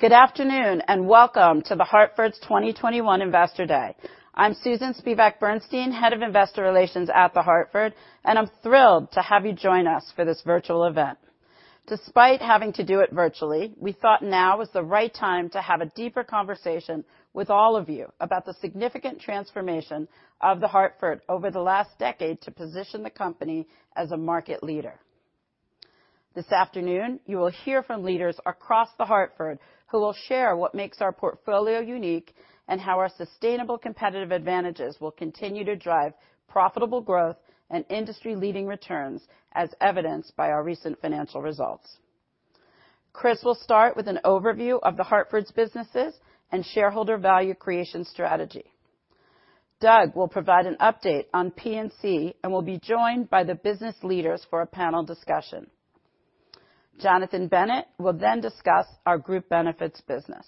Good afternoon, and welcome to The Hartford's 2021 Investor Day. I'm Susan Spivak Bernstein, Head of Investor Relations at The Hartford, and I'm thrilled to have you join us for this virtual event. Despite having to do it virtually, we thought now was the right time to have a deeper conversation with all of you about the significant transformation of The Hartford over the last decade to position the company as a market leader. This afternoon, you will hear from leaders across The Hartford, who will share what makes our portfolio unique, and how our sustainable competitive advantages will continue to drive profitable growth and industry-leading returns, as evidenced by our recent financial results. Chris will start with an overview of The Hartford's businesses and shareholder value creation strategy. Doug will provide an update on P&C and will be joined by the business leaders for a panel discussion. Jonathan Bennett will then discuss our Group Benefits business.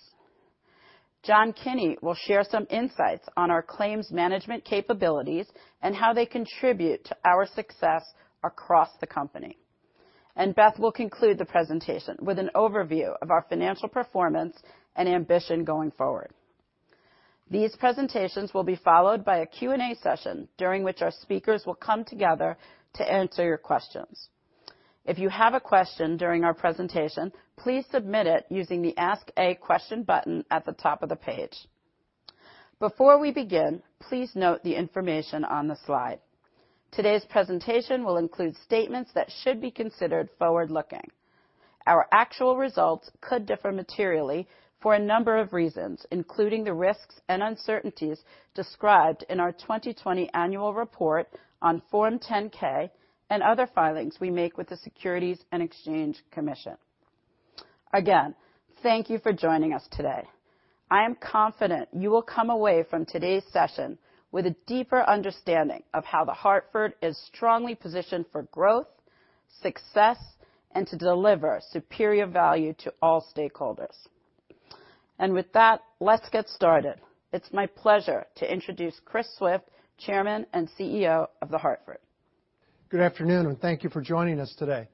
John Kinney will share some insights on our claims management capabilities and how they contribute to our success across the company. And Beth will conclude the presentation with an overview of our financial performance and ambition going forward. These presentations will be followed by a Q&A session, during which our speakers will come together to answer your questions. If you have a question during our presentation, please submit it using the Ask a Question button at the top of the page. Before we begin, please note the information on the slide. Today's presentation will include statements that should be considered forward-looking. Our actual results could differ materially for a number of reasons, including the risks and uncertainties described in our 2020 Annual Report on Form 10-K and other filings we make with the Securities and Exchange Commission. Again, thank you for joining us today. I am confident you will come away from today's session with a deeper understanding of how The Hartford is strongly positioned for growth, success, and to deliver superior value to all stakeholders. And with that, let's get started. It's my pleasure to introduce Chris Swift, Chairman and CEO of The Hartford. Good afternoon, and thank you for joining us today.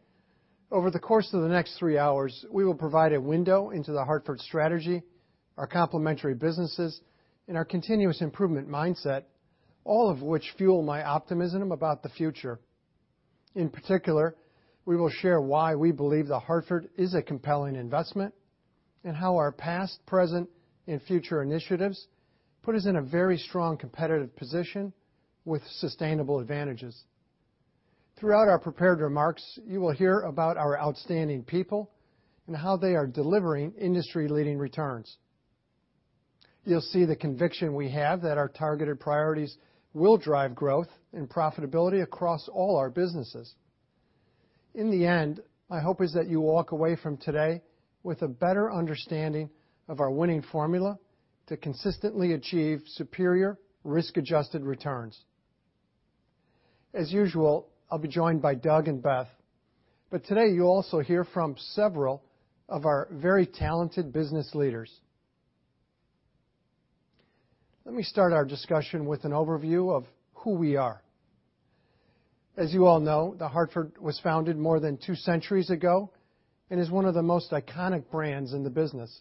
Over the course of the next three hours, we will provide a window into The Hartford strategy, our complementary businesses, and our continuous improvement mindset, all of which fuel my optimism about the future. In particular, we will share why we believe The Hartford is a compelling investment, and how our past, present, and future initiatives put us in a very strong competitive position with sustainable advantages. Throughout our prepared remarks, you will hear about our outstanding people and how they are delivering industry-leading returns. You'll see the conviction we have that our targeted priorities will drive growth and profitability across all our businesses. In the end, my hope is that you walk away from today with a better understanding of our winning formula to consistently achieve superior risk-adjusted returns. As usual, I'll be joined by Doug and Beth, but today you'll also hear from several of our very talented business leaders. Let me start our discussion with an overview of who we are. As you all know, The Hartford was founded more than two centuries ago and is one of the most iconic brands in the business.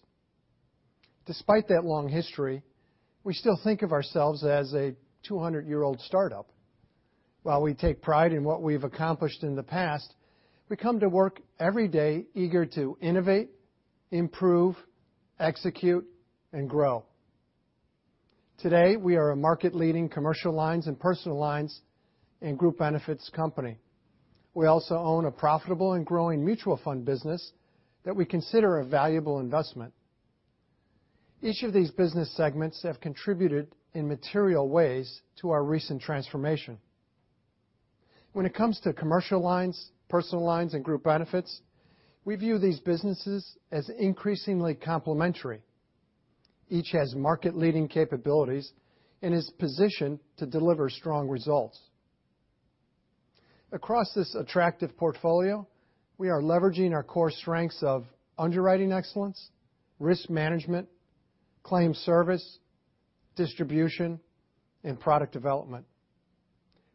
Despite that long history, we still think of ourselves as a two hundred-year-old startup. While we take pride in what we've accomplished in the past, we come to work every day eager to innovate, improve, execute, and grow. Today, we are a market-leading Commercial Lines, and Personal Lines, and Group Benefits company. We also own a profitable and growing mutual fund business that we consider a valuable investment. Each of these business segments have contributed in material ways to our recent transformation. When it comes to Commercial Lines, Personal Lines, and Group Benefits, we view these businesses as increasingly complementary. Each has market-leading capabilities and is positioned to deliver strong results. Across this attractive portfolio, we are leveraging our core strengths of underwriting excellence, risk management, claim service, distribution, and product development.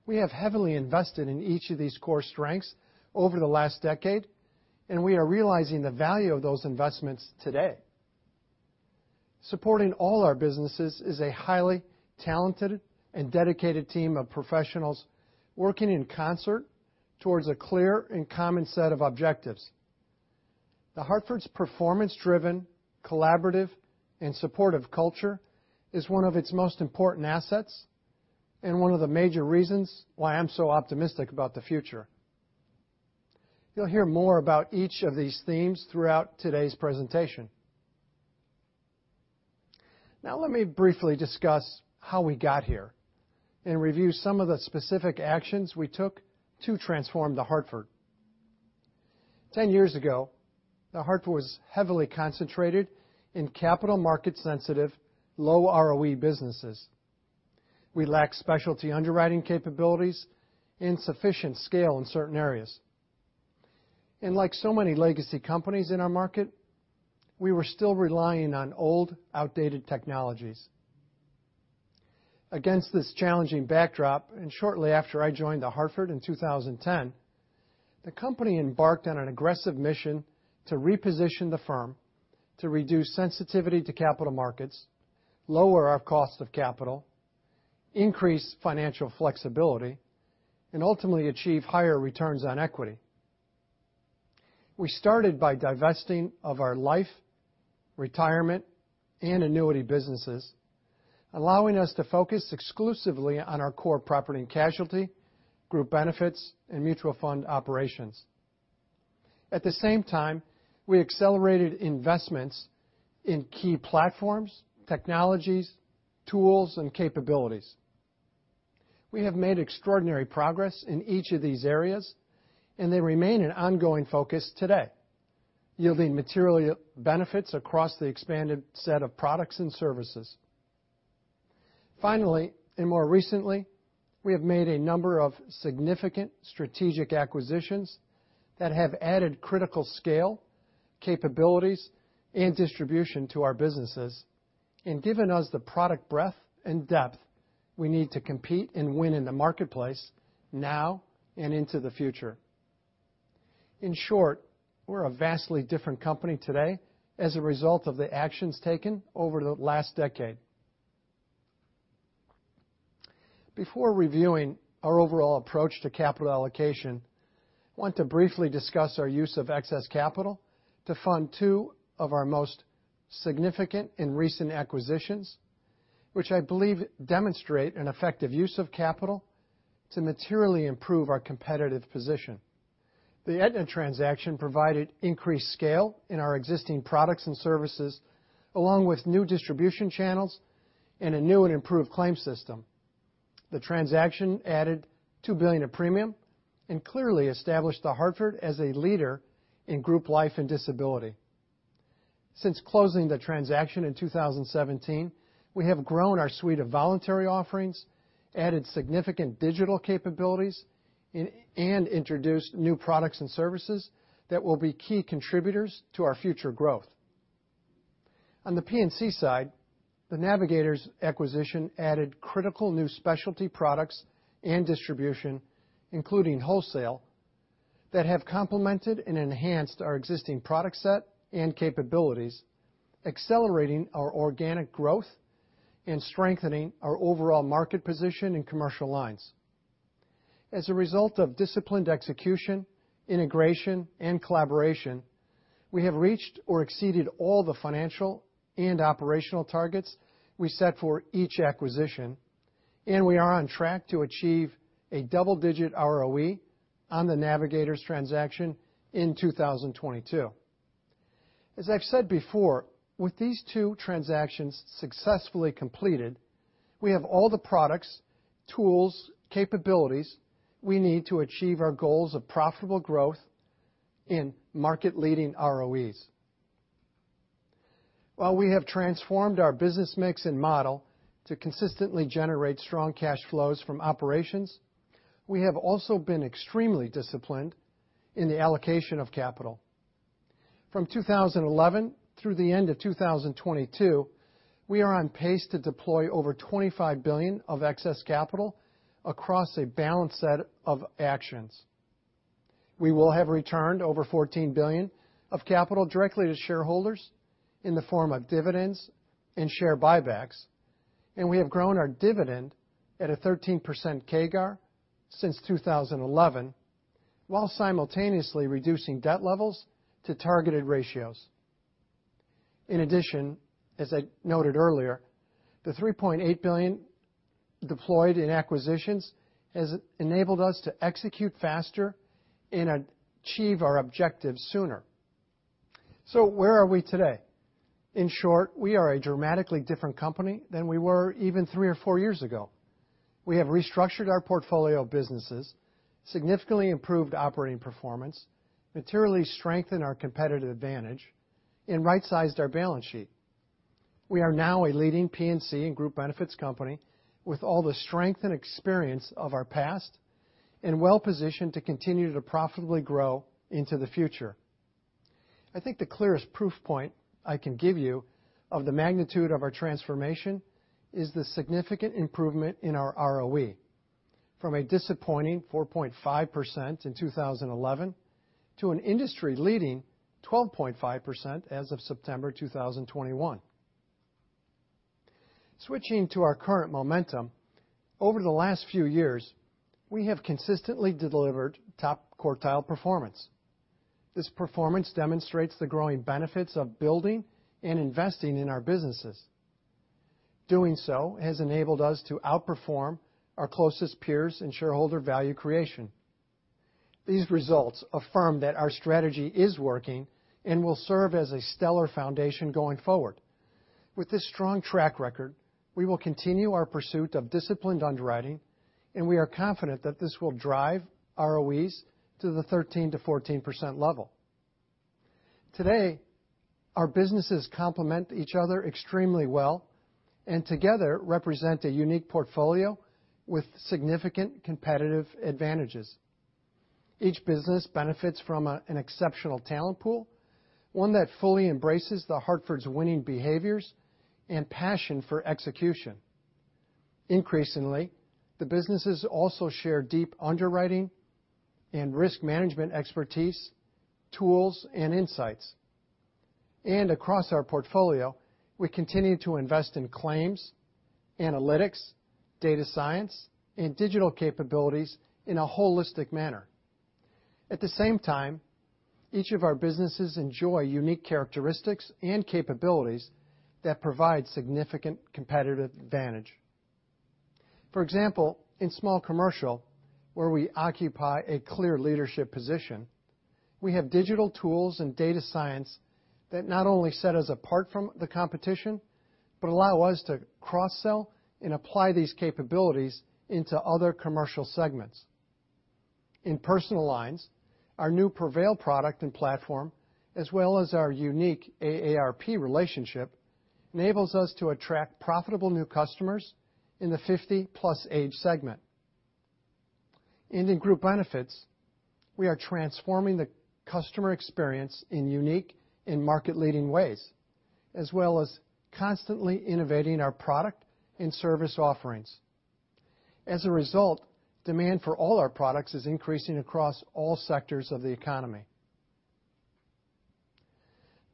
We have heavily invested in each of these core strengths over the last decade, and we are realizing the value of those investments today. Supporting all our businesses is a highly talented and dedicated team of professionals working in concert towards a clear and common set of objectives. The Hartford's performance-driven, collaborative, and supportive culture is one of its most important assets and one of the major reasons why I'm so optimistic about the future. You'll hear more about each of these themes throughout today's presentation. Now, let me briefly discuss how we got here and review some of the specific actions we took to transform The Hartford. Ten years ago, The Hartford was heavily concentrated in capital market sensitive, low ROE businesses. We lacked specialty underwriting capabilities and sufficient scale in certain areas, and like so many legacy companies in our market, we were still relying on old, outdated technologies... Against this challenging backdrop, and shortly after I joined The Hartford in 2010, the company embarked on an aggressive mission to reposition the firm, to reduce sensitivity to capital markets, lower our cost of capital, increase financial flexibility, and ultimately achieve higher returns on equity. We started by divesting of our life, retirement, and annuity businesses, allowing us to focus exclusively on our core Property and Casualty, Group Benefits, and mutual fund operations. At the same time, we accelerated investments in key platforms, technologies, tools, and capabilities. We have made extraordinary progress in each of these areas, and they remain an ongoing focus today, yielding material benefits across the expanded set of products and services. Finally, and more recently, we have made a number of significant strategic acquisitions that have added critical scale, capabilities, and distribution to our businesses, and given us the product breadth and depth we need to compete and win in the marketplace now and into the future. In short, we're a vastly different company today as a result of the actions taken over the last decade. Before reviewing our overall approach to capital allocation, I want to briefly discuss our use of excess capital to fund two of our most significant and recent acquisitions, which I believe demonstrate an effective use of capital to materially improve our competitive position. The Aetna transaction provided increased scale in our existing products and services, along with new distribution channels and a new and improved claim system. The transaction added $2 billion of premium and clearly established The Hartford as a leader in group life and disability. Since closing the transaction in 2017, we have grown our suite of voluntary offerings, added significant digital capabilities, and introduced new products and services that will be key contributors to our future growth. On the P&C side, the Navigators acquisition added critical new specialty products and distribution, including wholesale, that have complemented and enhanced our existing product set and capabilities, accelerating our organic growth and strengthening our overall market position in Commercial Lines. As a result of disciplined execution, integration, and collaboration, we have reached or exceeded all the financial and operational targets we set for each acquisition, and we are on track to achieve a double-digit ROE on the Navigators transaction in 2022. As I've said before, with these two transactions successfully completed, we have all the products, tools, capabilities we need to achieve our goals of profitable growth in market-leading ROEs. While we have transformed our business mix and model to consistently generate strong cash flows from operations, we have also been extremely disciplined in the allocation of capital. From two thousand and eleven through the end of 2022, we are on pace to deploy over $25 billion of excess capital across a balanced set of actions. We will have returned over 14 billion of capital directly to shareholders in the form of dividends and share buybacks, and we have grown our dividend at a 13% CAGR since 2011, while simultaneously reducing debt levels to targeted ratios. In addition, as I noted earlier, the 3.8 billion deployed in acquisitions has enabled us to execute faster and achieve our objectives sooner. So where are we today? In short, we are a dramatically different company than we were even 3 or 4 years ago. We have restructured our portfolio of businesses, significantly improved operating performance, materially strengthened our competitive advantage, and right-sized our balance sheet. We are now a leading P&C and Group Benefits company with all the strength and experience of our past and well positioned to continue to profitably grow into the future. I think the clearest proof point I can give you of the magnitude of our transformation is the significant improvement in our ROE, from a disappointing 4.5% in 2011 to an industry-leading 12.5% as of September 2021. Switching to our current momentum, over the last few years, we have consistently delivered top-quartile performance. This performance demonstrates the growing benefits of building and investing in our businesses. Doing so has enabled us to outperform our closest peers in shareholder value creation. These results affirm that our strategy is working and will serve as a stellar foundation going forward. With this strong track record, we will continue our pursuit of disciplined underwriting, and we are confident that this will drive ROEs to the 13% to 14% level. Today, our businesses complement each other extremely well and together represent a unique portfolio with significant competitive advantages. Each business benefits from an exceptional talent pool, one that fully embraces The Hartford's winning behaviors and passion for execution. Increasingly, the businesses also share deep underwriting and risk management expertise, tools, and insights. And across our portfolio, we continue to invest in claims, analytics, data science, and digital capabilities in a holistic manner. At the same time, each of our businesses enjoy unique characteristics and capabilities that provide significant competitive advantage. For example, in Small Commercial, where we occupy a clear leadership position, we have digital tools and data science that not only set us apart from the competition, but allow us to cross-sell and apply these capabilities into other commercial segments. In Personal Lines, our new Prevail product and platform, as well as our unique AARP relationship, enables us to attract profitable new customers in the 50-plus age segment. And in Group Benefits, we are transforming the customer experience in unique and market-leading ways, as well as constantly innovating our product and service offerings. As a result, demand for all our products is increasing across all sectors of the economy.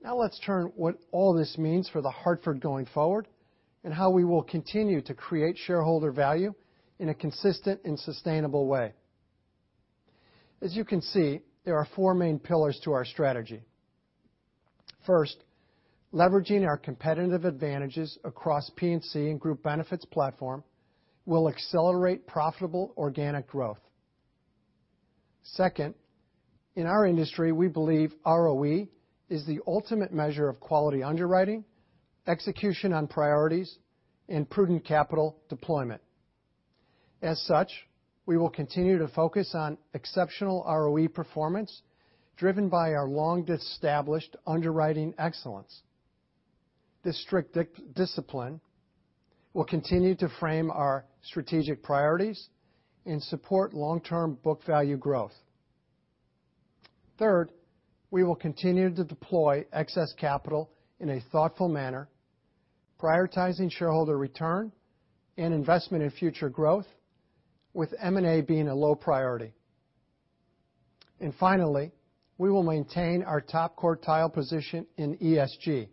Now let's turn what all this means for The Hartford going forward, and how we will continue to create shareholder value in a consistent and sustainable way. As you can see, there are four main pillars to our strategy. First, leveraging our competitive advantages across P&C and Group Benefits platform will accelerate profitable organic growth. Second, in our industry, we believe ROE is the ultimate measure of quality underwriting, execution on priorities, and prudent capital deployment. As such, we will continue to focus on exceptional ROE performance, driven by our long-established underwriting excellence. This strict discipline will continue to frame our strategic priorities and support long-term book value growth. Third, we will continue to deploy excess capital in a thoughtful manner, prioritizing shareholder return and investment in future growth, with M&A being a low priority. And finally, we will maintain our top quartile position in ESG.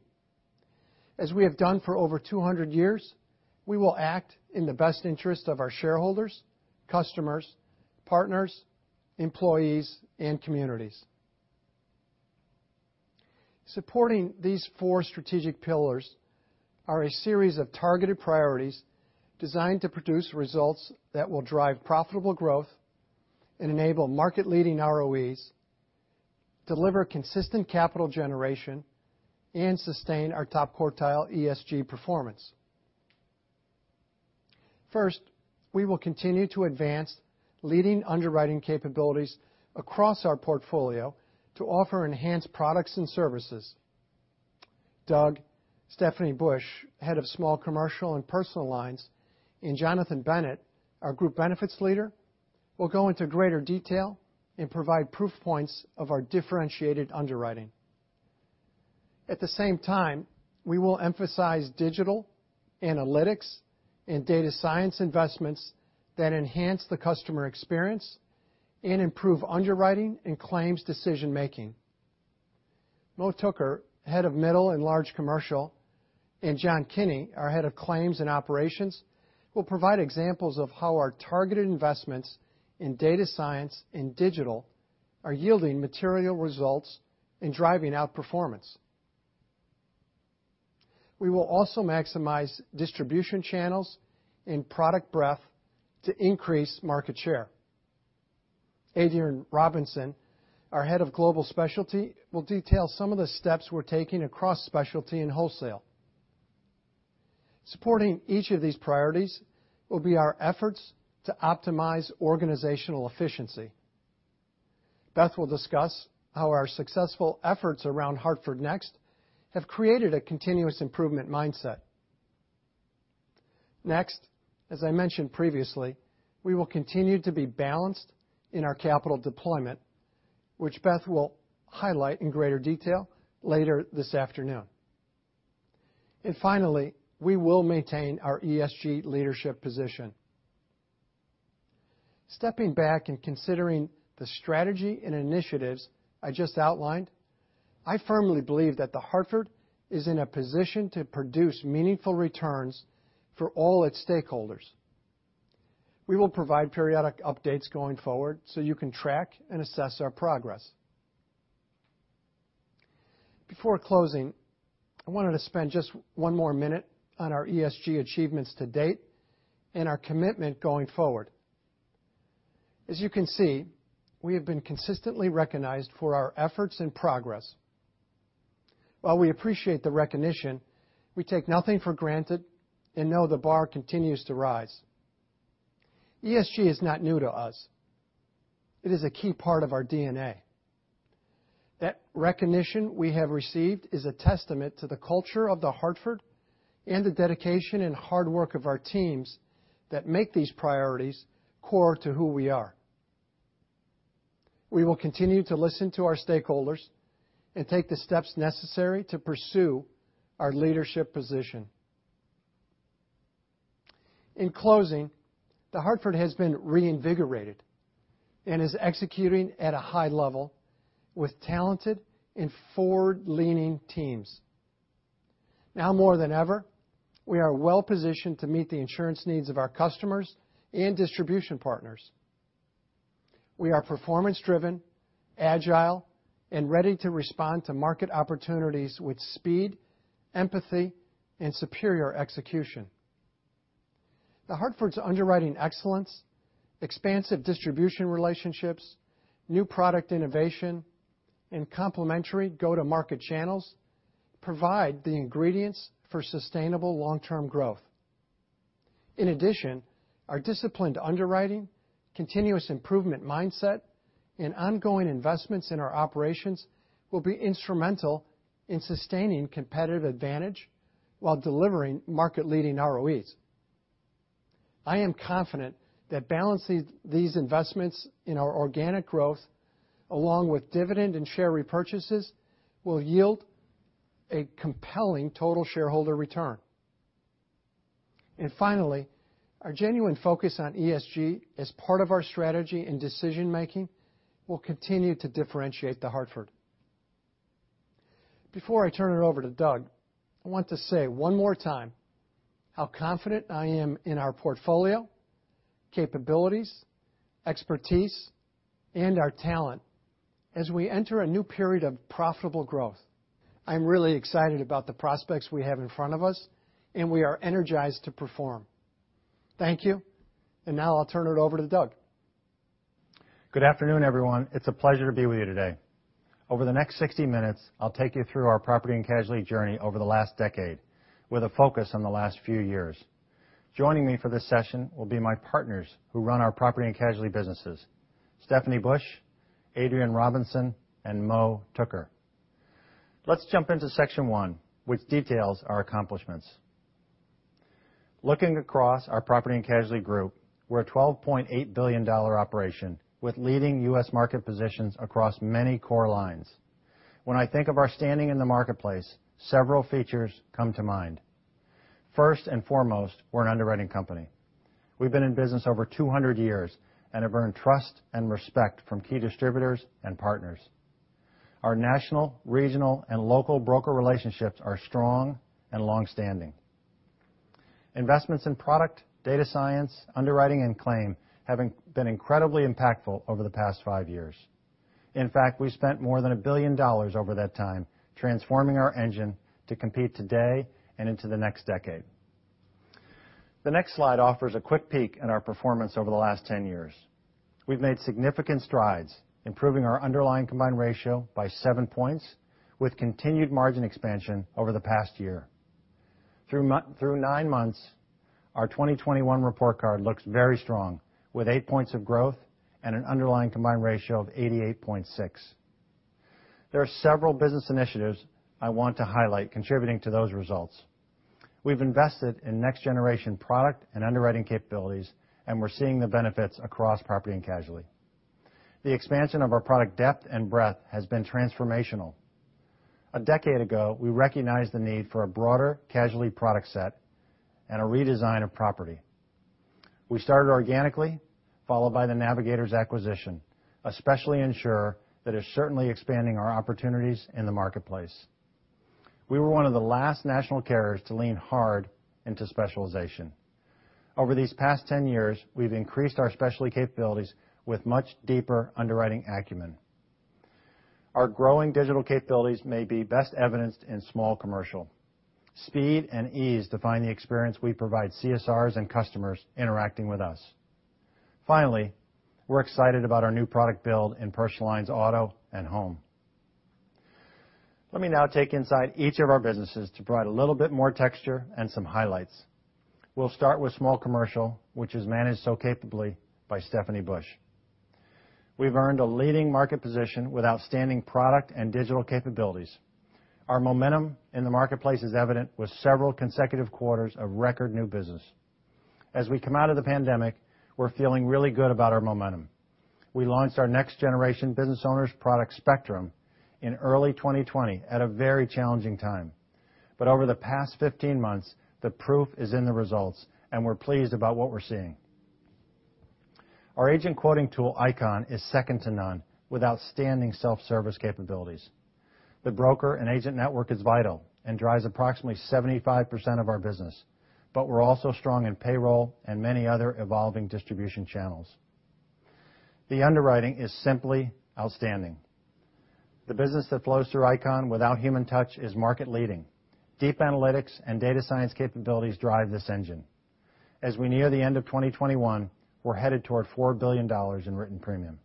As we have done for over two hundred years, we will act in the best interest of our shareholders, customers, partners, employees, and communities. Supporting these four strategic pillars are a series of targeted priorities designed to produce results that will drive profitable growth and enable market-leading ROEs, deliver consistent capital generation, and sustain our top quartile ESG performance. First, we will continue to advance leading underwriting capabilities across our portfolio to offer enhanced products and services. Doug, Stephanie Bush, Head of Small Commercial and Personal Lines, and Jonathan Bennett, our Group Benefits leader, will go into greater detail and provide proof points of our differentiated underwriting. At the same time, we will emphasize digital, analytics, and data science investments that enhance the customer experience and improve underwriting and claims decision-making. Mo Tooker, Head of Middle and Large Commercial, and John Kinney, our Head of Claims and Operations, will provide examples of how our targeted investments in data science and digital are yielding material results and driving outperformance. We will also maximize distribution channels and product breadth to increase market share. Adrien Robinson, our Head of Global Specialty, will detail some of the steps we're taking across specialty and wholesale. Supporting each of these priorities will be our efforts to optimize organizational efficiency. Beth will discuss how our successful efforts around Hartford Next have created a continuous improvement mindset. Next, as I mentioned previously, we will continue to be balanced in our capital deployment, which Beth will highlight in greater detail later this afternoon. And finally, we will maintain our ESG leadership position. Stepping back and considering the strategy and initiatives I just outlined, I firmly believe that The Hartford is in a position to produce meaningful returns for all its stakeholders. We will provide periodic updates going forward so you can track and assess our progress. Before closing, I wanted to spend just one more minute on our ESG achievements to date and our commitment going forward. As you can see, we have been consistently recognized for our efforts and progress. While we appreciate the recognition, we take nothing for granted and know the bar continues to rise. ESG is not new to us. It is a key part of our DNA.... That recognition we have received is a testament to the culture of The Hartford and the dedication and hard work of our teams that make these priorities core to who we are. We will continue to listen to our stakeholders and take the steps necessary to pursue our leadership position. In closing, The Hartford has been reinvigorated and is executing at a high level with talented and forward-leaning teams. Now more than ever, we are well-positioned to meet the insurance needs of our customers and distribution partners. We are performance-driven, agile, and ready to respond to market opportunities with speed, empathy, and superior execution. The Hartford's underwriting excellence, expansive distribution relationships, new product innovation, and complementary go-to-market channels provide the ingredients for sustainable long-term growth. In addition, our disciplined underwriting, continuous improvement mindset, and ongoing investments in our operations will be instrumental in sustaining competitive advantage while delivering market-leading ROEs. I am confident that balancing these investments in our organic growth, along with dividend and share repurchases, will yield a compelling total shareholder return. And finally, our genuine focus on ESG as part of our strategy and decision-making will continue to differentiate The Hartford. Before I turn it over to Doug, I want to say one more time how confident I am in our portfolio, capabilities, expertise, and our talent as we enter a new period of profitable growth. I'm really excited about the prospects we have in front of us, and we are energized to perform. Thank you, and now I'll turn it over to Doug. Good afternoon, everyone. It's a pleasure to be with you today. Over the next 16 minutes, I'll take you through our Property and Casualty journey over the last decade with a focus on the last few years. Joining me for this session will be my partners who run our Property and Casualty businesses, Stephanie Bush, Adrien Robinson, and Mo Tooker. Let's jump into section one, which details our accomplishments. Looking across our Property and Casualty Group, we're a $12.8 billion operation with leading U.S. market positions across many core lines. When I think of our standing in the marketplace, several features come to mind. First and foremost, we're an underwriting company. We've been in business over 200 years and have earned trust and respect from key distributors and partners. Our national, regional, and local broker relationships are strong and longstanding. Investments in product, data science, underwriting, and claim have been incredibly impactful over the past five years. In fact, we've spent more than $1 billion over that time transforming our engine to compete today and into the next decade. The next slide offers a quick peek at our performance over the last 10 years. We've made significant strides, improving our underlying combined ratio by seven points, with continued margin expansion over the past year. Through nine months, our 2021 report card looks very strong, with eight points of growth and an underlying combined ratio of 88.6. There are several business initiatives I want to highlight contributing to those results. We've invested in next-generation product and underwriting capabilities, and we're seeing the benefits across Property and Casualty. The expansion of our product depth and breadth has been transformational. A decade ago, we recognized the need for a broader casualty product set and a redesign of property. We started organically, followed by the Navigators acquisition, a specialty insurer that is certainly expanding our opportunities in the marketplace. We were one of the last national carriers to lean hard into specialization. Over these past ten years, we've increased our specialty capabilities with much deeper underwriting acumen. Our growing digital capabilities may be best evidenced in Small Commercial. Speed and ease define the experience we provide CSRs and customers interacting with us. Finally, we're excited about our new product build in Personal Lines, auto and home. Let me now take you inside each of our businesses to provide a little bit more texture and some highlights. We'll start with Small Commercial, which is managed so capably by Stephanie Bush. We've earned a leading market position with outstanding product and digital capabilities. Our momentum in the marketplace is evident, with several consecutive quarters of record new business. As we come out of the pandemic, we're feeling really good about our momentum. We launched our next-generation business owner’s product Spectrum in early 2020 at a very challenging time, but over the past fifteen months, the proof is in the results, and we're pleased about what we're seeing. Our agent quoting tool, ICON, is second to none, with outstanding self-service capabilities. The broker and agent network is vital and drives approximately 75% of our business, but we're also strong in payroll and many other evolving distribution channels. The underwriting is simply outstanding. The business that flows through ICON without human touch is market-leading. Deep analytics and data science capabilities drive this engine. As we near the end of 2021, we're headed toward $4 billion in written premium.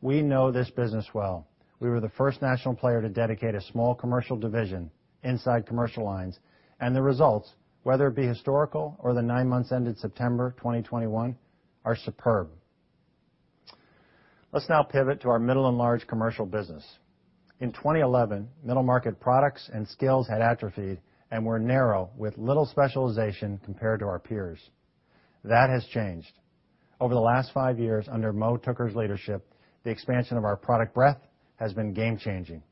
We know this business well. We were the first national player to dedicate a Small Commercial division inside Commercial Lines, and the results, whether it be historical or the nine months ended September 2021, are superb. Let's now pivot to our Middle and Large Commercial business. In 2011, Middle Market products and skills had atrophied and were narrow, with little specialization compared to our peers. That has changed. Over the last five years, under Mo Tooker's leadership, the expansion of our product breadth has been game-changing.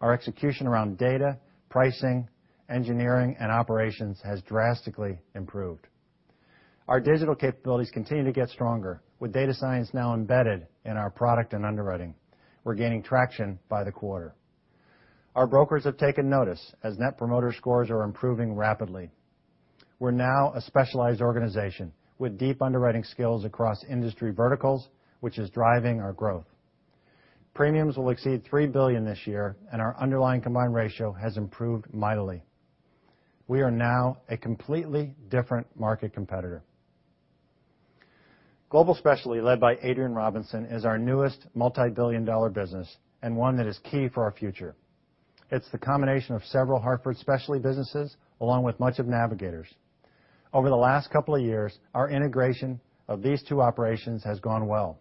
Our execution around data, pricing, engineering, and operations has drastically improved. Our digital capabilities continue to get stronger, with data science now embedded in our product and underwriting. We're gaining traction by the quarter. Our brokers have taken notice, as Net Promoter Scores are improving rapidly. We're now a specialized organization with deep underwriting skills across Industry Verticals, which is driving our growth. Premiums will exceed $3 billion this year, and our underlying combined ratio has improved mightily. We are now a completely different market competitor. Global Specialty, led by Adrien Robinson, is our newest multibillion-dollar business, and one that is key for our future. It's the combination of several Hartford specialty businesses, along with much of Navigators. Over the last couple of years, our integration of these two operations has gone well.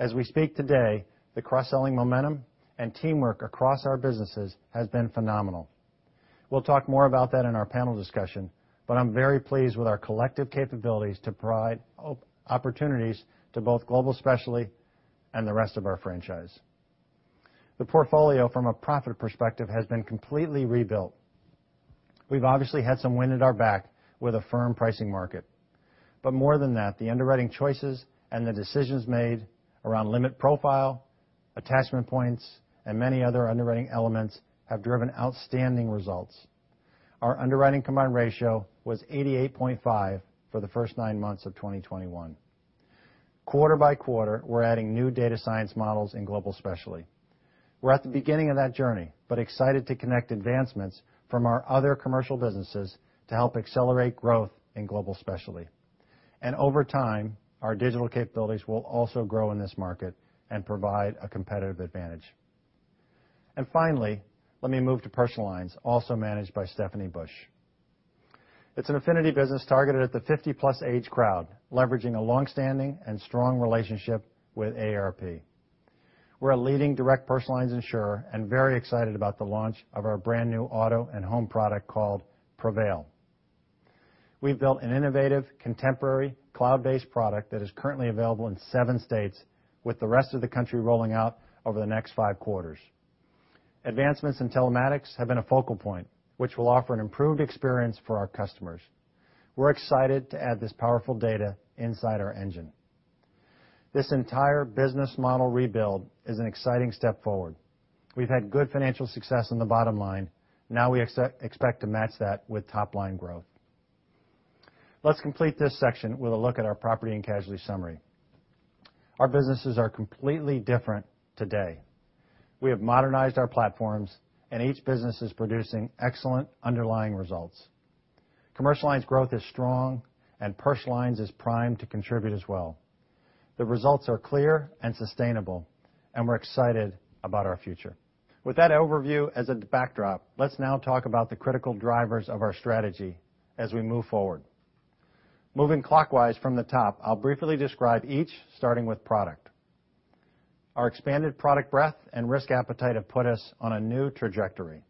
As we speak today, the cross-selling momentum and teamwork across our businesses has been phenomenal. We'll talk more about that in our panel discussion, but I'm very pleased with our collective capabilities to provide opportunities to both Global Specialty and the rest of our franchise. The portfolio, from a profit perspective, has been completely rebuilt. We've obviously had some wind at our back with a firm pricing market, but more than that, the underwriting choices and the decisions made around limit profile, attachment points, and many other underwriting elements have driven outstanding results. Our underwriting combined ratio was 88.5 for the first nine months of 2021. Quarter by quarter, we're adding new data science models in Global Specialty. We're at the beginning of that journey, but excited to connect advancements from our other commercial businesses to help accelerate growth in Global Specialty. And over time, our digital capabilities will also grow in this market and provide a competitive advantage. And finally, let me move to Personal Lines, also managed by Stephanie Bush. It's an affinity business targeted at the 50-plus age crowd, leveraging a long-standing and strong relationship with AARP. We're a leading direct Personal Lines insurer and very excited about the launch of our brand-new auto and home product called Prevail. We've built an innovative, contemporary, cloud-based product that is currently available in seven states, with the rest of the country rolling out over the next five quarters. Advancements in telematics have been a focal point, which will offer an improved experience for our customers. We're excited to add this powerful data inside our engine. This entire business model rebuild is an exciting step forward. We've had good financial success on the bottom line. Now we expect to match that with top-line growth. Let's complete this section with a look at our Property and Casualty summary. Our businesses are completely different today. We have modernized our platforms, and each business is producing excellent underlying results. Commercial Lines growth is strong, and Personal Lines is primed to contribute as well. The results are clear and sustainable, and we're excited about our future. With that overview as a backdrop, let's now talk about the critical drivers of our strategy as we move forward. Moving clockwise from the top, I'll briefly describe each, starting with product. Our expanded product breadth and risk appetite have put us on a new trajectory.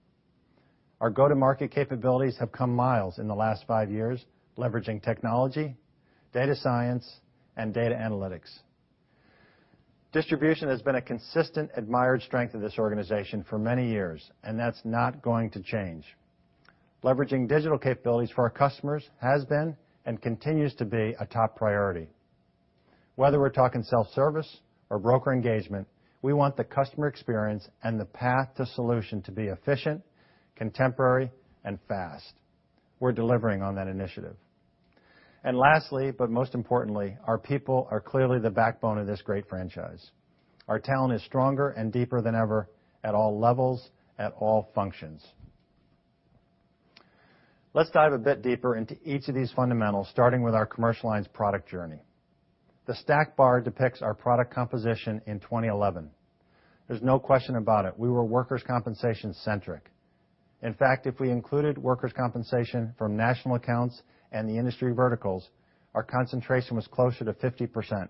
Our go-to-market capabilities have come miles in the last five years, leveraging technology, data science, and data analytics. Distribution has been a consistent, admired strength of this organization for many years, and that's not going to change. Leveraging digital capabilities for our customers has been, and continues to be, a top priority. Whether we're talking self-service or broker engagement, we want the customer experience and the path to solution to be efficient, contemporary, and fast. We're delivering on that initiative. And lastly, but most importantly, our people are clearly the backbone of this great franchise. Our talent is stronger and deeper than ever at all levels, at all functions. Let's dive a bit deeper into each of these fundamentals, starting with our Commercial Lines product journey. The stacked bar depicts our product composition in 2011. There's no question about it, we were workers' compensation-centric. In fact, if we included workers' compensation from National Accounts and the Industry Verticals, our concentration was closer to 50%.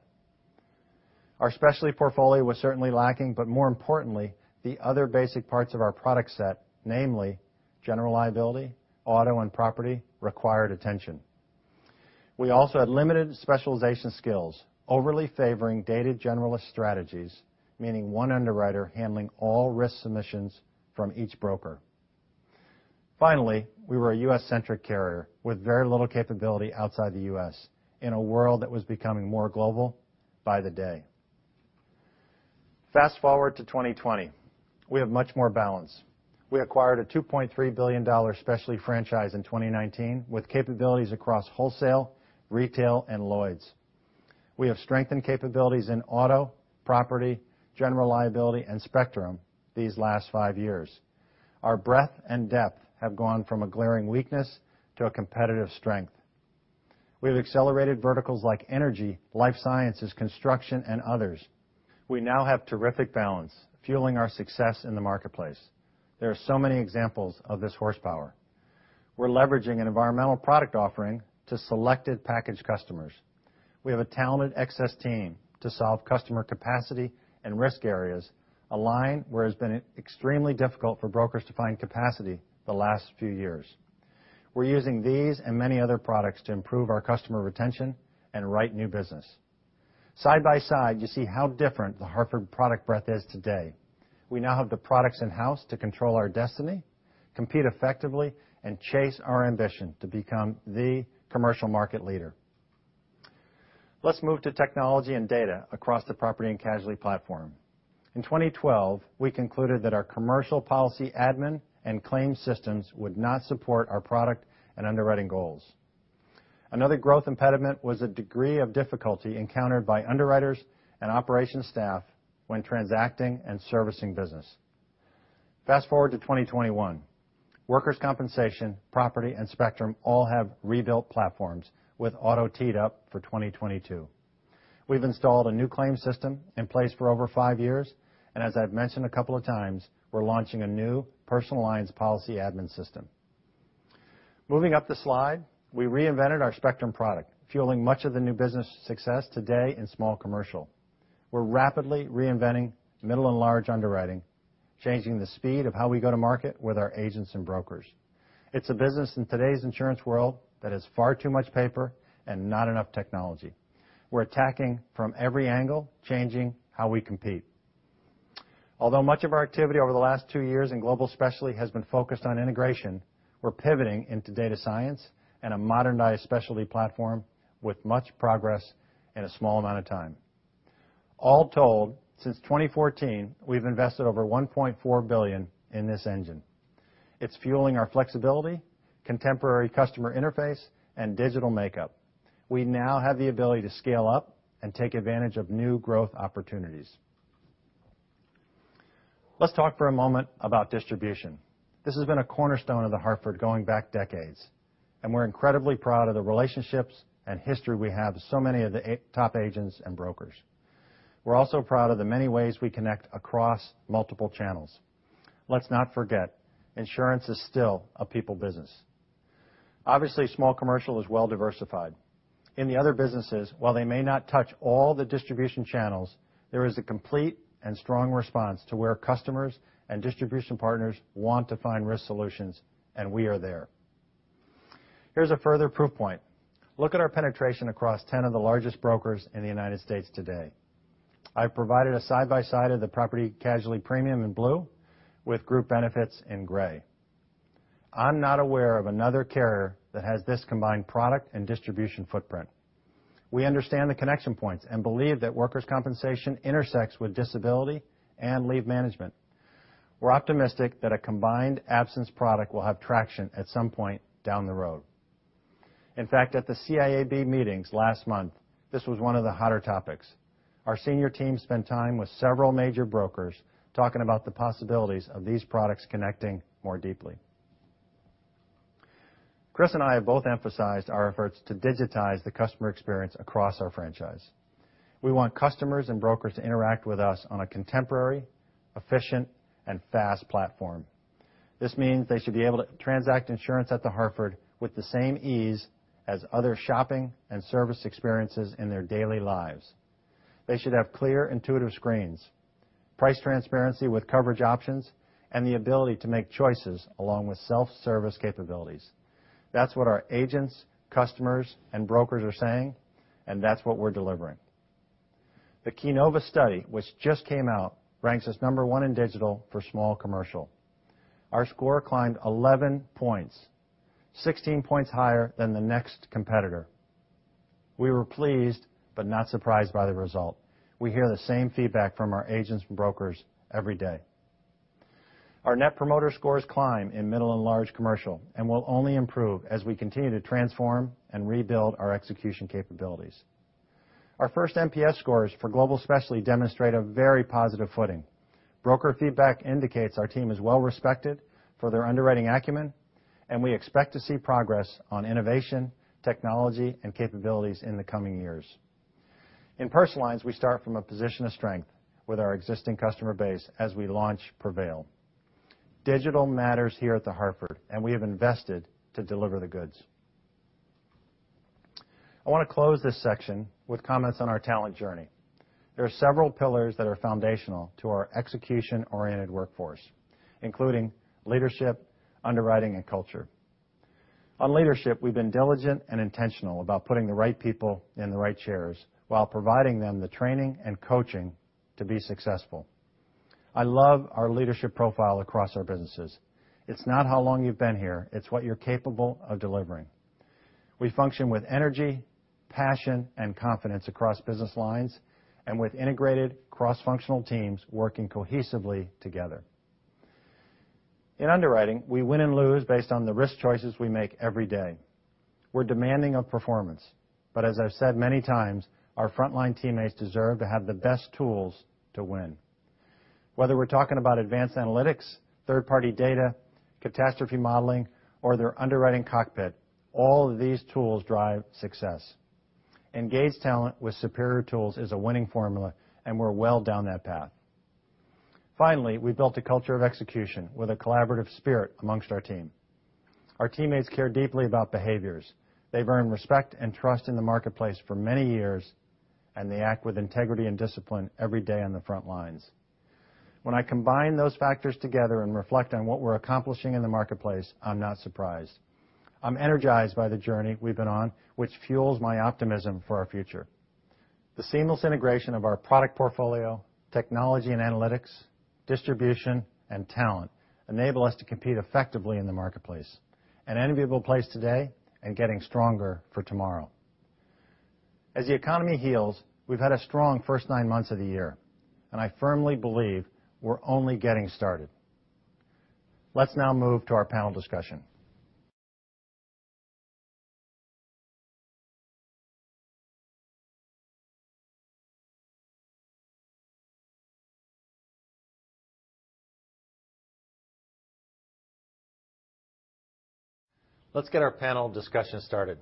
Our specialty portfolio was certainly lacking, but more importantly, the other basic parts of our product set, namely general liability, auto, and property, required attention. We also had limited specialization skills, overly favoring dated generalist strategies, meaning one underwriter handling all risk submissions from each broker. Finally, we were a U.S.-centric carrier with very little capability outside the U.S., in a world that was becoming more global by the day. Fast-forward to 2020. We have much more balance. We acquired a $2.3 billion specialty franchise in 2019, with capabilities across wholesale, retail, and Lloyd's. We have strengthened capabilities in auto, property, general liability, and Spectrum these last five years. Our breadth and depth have gone from a glaring weakness to a competitive strength. We've accelerated verticals like energy, life sciences, construction, and others. We now have terrific balance, fueling our success in the marketplace. There are so many examples of this horsepower. We're leveraging an environmental product offering to selected package customers. We have a talented excess team to solve customer capacity and risk areas, a line where it's been extremely difficult for brokers to find capacity the last few years. We're using these and many other products to improve our customer retention and write new business. Side by side, you see how different The Hartford product breadth is today. We now have the products in-house to control our destiny, compete effectively, and chase our ambition to become the commercial market leader. Let's move to technology and data across the Property and Casualty platform. In 2012, we concluded that our commercial policy, admin, and claims systems would not support our product and underwriting goals. Another growth impediment was the degree of difficulty encountered by underwriters and operations staff when transacting and servicing business. Fast-forward to 2021. Workers' compensation, property, and Spectrum all have rebuilt platforms, with auto teed up for 2022. We've installed a new claims system in place for over five years, and as I've mentioned a couple of times, we're launching a new Personal Lines policy admin system. Moving up the slide, we reinvented our Spectrum product, fueling much of the new business success today in Small Commercial. We're rapidly reinventing Middle and Large underwriting, changing the speed of how we go-to-market with our agents and brokers. It's a business in today's insurance world that has far too much paper and not enough technology. We're attacking from every angle, changing how we compete. Although much of our activity over the last two years in Global Specialty has been focused on integration, we're pivoting into data science and a modernized specialty platform with much progress in a small amount of time. All told, since 2014, we've invested over $1.4 billion in this engine. It's fueling our flexibility, contemporary customer interface, and digital makeup. We now have the ability to scale up and take advantage of new growth opportunities. Let's talk for a moment about distribution. This has been a cornerstone of The Hartford going back decades, and we're incredibly proud of the relationships and history we have with so many of the top agents and brokers. We're also proud of the many ways we connect across multiple channels. Let's not forget, insurance is still a people business. Obviously, Small Commercial is well diversified. In the other businesses, while they may not touch all the distribution channels, there is a complete and strong response to where customers and distribution partners want to find risk solutions, and we are there. Here's a further proof point. Look at our penetration across 10 of the largest brokers in the United States today. I've provided a side-by-side of Property and Casualty premium in blue, with Group Benefits in gray. I'm not aware of another carrier that has this combined product and distribution footprint. We understand the connection points and believe that workers' compensation intersects with disability and leave management. We're optimistic that a combined absence product will have traction at some point down the road. In fact, at the CIAB meetings last month, this was one of the hotter topics. Our senior team spent time with several major brokers, talking about the possibilities of these products connecting more deeply. Chris and I have both emphasized our efforts to digitize the customer experience across our franchise. We want customers and brokers to interact with us on a contemporary, efficient, and fast platform. This means they should be able to transact insurance at The Hartford with the same ease as other shopping and service experiences in their daily lives. They should have clear, intuitive screens, price transparency with coverage options, and the ability to make choices along with self-service capabilities. That's what our agents, customers, and brokers are saying, and that's what we're delivering. The J.D. Power study, which just came out, ranks us number one in digital for Small Commercial. Our score climbed eleven points, sixteen points higher than the next competitor. We were pleased, but not surprised by the result. We hear the same feedback from our agents and brokers every day. Our Net Promoter Scores climb in Middle and Large Commercial and will only improve as we continue to transform and rebuild our execution capabilities. Our first NPS scores for Global Specialty demonstrate a very positive footing. Broker feedback indicates our team is well respected for their underwriting acumen, and we expect to see progress on innovation, technology, and capabilities in the coming years. In Personal Lines, we start from a position of strength with our existing customer base as we launch Prevail. Digital matters here at The Hartford, and we have invested to deliver the goods. I want to close this section with comments on our talent journey. There are several pillars that are foundational to our execution-oriented workforce, including leadership, underwriting, and culture. On leadership, we've been diligent and intentional about putting the right people in the right chairs while providing them the training and coaching to be successful. I love our leadership profile across our businesses. It's not how long you've been here, it's what you're capable of delivering. We function with energy, passion, and confidence across business lines and with integrated cross-functional teams working cohesively together. In underwriting, we win and lose based on the risk choices we make every day. We're demanding of performance, but as I've said many times, our frontline teammates deserve to have the best tools to win. Whether we're talking about advanced analytics, third-party data, catastrophe modeling, or their underwriting cockpit, all of these tools drive success. Engaged talent with superior tools is a winning formula, and we're well down that path. ...Finally, we've built a culture of execution with a collaborative spirit among our team. Our teammates care deeply about behaviors. They've earned respect and trust in the marketplace for many years, and they act with integrity and discipline every day on the front lines. When I combine those factors together and reflect on what we're accomplishing in the marketplace, I'm not surprised. I'm energized by the journey we've been on, which fuels my optimism for our future. The seamless integration of our product portfolio, technology and analytics, distribution, and talent enable us to compete effectively in the marketplace, an enviable place today and getting stronger for tomorrow. As the economy heals, we've had a strong first nine months of the year, and I firmly believe we're only getting started. Let's now move to our panel discussion. Let's get our panel discussion started.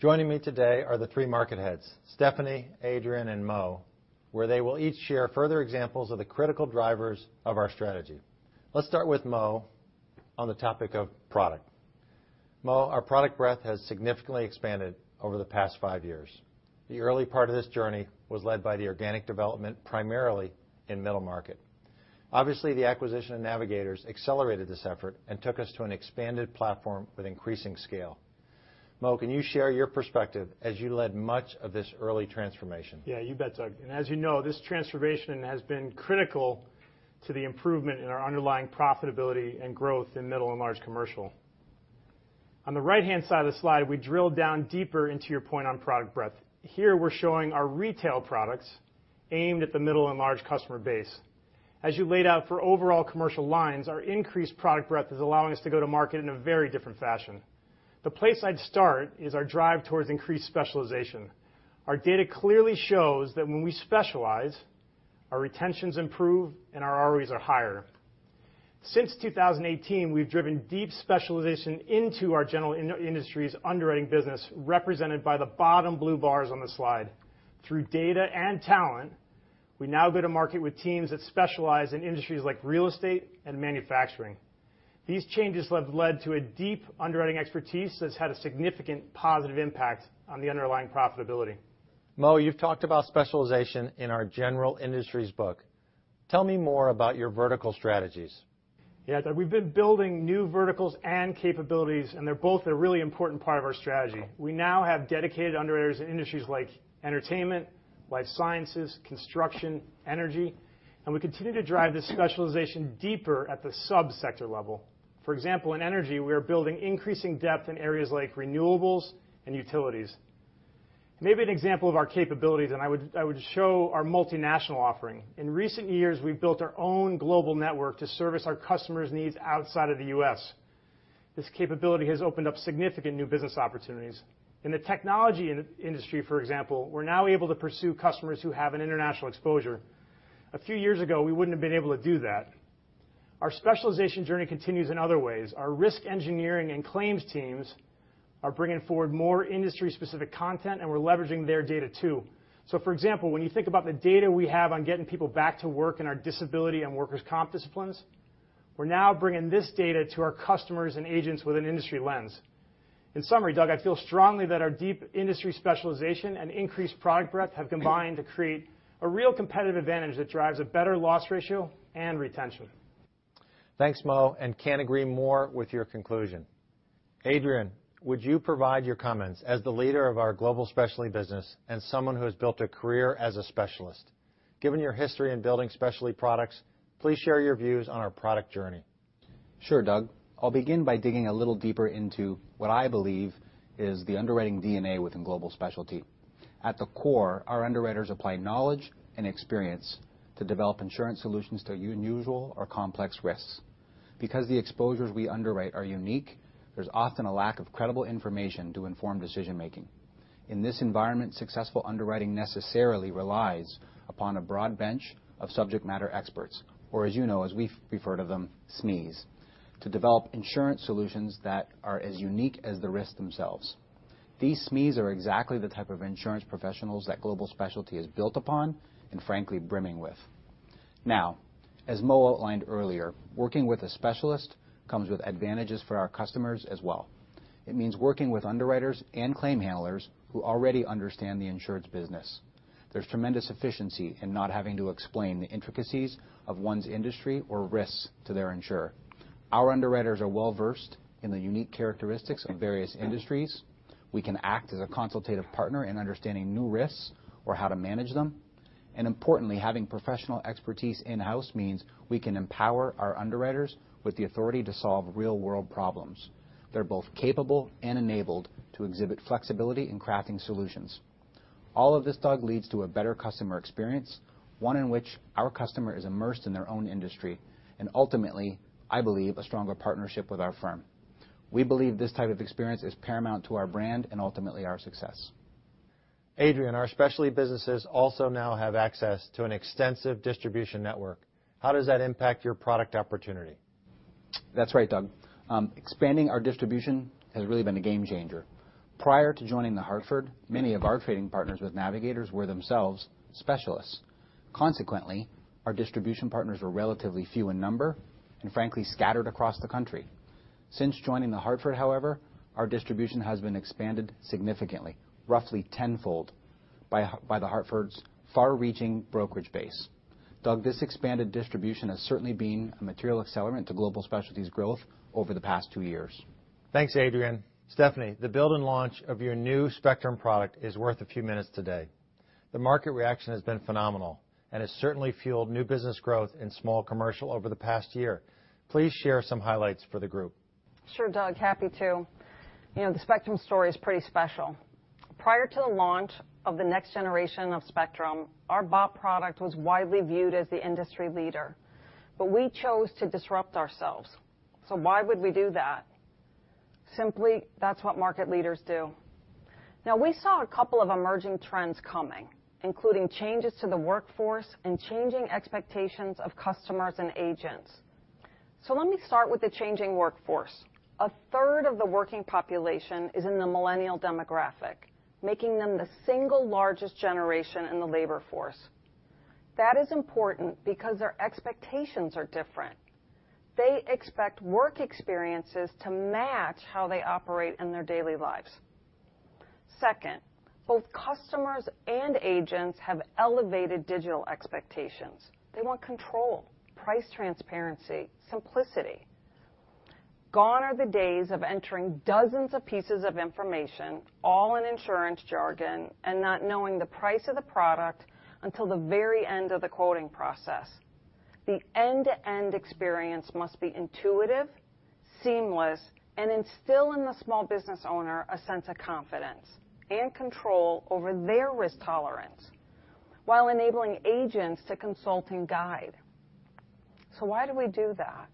Joining me today are the three market heads, Stephanie, Adrien, and Mo, where they will each share further examples of the critical drivers of our strategy. Let's start with Mo on the topic of product. Mo, our product breadth has significantly expanded over the past five years. The early part of this journey was led by the organic development, primarily in Middle Market. Obviously, the acquisition of Navigators accelerated this effort and took us to an expanded platform with increasing scale. Mo, can you share your perspective as you led much of this early transformation? Yeah, you bet, Doug. And as you know, this transformation has been critical to the improvement in our underlying profitability and growth in Middle and Large Commercial. On the right-hand side of the slide, we drill down deeper into your point on product breadth. Here, we're showing our retail products aimed at the Middle and Large customer base. As you laid out for overall Commercial Lines, our increased product breadth is allowing us to go-to-market in a very different fashion. The place I'd start is our drive towards increased specialization. Our data clearly shows that when we specialize, our retentions improve, and our ROEs are higher. Since 2018, we've driven deep specialization into our General Industries underwriting business, represented by the bottom blue bars on the slide. Through data and talent, we now go-to-market with teams that specialize in industries like real estate and manufacturing. These changes have led to a deep underwriting expertise that's had a significant positive impact on the underlying profitability. Mo, you've talked about specialization in our General Industries book. Tell me more about your vertical strategies. Yeah, Doug, we've been building new verticals and capabilities, and they're both a really important part of our strategy. We now have dedicated underwriters in industries like entertainment, life sciences, construction, energy, and we continue to drive this specialization deeper at the sub-sector level. For example, in energy, we are building increasing depth in areas like renewables and utilities. Maybe an example of our capabilities, and I would show our multinational offering. In recent years, we've built our own global network to service our customers' needs outside of the U.S. This capability has opened up significant new business opportunities. In the technology industry, for example, we're now able to pursue customers who have an international exposure. A few years ago, we wouldn't have been able to do that. Our specialization journey continues in other ways. Our risk engineering and claims teams are bringing forward more industry-specific content, and we're leveraging their data, too. So, for example, when you think about the data we have on getting people back to work in our disability and workers' comp disciplines, we're now bringing this data to our customers and agents with an industry lens. In summary, Doug, I feel strongly that our deep industry specialization and increased product breadth have combined to create a real competitive advantage that drives a better loss ratio and retention. Thanks, Mo, and can't agree more with your conclusion. Adrien, would you provide your comments as the leader of our Global Specialty business and someone who has built a career as a specialist? Given your history in building specialty products, please share your views on our product journey. Sure, Doug. I'll begin by digging a little deeper into what I believe is the underwriting DNA within Global Specialty. At the core, our underwriters apply knowledge and experience to develop insurance solutions to unusual or complex risks. Because the exposures we underwrite are unique, there's often a lack of credible information to inform decision-making. In this environment, successful underwriting necessarily relies upon a broad bench of subject matter experts, or as you know, as we refer to them, SMEs, to develop insurance solutions that are as unique as the risks themselves. These SMEs are exactly the type of insurance professionals that Global Specialty is built upon and, frankly, brimming with. Now, as Mo outlined earlier, working with a specialist comes with advantages for our customers as well. It means working with underwriters and claim handlers who already understand the insured's business. There's tremendous efficiency in not having to explain the intricacies of one's industry or risks to their insurer. Our underwriters are well-versed in the unique characteristics of various industries. We can act as a consultative partner in understanding new risks or how to manage them. And importantly, having professional expertise in-house means we can empower our underwriters with the authority to solve real-world problems. They're both capable and enabled to exhibit flexibility in crafting solutions. All of this, Doug, leads to a better customer experience, one in which our customer is immersed in their own industry, and ultimately, I believe, a stronger partnership with our firm. We believe this type of experience is paramount to our brand and ultimately our success. Adrien, our specialty businesses also now have access to an extensive distribution network. How does that impact your product opportunity?... That's right, Doug. Expanding our distribution has really been a game changer. Prior to joining The Hartford, many of our trading partners with Navigators were themselves specialists. Consequently, our distribution partners were relatively few in number and, frankly, scattered across the country. Since joining The Hartford, however, our distribution has been expanded significantly, roughly tenfold, by The Hartford's far-reaching brokerage base. Doug, this expanded distribution has certainly been a material accelerant to Global Specialty's growth over the past two years. Thanks, Adrien. Stephanie, the build and launch of your new Spectrum product is worth a few minutes today. The market reaction has been phenomenal, and it's certainly fueled new business growth in Small Commercial over the past year. Please share some highlights for the group. Sure, Doug, happy to. You know, the Spectrum story is pretty special. Prior to the launch of the next generation of Spectrum, our BOP product was widely viewed as the industry leader, but we chose to disrupt ourselves. So why would we do that? Simply, that's what market leaders do. Now, we saw a couple of emerging trends coming, including changes to the workforce and changing expectations of customers and agents. So let me start with the changing workforce. A third of the working population is in the millennial demographic, making them the single largest generation in the labor force. That is important because their expectations are different. They expect work experiences to match how they operate in their daily lives. Second, both customers and agents have elevated digital expectations. They want control, price transparency, simplicity. Gone are the days of entering dozens of pieces of information, all in insurance jargon, and not knowing the price of the product until the very end of the quoting process. The end-to-end experience must be intuitive, seamless, and instill in the small business owner a sense of confidence and control over their risk tolerance, while enabling agents to consult and guide. So why do we do that?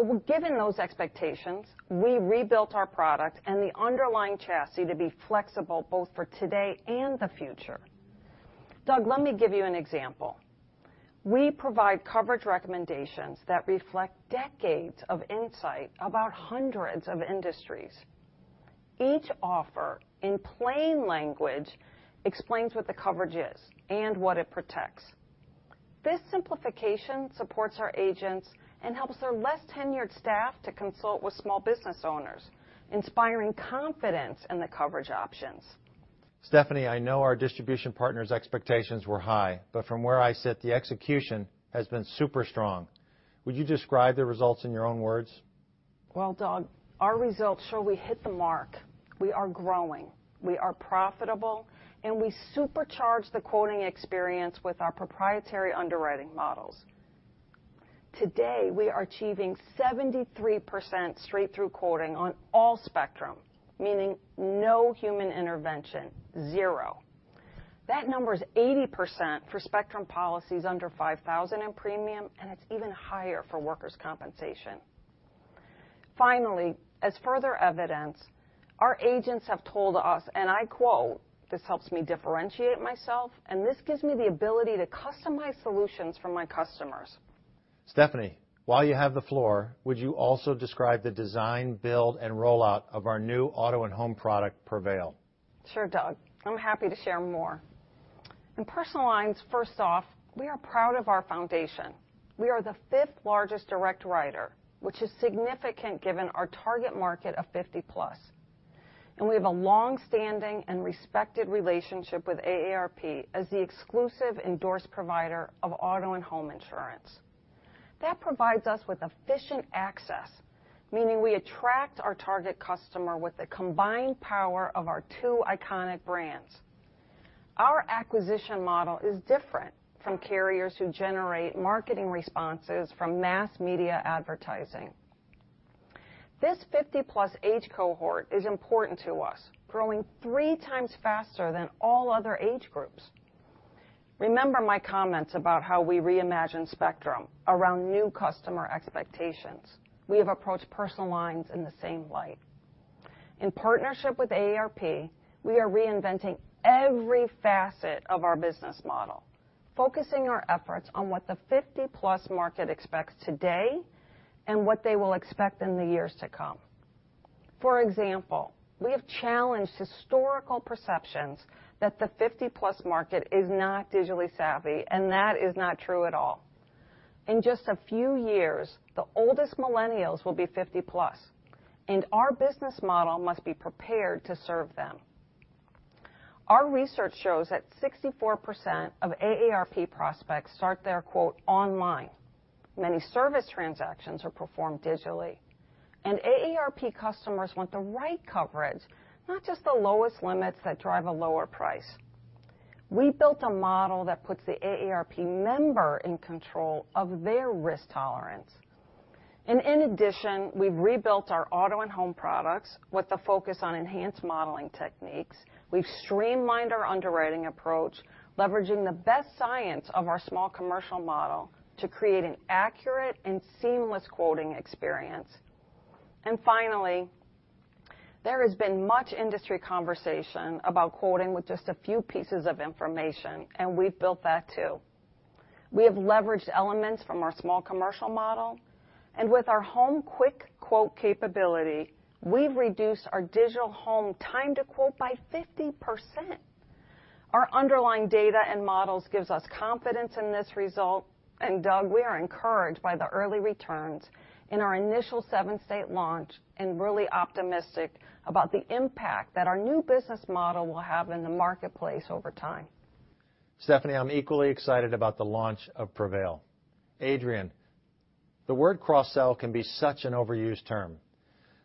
Well, given those expectations, we rebuilt our product and the underlying chassis to be flexible both for today and the future. Doug, let me give you an example. We provide coverage recommendations that reflect decades of insight about hundreds of industries. Each offer, in plain language, explains what the coverage is and what it protects. This simplification supports our agents and helps their less-tenured staff to consult with small business owners, inspiring confidence in the coverage options. Stephanie, I know our distribution partners' expectations were high, but from where I sit, the execution has been super strong. Would you describe the results in your own words? Doug, our results show we hit the mark. We are growing, we are profitable, and we supercharge the quoting experience with our proprietary underwriting models. Today, we are achieving 73% straight-through quoting on all Spectrum, meaning no human intervention, zero. That number is 80% for Spectrum policies under $5,000 in premium, and it's even higher for workers' compensation. Finally, as further evidence, our agents have told us, and I quote, "This helps me differentiate myself, and this gives me the ability to customize solutions for my customers. Stephanie, while you have the floor, would you also describe the design, build, and rollout of our new auto and home product, Prevail? Sure, Doug, I'm happy to share more. In Personal Lines, first off, we are proud of our foundation. We are the fifth-largest direct writer, which is significant given our target market of 50-plus, and we have a long-standing and respected relationship with AARP as the exclusive endorsed provider of auto and home insurance. That provides us with efficient access, meaning we attract our target customer with the combined power of our two iconic brands. Our acquisition model is different from carriers who generate marketing responses from mass media advertising. This 50-plus age cohort is important to us, growing three times faster than all other age groups. Remember my comments about how we reimagined Spectrum around new customer expectations. We have approached Personal Lines in the same light. In partnership with AARP, we are reinventing every facet of our business model, focusing our efforts on what the fifty-plus market expects today and what they will expect in the years to come. For example, we have challenged historical perceptions that the fifty-plus market is not digitally savvy, and that is not true at all. In just a few years, the oldest millennials will be fifty-plus, and our business model must be prepared to serve them. Our research shows that 64% of AARP prospects start their quote online. Many service transactions are performed digitally, and AARP customers want the right coverage, not just the lowest limits that drive a lower price. We built a model that puts the AARP member in control of their risk tolerance, and in addition, we've rebuilt our auto and home products with a focus on enhanced modeling techniques. We've streamlined our underwriting approach, leveraging the best science of our Small Commercial model to create an accurate and seamless quoting experience. And finally, there has been much industry conversation about quoting with just a few pieces of information, and we've built that, too. We have leveraged elements from our Small Commercial model, and with our home quick quote capability, we've reduced our digital home time to quote by 50%! Our underlying data and models gives us confidence in this result, and Doug, we are encouraged by the early returns in our initial seven-state launch and really optimistic about the impact that our new business model will have in the marketplace over time. Stephanie, I'm equally excited about the launch of Prevail. Adrien, the word cross-sell can be such an overused term,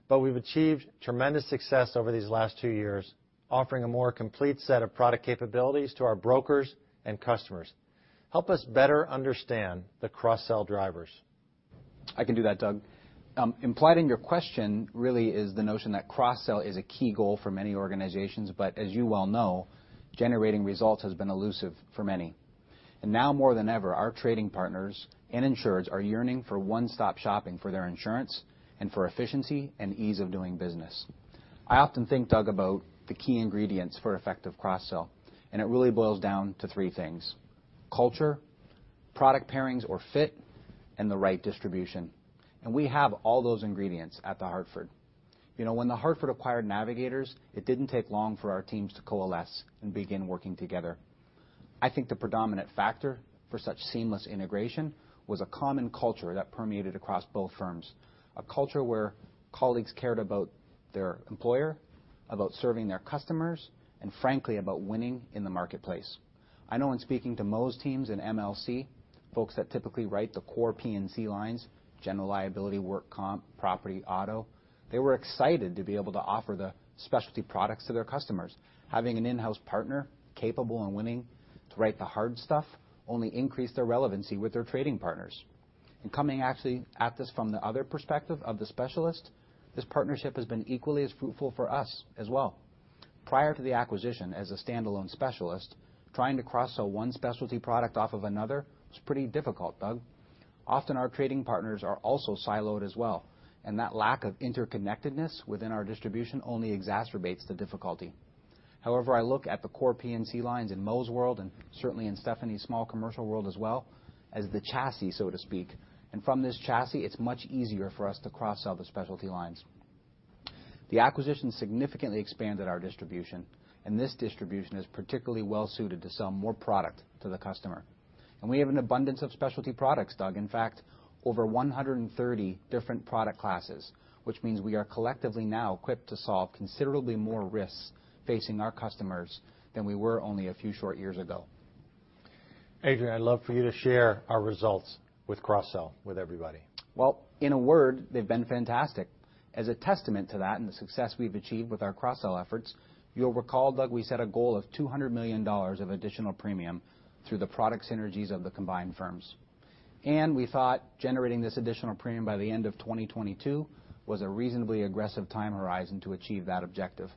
but we've achieved tremendous success over these last two years, offering a more complete set of product capabilities to our brokers and customers. Help us better understand the cross-sell drivers. I can do that, Doug. Implied in your question really is the notion that cross-sell is a key goal for many organizations, but as you well know, generating results has been elusive for many. And now more than ever, our trading partners and insureds are yearning for one-stop shopping for their insurance and for efficiency and ease of doing business. I often think, Doug, about the key ingredients for effective cross-sell, and it really boils down to three things: culture, product pairings or fit, and the right distribution, and we have all those ingredients at The Hartford. You know, when The Hartford acquired Navigators, it didn't take long for our teams to coalesce and begin working together. I think the predominant factor for such seamless integration was a common culture that permeated across both firms, a culture where colleagues cared about their employer, about serving their customers, and frankly, about winning in the marketplace. I know in speaking to most teams in MLC, folks that typically write the core P&C lines, general liability, work comp, property, auto, they were excited to be able to offer the specialty products to their customers. Having an in-house partner, capable and willing to write the hard stuff, only increased their relevancy with their trading partners, and coming actually at this from the other perspective of the specialist, this partnership has been equally as fruitful for us as well. Prior to the acquisition, as a standalone specialist, trying to cross-sell one specialty product off of another was pretty difficult, Doug. Often, our trading partners are also siloed as well, and that lack of interconnectedness within our distribution only exacerbates the difficulty. However, I look at the core P&C lines in Mo's world, and certainly in Stephanie's Small Commercial world as well, as the chassis, so to speak, and from this chassis, it's much easier for us to cross-sell the specialty lines. The acquisition significantly expanded our distribution, and this distribution is particularly well suited to sell more product to the customer, and we have an abundance of specialty products, Doug. In fact, over 130 different product classes, which means we are collectively now equipped to solve considerably more risks facing our customers than we were only a few short years ago. Adrien, I'd love for you to share our results with cross-sell with everybody. In a word, they've been fantastic. As a testament to that and the success we've achieved with our cross-sell efforts, you'll recall, Doug, we set a goal of $200 million of additional premium through the product synergies of the combined firms. We thought generating this additional premium by the end of 2022 was a reasonably aggressive time horizon to achieve that objective.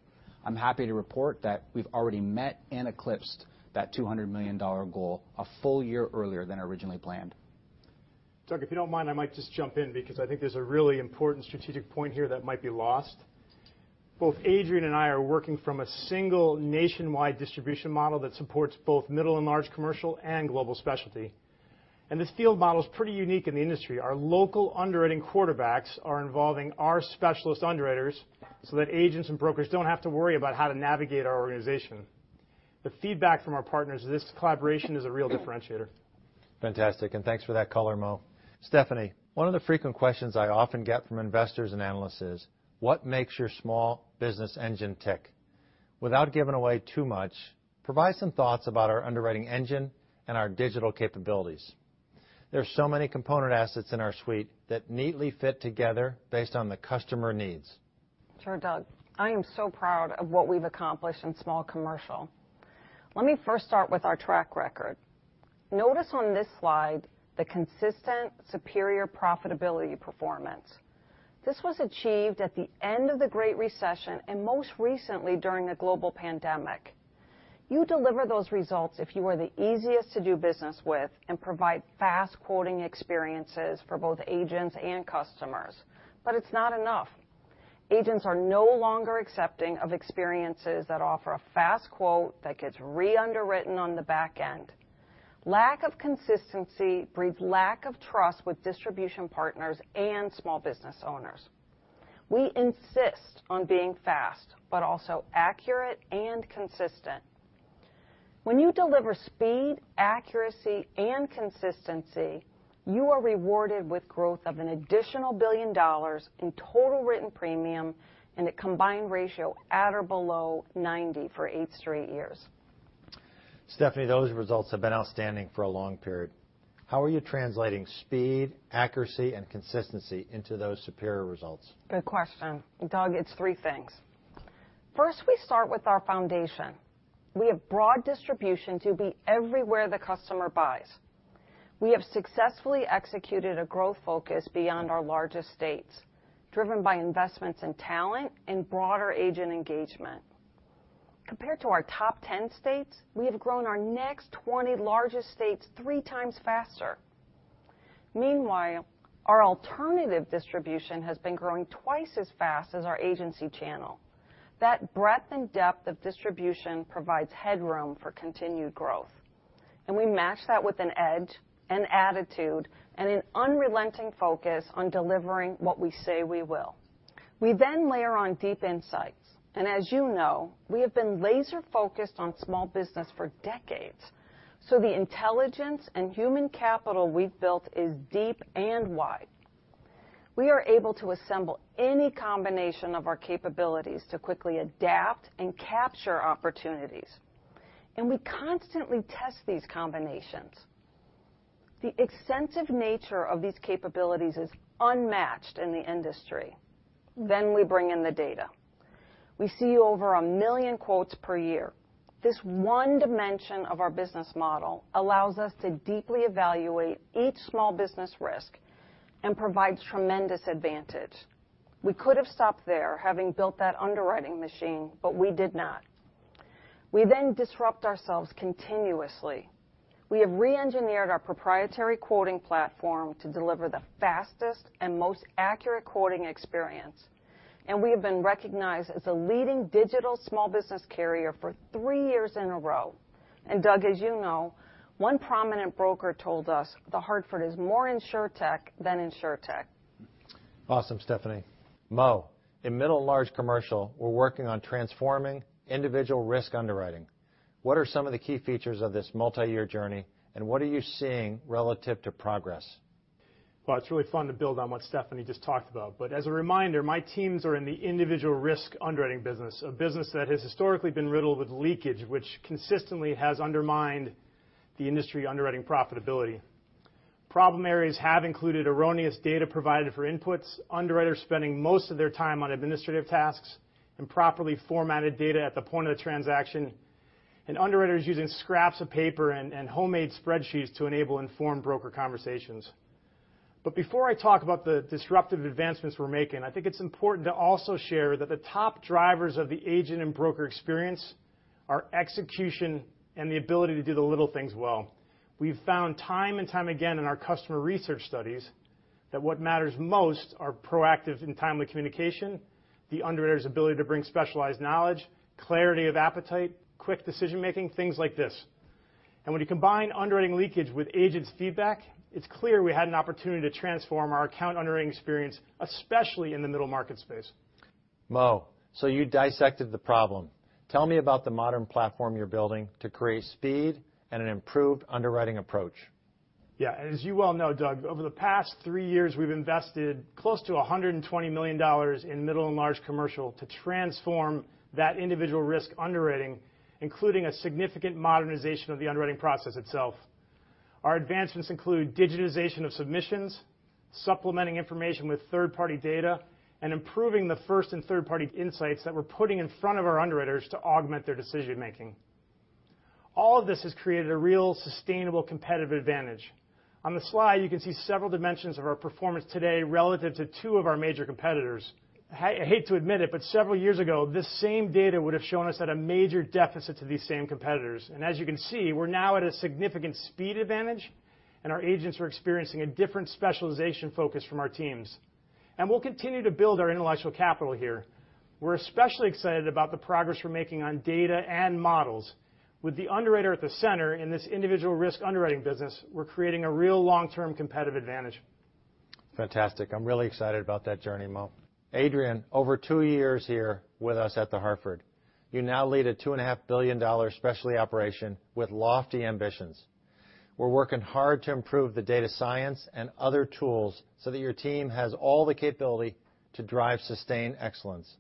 I'm happy to report that we've already met and eclipsed that $200 million goal a full year earlier than originally planned. Doug, if you don't mind, I might just jump in because I think there's a really important strategic point here that might be lost. Both Adrien and I are working from a single nationwide distribution model that supports both Middle and Large Commercial and Global Specialty, and this field model is pretty unique in the industry. Our local underwriting quarterbacks are involving our specialist underwriters so that agents and brokers don't have to worry about how to navigate our organization. The feedback from our partners is this collaboration is a real differentiator. Fantastic, and thanks for that color, Mo. Stephanie, one of the frequent questions I often get from investors and analysts is: What makes your small business engine tick? Without giving away too much, provide some thoughts about our underwriting engine and our digital capabilities. There are so many component assets in our suite that neatly fit together based on the customer needs. Sure, Doug. I am so proud of what we've accomplished in Small Commercial. Let me first start with our track record. Notice on this slide, the consistent, superior profitability performance. This was achieved at the end of the Great Recession, and most recently, during the global pandemic. You deliver those results if you are the easiest to do business with and provide fast quoting experiences for both agents and customers. But it's not enough. Agents are no longer accepting of experiences that offer a fast quote that gets re-underwritten on the back end. Lack of consistency breeds lack of trust with distribution partners and small business owners. We insist on being fast, but also accurate and consistent. When you deliver speed, accuracy, and consistency, you are rewarded with growth of an additional $1 billion in total written premium and a combined ratio at or below 90% for eight straight years. Stephanie, those results have been outstanding for a long period. How are you translating speed, accuracy, and consistency into those superior results? Good question. Doug, it's three things. First, we start with our foundation. We have broad distribution to be everywhere the customer buys. We have successfully executed a growth focus beyond our largest states, driven by investments in talent and broader agent engagement. Compared to our top 10 states, we have grown our next 20 largest states three times faster. Meanwhile, our alternative distribution has been growing twice as fast as our agency channel. That breadth and depth of distribution provides headroom for continued growth, and we match that with an edge, an attitude, and an unrelenting focus on delivering what we say we will. We then layer on deep insights, and as you know, we have been laser-focused on small business for decades, so the intelligence and human capital we've built is deep and wide. We are able to assemble any combination of our capabilities to quickly adapt and capture opportunities, and we constantly test these combinations. The extensive nature of these capabilities is unmatched in the industry. Then we bring in the data. We see over a million quotes per year. This one dimension of our business model allows us to deeply evaluate each small business risk and provides tremendous advantage. We could have stopped there, having built that underwriting machine, but we did not. We then disrupt ourselves continuously. We have reengineered our proprietary quoting platform to deliver the fastest and most accurate quoting experience, and we have been recognized as a leading digital small business carrier for three years in a row, and Doug, as you know, one prominent broker told us The Hartford is more InsurTech than InsurTech. Awesome, Stephanie. Mo, in Middle and Large Commercial, we're working on transforming individual risk underwriting. What are some of the key features of this multiyear journey, and what are you seeing relative to progress? It's really fun to build on what Stephanie just talked about. As a reminder, my teams are in the individual risk underwriting business, a business that has historically been riddled with leakage, which consistently has undermined the industry underwriting profitability. Problem areas have included erroneous data provided for inputs, underwriters spending most of their time on administrative tasks, improperly formatted data at the point of the transaction, and underwriters using scraps of paper and homemade spreadsheets to enable informed broker conversations. Before I talk about the disruptive advancements we're making, I think it's important to also share that the top drivers of the agent and broker experience are execution and the ability to do the little things well. We've found time and time again in our customer research studies that what matters most are proactive and timely communication, the underwriter's ability to bring specialized knowledge, clarity of appetite, quick decision-making, things like this, and when you combine underwriting leakage with agents' feedback, it's clear we had an opportunity to transform our account underwriting experience, especially in the Middle Market space. Mo, so you dissected the problem. Tell me about the modern platform you're building to create speed and an improved underwriting approach? Yeah, and as you well know, Doug, over the past three years, we've invested close to $120 million in Middle and Large Commercial to transform that individual risk underwriting, including a significant modernization of the underwriting process itself. Our advancements include digitization of submissions, supplementing information with third-party data, and improving the first- and third-party insights that we're putting in front of our underwriters to augment their decision making. All of this has created a real, sustainable competitive advantage. On the slide, you can see several dimensions of our performance today relative to two of our major competitors. I, I hate to admit it, but several years ago, this same data would have shown us at a major deficit to these same competitors. As you can see, we're now at a significant speed advantage, and our agents are experiencing a different specialization focus from our teams. We'll continue to build our intellectual capital here. We're especially excited about the progress we're making on data and models. With the underwriter at the center in this individual risk underwriting business, we're creating a real long-term competitive advantage. Fantastic. I'm really excited about that journey, Mo. Adrien, over two years here with us at The Hartford, you now lead a $2.5 billion specialty operation with lofty ambitions. We're working hard to improve the data science and other tools so that your team has all the capability to drive sustained excellence.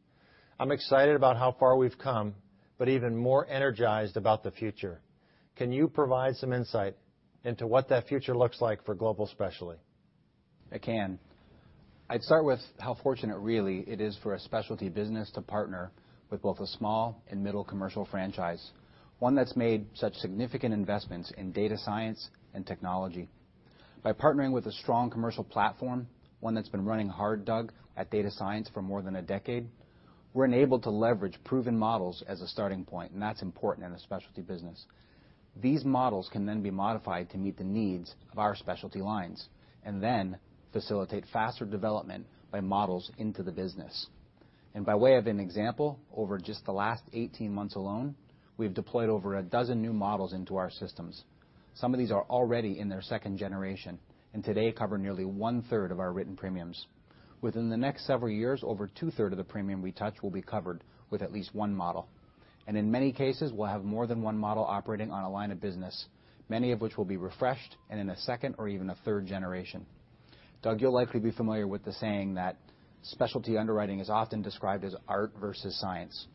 I'm excited about how far we've come, but even more energized about the future. Can you provide some insight into what that future looks like for Global Specialty? I can. I'd start with how fortunate really it is for a specialty business to partner with both a small and middle commercial franchise, one that's made such significant investments in data science and technology. By partnering with a strong commercial platform, one that's been running hard, Doug, at data science for more than a decade, we're enabled to leverage proven models as a starting point, and that's important in a specialty business. These models can then be modified to meet the needs of our specialty lines, and then facilitate faster development by models into the business. And by way of an example, over just the last eighteen months alone, we've deployed over a dozen new models into our systems. Some of these are already in their second generation, and today cover nearly one-third of our written premiums. Within the next several years, over two-thirds of the premium we touch will be covered with at least one model, and in many cases, we'll have more than one model operating on a line of business, many of which will be refreshed and in a second or even a third generation. Doug, you'll likely be familiar with the saying that specialty underwriting is often described as art versus science.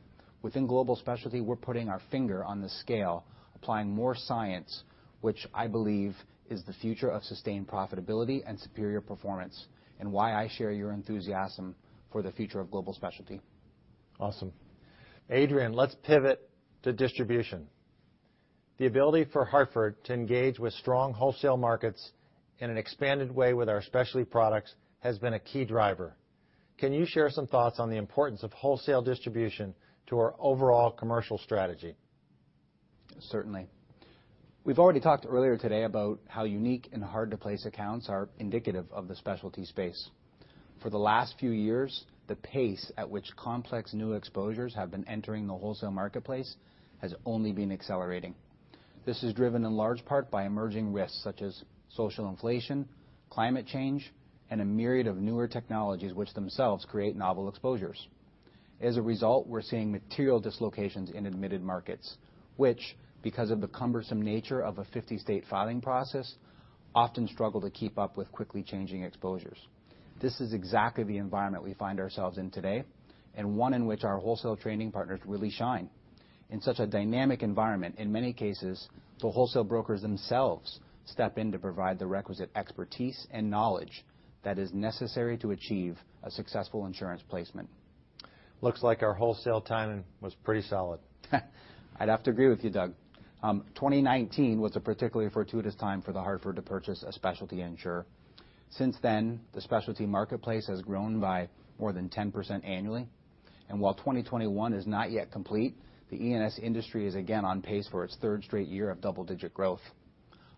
Within Global Specialty, we're putting our finger on the scale, applying more science, which I believe is the future of sustained profitability and superior performance, and why I share your enthusiasm for the future of Global Specialty. Awesome. Adrien, let's pivot to distribution. The ability for Hartford to engage with strong wholesale markets in an expanded way with our specialty products has been a key driver. Can you share some thoughts on the importance of wholesale distribution to our overall commercial strategy... Certainly. We've already talked earlier today about how unique and hard-to-place accounts are indicative of the specialty space. For the last few years, the pace at which complex new exposures have been entering the wholesale marketplace has only been accelerating. This is driven in large part by emerging risks such as social inflation, climate change, and a myriad of newer technologies which themselves create novel exposures. As a result, we're seeing material dislocations in admitted markets, which, because of the cumbersome nature of a fifty-state filing process, often struggle to keep up with quickly changing exposures. This is exactly the environment we find ourselves in today, and one in which our wholesale trading partners really shine. In such a dynamic environment, in many cases, the wholesale brokers themselves step in to provide the requisite expertise and knowledge that is necessary to achieve a successful insurance placement. Looks like our wholesale timing was pretty solid. I'd have to agree with you, Doug. 2019 was a particularly fortuitous time for The Hartford to purchase a specialty insurer. Since then, the specialty marketplace has grown by more than 10% annually, and while 2021 is not yet complete, the E&S industry is again on pace for its third straight year of double-digit growth.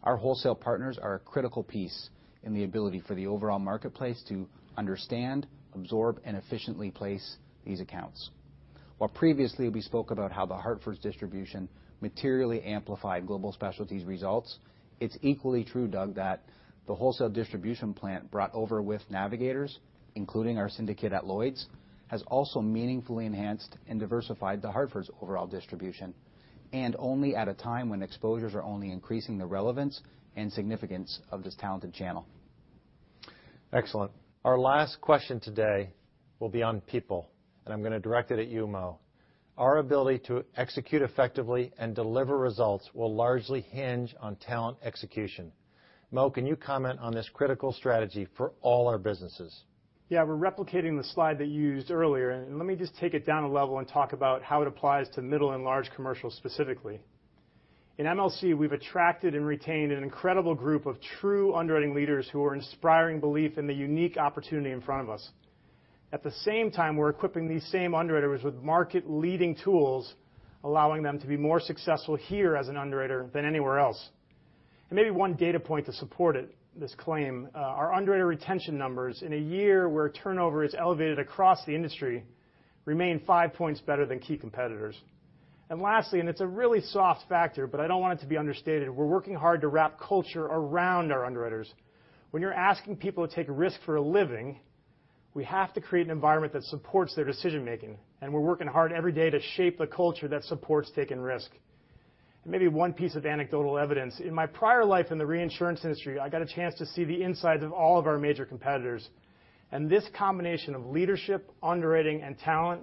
Our wholesale partners are a critical piece in the ability for the overall marketplace to understand, absorb, and efficiently place these accounts. While previously we spoke about how The Hartford's distribution materially amplified Global Specialty's results, it's equally true, Doug, that the wholesale distribution plant brought over with Navigators, including our syndicate at Lloyd's, has also meaningfully enhanced and diversified The Hartford's overall distribution, and only at a time when exposures are only increasing the relevance and significance of this talented channel. Excellent. Our last question today will be on people, and I'm gonna direct it at you, Mo. Our ability to execute effectively and deliver results will largely hinge on talent execution. Mo, can you comment on this critical strategy for all our businesses? Yeah, we're replicating the slide that you used earlier, and let me just take it down a level and talk about how it applies to Middle and Large Commercial specifically. In MLC, we've attracted and retained an incredible group of true underwriting leaders who are inspiring belief in the unique opportunity in front of us. At the same time, we're equipping these same underwriters with market-leading tools, allowing them to be more successful here as an underwriter than anywhere else. And maybe one data point to support it, this claim, our underwriter retention numbers in a year where turnover is elevated across the industry remain five points better than key competitors. And lastly, and it's a really soft factor, but I don't want it to be understated, we're working hard to wrap culture around our underwriters. When you're asking people to take a risk for a living, we have to create an environment that supports their decision-making, and we're working hard every day to shape the culture that supports taking risk, and maybe one piece of anecdotal evidence, in my prior life in the reinsurance industry, I got a chance to see the insides of all of our major competitors, and this combination of leadership, underwriting, and talent,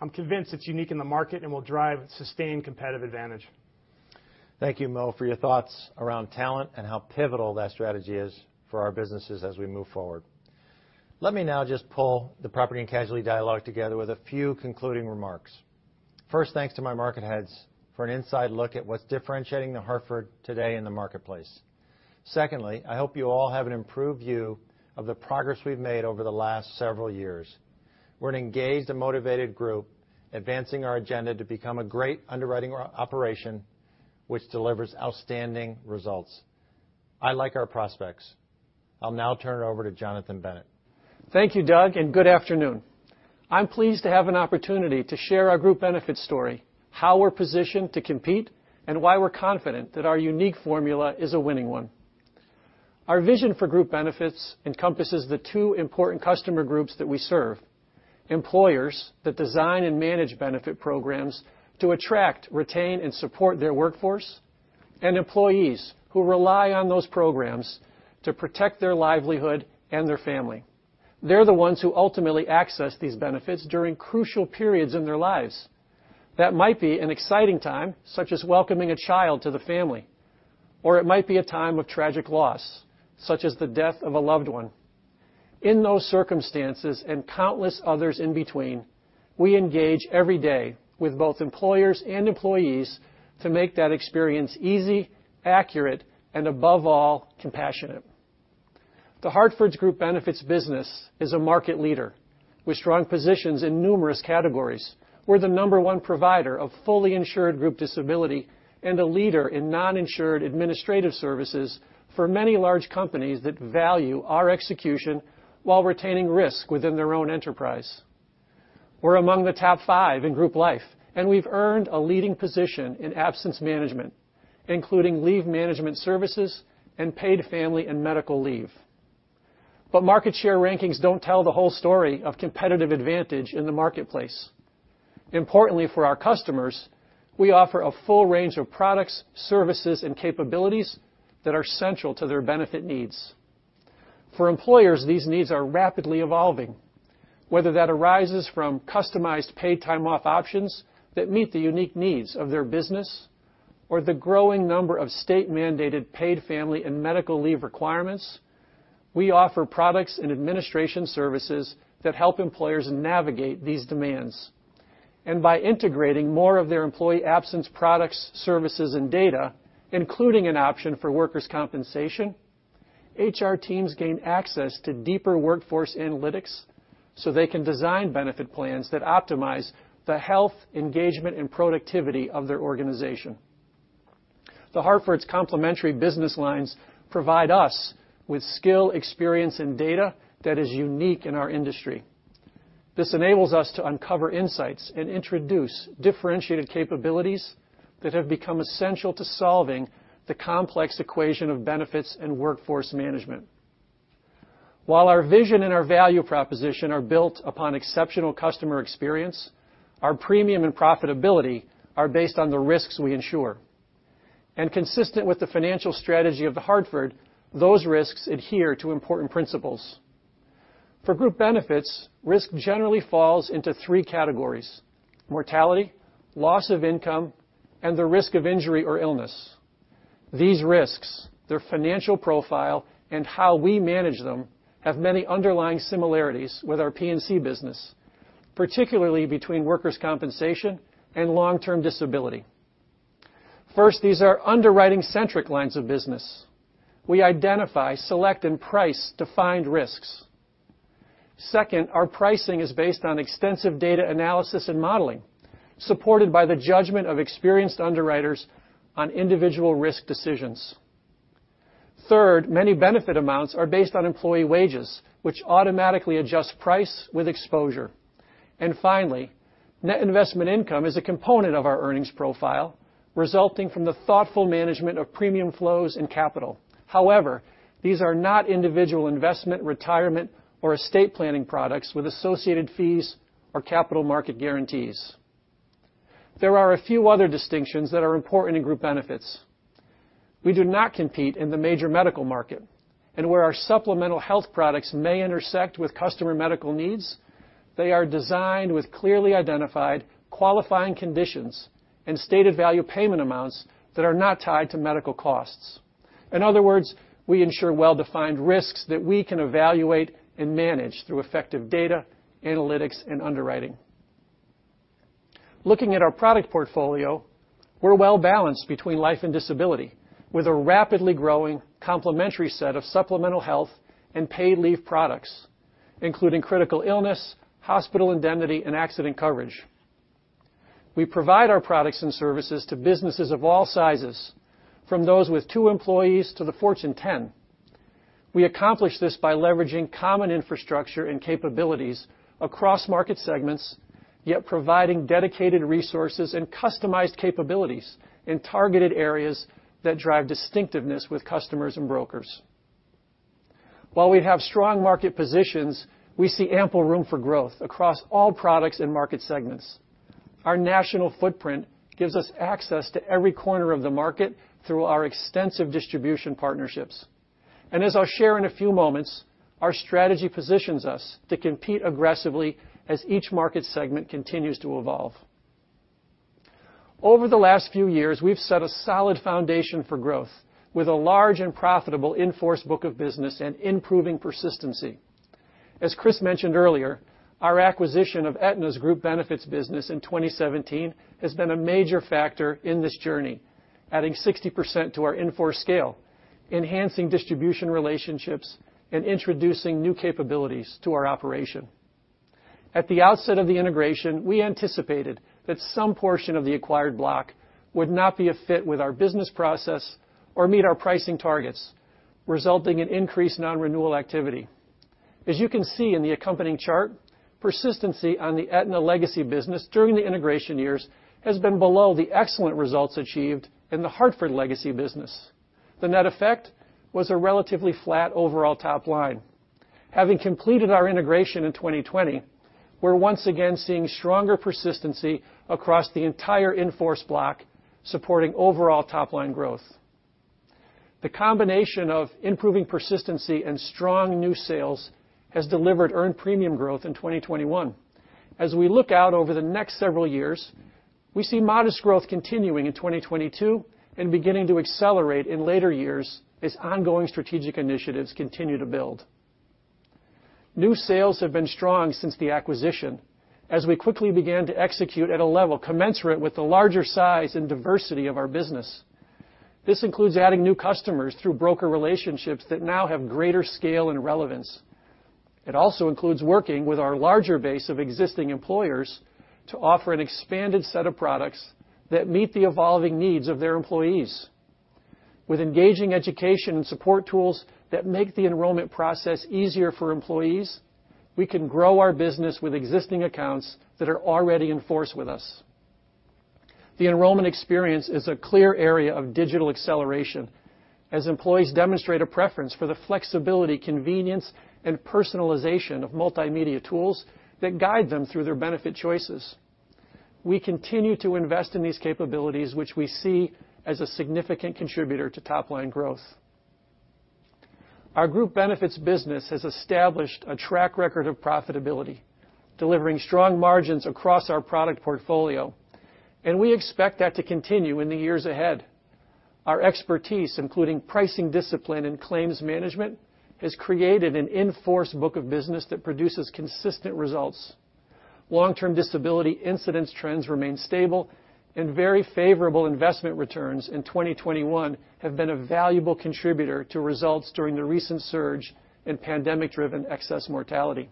I'm convinced it's unique in the market and will drive sustained competitive advantage. Thank you, Mo, for your thoughts around talent and how pivotal that strategy is for our businesses as we move forward. Let me now just pull the Property and Casualty dialogue together with a few concluding remarks. First, thanks to my market heads for an inside look at what's differentiating The Hartford today in the marketplace. Secondly, I hope you all have an improved view of the progress we've made over the last several years. We're an engaged and motivated group, advancing our agenda to become a great underwriting operation which delivers outstanding results. I like our prospects. I'll now turn it over to Jonathan Bennett. Thank you, Doug, and good afternoon. I'm pleased to have an opportunity to share our Group Benefits story, how we're positioned to compete, and why we're confident that our unique formula is a winning one. Our vision for Group Benefits encompasses the two important customer groups that we serve: employers that design and manage benefit programs to attract, retain, and support their workforce, and employees who rely on those programs to protect their livelihood and their family. They're the ones who ultimately access these benefits during crucial periods in their lives. That might be an exciting time, such as welcoming a child to the family, or it might be a time of tragic loss, such as the death of a loved one. In those circumstances and countless others in between, we engage every day with both employers and employees to make that experience easy, accurate, and above all, compassionate. The Hartford's Group Benefits business is a market leader with strong positions in numerous categories. We're the number one provider of fully insured group disability and a leader in non-insured administrative services for many large companies that value our execution while retaining risk within their own enterprise. We're among the top five in group life, and we've earned a leading position in absence management, including leave management services and paid family and medical leave. But market share rankings don't tell the whole story of competitive advantage in the marketplace. Importantly for our customers, we offer a full range of products, services, and capabilities that are central to their benefit needs. For employers, these needs are rapidly evolving. Whether that arises from customized paid time off options that meet the unique needs of their business or the growing number of state-mandated paid family and medical leave requirements, we offer products and administration services that help employers navigate these demands. And by integrating more of their employee absence products, services, and data, including an option for workers' compensation, HR teams gain access to deeper workforce analytics, so they can design benefit plans that optimize the health, engagement, and productivity of their organization. The Hartford's complementary business lines provide us with skill, experience, and data that is unique in our industry. This enables us to uncover insights and introduce differentiated capabilities that have become essential to solving the complex equation of benefits and workforce management. While our vision and our value proposition are built upon exceptional customer experience, our premium and profitability are based on the risks we insure. And consistent with the financial strategy of The Hartford, those risks adhere to important principles. For Group Benefits, risk generally falls into three categories: mortality, loss of income, and the risk of injury or illness. These risks, their financial profile, and how we manage them, have many underlying similarities with our P&C business, particularly between workers' compensation and long-term disability. First, these are underwriting-centric lines of business. We identify, select, and price defined risks. Second, our pricing is based on extensive data analysis and modeling, supported by the judgment of experienced underwriters on individual risk decisions. Third, many benefit amounts are based on employee wages, which automatically adjust price with exposure. And finally, net investment income is a component of our earnings profile, resulting from the thoughtful management of premium flows and capital. However, these are not individual investment, retirement, or estate planning products with associated fees or capital market guarantees. There are a few other distinctions that are important in Group Benefits. We do not compete in the major medical market, and where our supplemental health products may intersect with customer medical needs, they are designed with clearly identified qualifying conditions and stated value payment amounts that are not tied to medical costs. In other words, we ensure well-defined risks that we can evaluate and manage through effective data, analytics, and underwriting. Looking at our product portfolio, we're well-balanced between life and disability, with a rapidly growing complementary set of supplemental health and paid leave products, including critical illness, hospital indemnity, and accident coverage. We provide our products and services to businesses of all sizes, from those with two employees to the Fortune 10. We accomplish this by leveraging common infrastructure and capabilities across market segments, yet providing dedicated resources and customized capabilities in targeted areas that drive distinctiveness with customers and brokers. While we have strong market positions, we see ample room for growth across all products and market segments. Our national footprint gives us access to every corner of the market through our extensive distribution partnerships. And as I'll share in a few moments, our strategy positions us to compete aggressively as each market segment continues to evolve. Over the last few years, we've set a solid foundation for growth, with a large and profitable in-force book of business and improving persistency. As Chris mentioned earlier, our acquisition of Aetna's Group Benefits business in 2017 has been a major factor in this journey, adding 60% to our in-force scale, enhancing distribution relationships, and introducing new capabilities to our operation. At the outset of the integration, we anticipated that some portion of the acquired block would not be a fit with our business process or meet our pricing targets, resulting in increased non-renewal activity. As you can see in the accompanying chart, persistency on the Aetna legacy business during the integration years has been below the excellent results achieved in the Hartford legacy business. The net effect was a relatively flat overall top line. Having completed our integration in 2020, we're once again seeing stronger persistency across the entire in-force block, supporting overall top-line growth. The combination of improving persistency and strong new sales has delivered earned premium growth in 2021. As we look out over the next several years, we see modest growth continuing in 2022 and beginning to accelerate in later years as ongoing strategic initiatives continue to build. New sales have been strong since the acquisition, as we quickly began to execute at a level commensurate with the larger size and diversity of our business. This includes adding new customers through broker relationships that now have greater scale and relevance. It also includes working with our larger base of existing employers to offer an expanded set of products that meet the evolving needs of their employees. With engaging education and support tools that make the enrollment process easier for employees, we can grow our business with existing accounts that are already in force with us. The enrollment experience is a clear area of digital acceleration, as employees demonstrate a preference for the flexibility, convenience, and personalization of multimedia tools that guide them through their benefit choices. We continue to invest in these capabilities, which we see as a significant contributor to top-line growth. Our Group Benefits business has established a track record of profitability, delivering strong margins across our product portfolio, and we expect that to continue in the years ahead. Our expertise, including pricing discipline and claims management, has created an in-force book of business that produces consistent results. Long-term disability incidence trends remain stable, and very favorable investment returns in 2021 have been a valuable contributor to results during the recent surge in pandemic-driven excess mortality.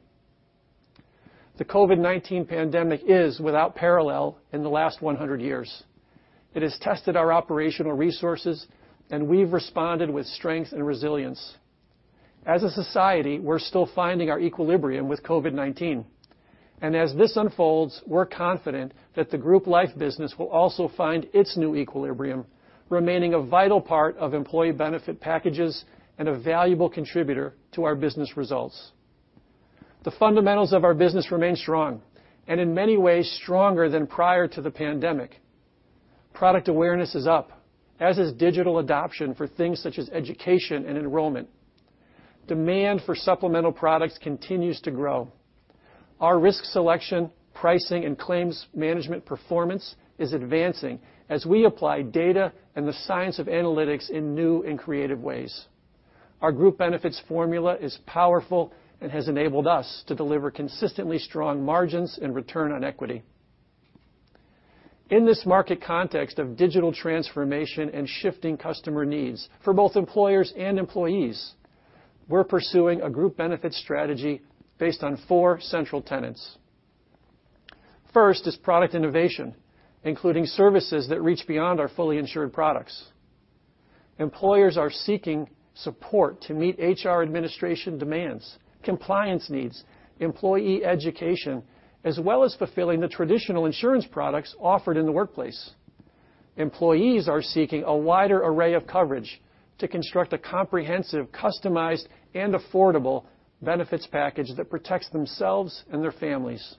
The COVID-19 pandemic is without parallel in the last one hundred years. It has tested our operational resources, and we've responded with strength and resilience. As a society, we're still finding our equilibrium with COVID-19, and as this unfolds, we're confident that the group life business will also find its new equilibrium, remaining a vital part of employee benefit packages and a valuable contributor to our business results. The fundamentals of our business remain strong and in many ways, stronger than prior to the pandemic. Product awareness is up, as is digital adoption for things such as education and enrollment. Demand for supplemental products continues to grow. Our risk selection, pricing, and claims management performance is advancing as we apply data and the science of analytics in new and creative ways. Our Group Benefits formula is powerful and has enabled us to deliver consistently strong margins and return on equity. In this market context of digital transformation and shifting customer needs for both employers and employees, we're pursuing a group benefit strategy based on four central tenets. First is product innovation, including services that reach beyond our fully insured products. Employers are seeking support to meet administration demands, compliance needs, employee education, as well as fulfilling the traditional insurance products offered in the workplace. Employees are seeking a wider array of coverage to construct a comprehensive, customized, and affordable benefits package that protects themselves and their families.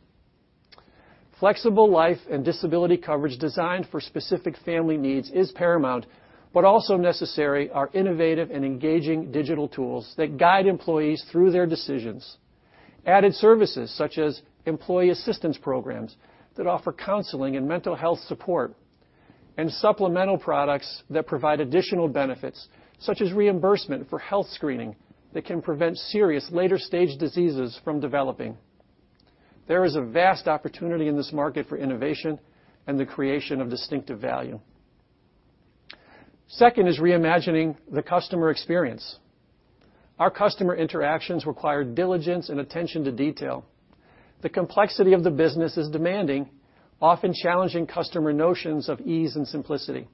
Flexible life and disability coverage designed for specific family needs is paramount, but also necessary are innovative and engaging digital tools that guide employees through their decisions, added services such as employee assistance programs that offer counseling and mental health support, and supplemental products that provide additional benefits, such as reimbursement for health screening, that can prevent serious later-stage diseases from developing. There is a vast opportunity in this market for innovation and the creation of distinctive value. Second is reimagining the customer experience. Our customer interactions require diligence and attention to detail. The complexity of the business is demanding, often challenging customer notions of ease and simplicity,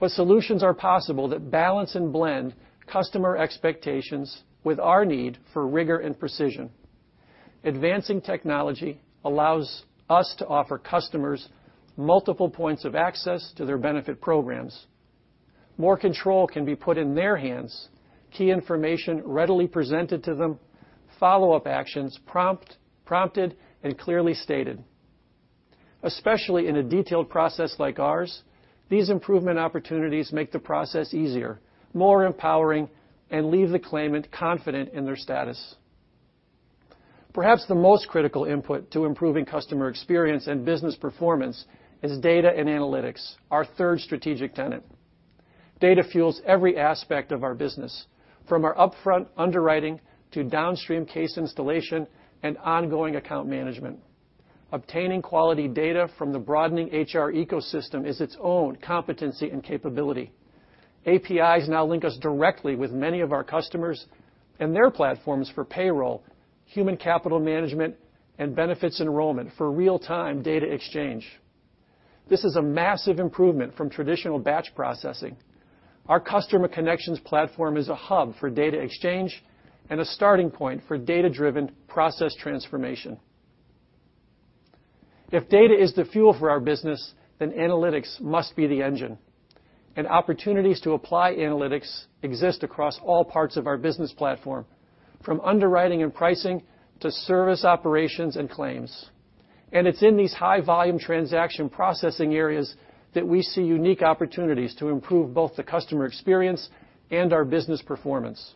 but solutions are possible that balance and blend customer expectations with our need for rigor and precision. Advancing technology allows us to offer customers multiple points of access to their benefit programs. More control can be put in their hands, key information readily presented to them, follow-up actions prompted, and clearly stated. Especially in a detailed process like ours, these improvement opportunities make the process easier, more empowering, and leave the claimant confident in their status. Perhaps the most critical input to improving customer experience and business performance is data and analytics, our third strategic tenet. Data fuels every aspect of our business, from our upfront underwriting to downstream case installation and ongoing account management. Obtaining quality data from the broadening HR ecosystem is its own competency and capability. APIs now link us directly with many of our customers and their platforms for payroll, human capital management, and benefits enrollment for real-time data exchange. This is a massive improvement from traditional batch processing. Our Customer Connections platform is a hub for data exchange and a starting point for data-driven process transformation. If data is the fuel for our business, then analytics must be the engine, and opportunities to apply analytics exist across all parts of our business platform, from underwriting and pricing to service operations and claims, and it's in these high-volume transaction processing areas that we see unique opportunities to improve both the customer experience and our business performance.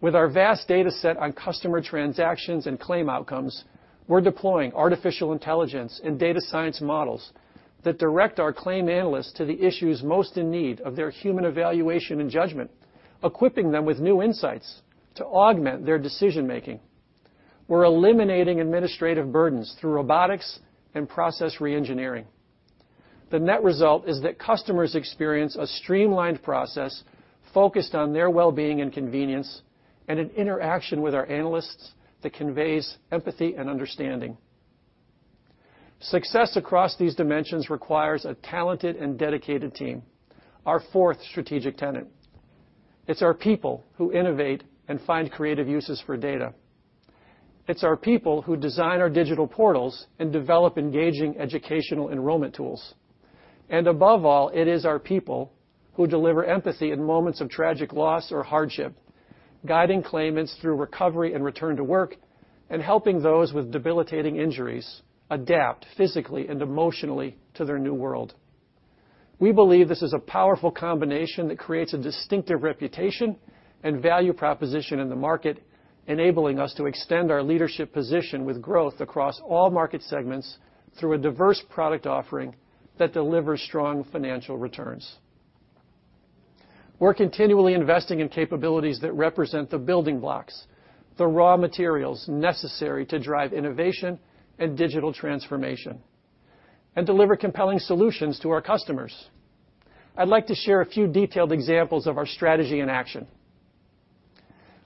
With our vast data set on customer transactions and claim outcomes, we're deploying artificial intelligence and data science models that direct our claim analysts to the issues most in need of their human evaluation and judgment, equipping them with new insights to augment their decision-making. We're eliminating administrative burdens through robotics and process reengineering. The net result is that customers experience a streamlined process focused on their well-being and convenience, and an interaction with our analysts that conveys empathy and understanding. Success across these dimensions requires a talented and dedicated team, our fourth strategic tenet. It's our people who innovate and find creative uses for data. It's our people who design our digital portals and develop engaging educational enrollment tools. And above all, it is our people who deliver empathy in moments of tragic loss or hardship, guiding claimants through recovery and return to work, and helping those with debilitating injuries adapt physically and emotionally to their new world. We believe this is a powerful combination that creates a distinctive reputation and value proposition in the market, enabling us to extend our leadership position with growth across all market segments through a diverse product offering that delivers strong financial returns.... We're continually investing in capabilities that represent the building blocks, the raw materials necessary to drive innovation and digital transformation, and deliver compelling solutions to our customers. I'd like to share a few detailed examples of our strategy in action.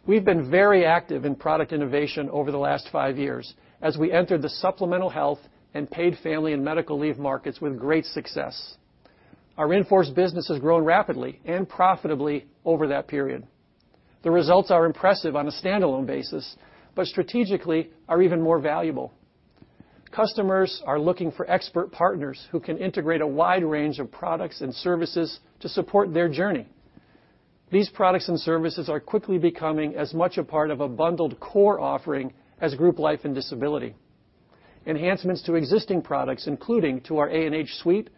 We've been very active in product innovation over the last five years as we entered the supplemental health and paid family and medical leave markets with great success. Our in-force business has grown rapidly and profitably over that period. The results are impressive on a standalone basis, but strategically, are even more valuable. Customers are looking for expert partners who can integrate a wide range of products and services to support their journey. These products and services are quickly becoming as much a part of a bundled core offering as group life and disability. Enhancements to existing products, including to our A&H suite,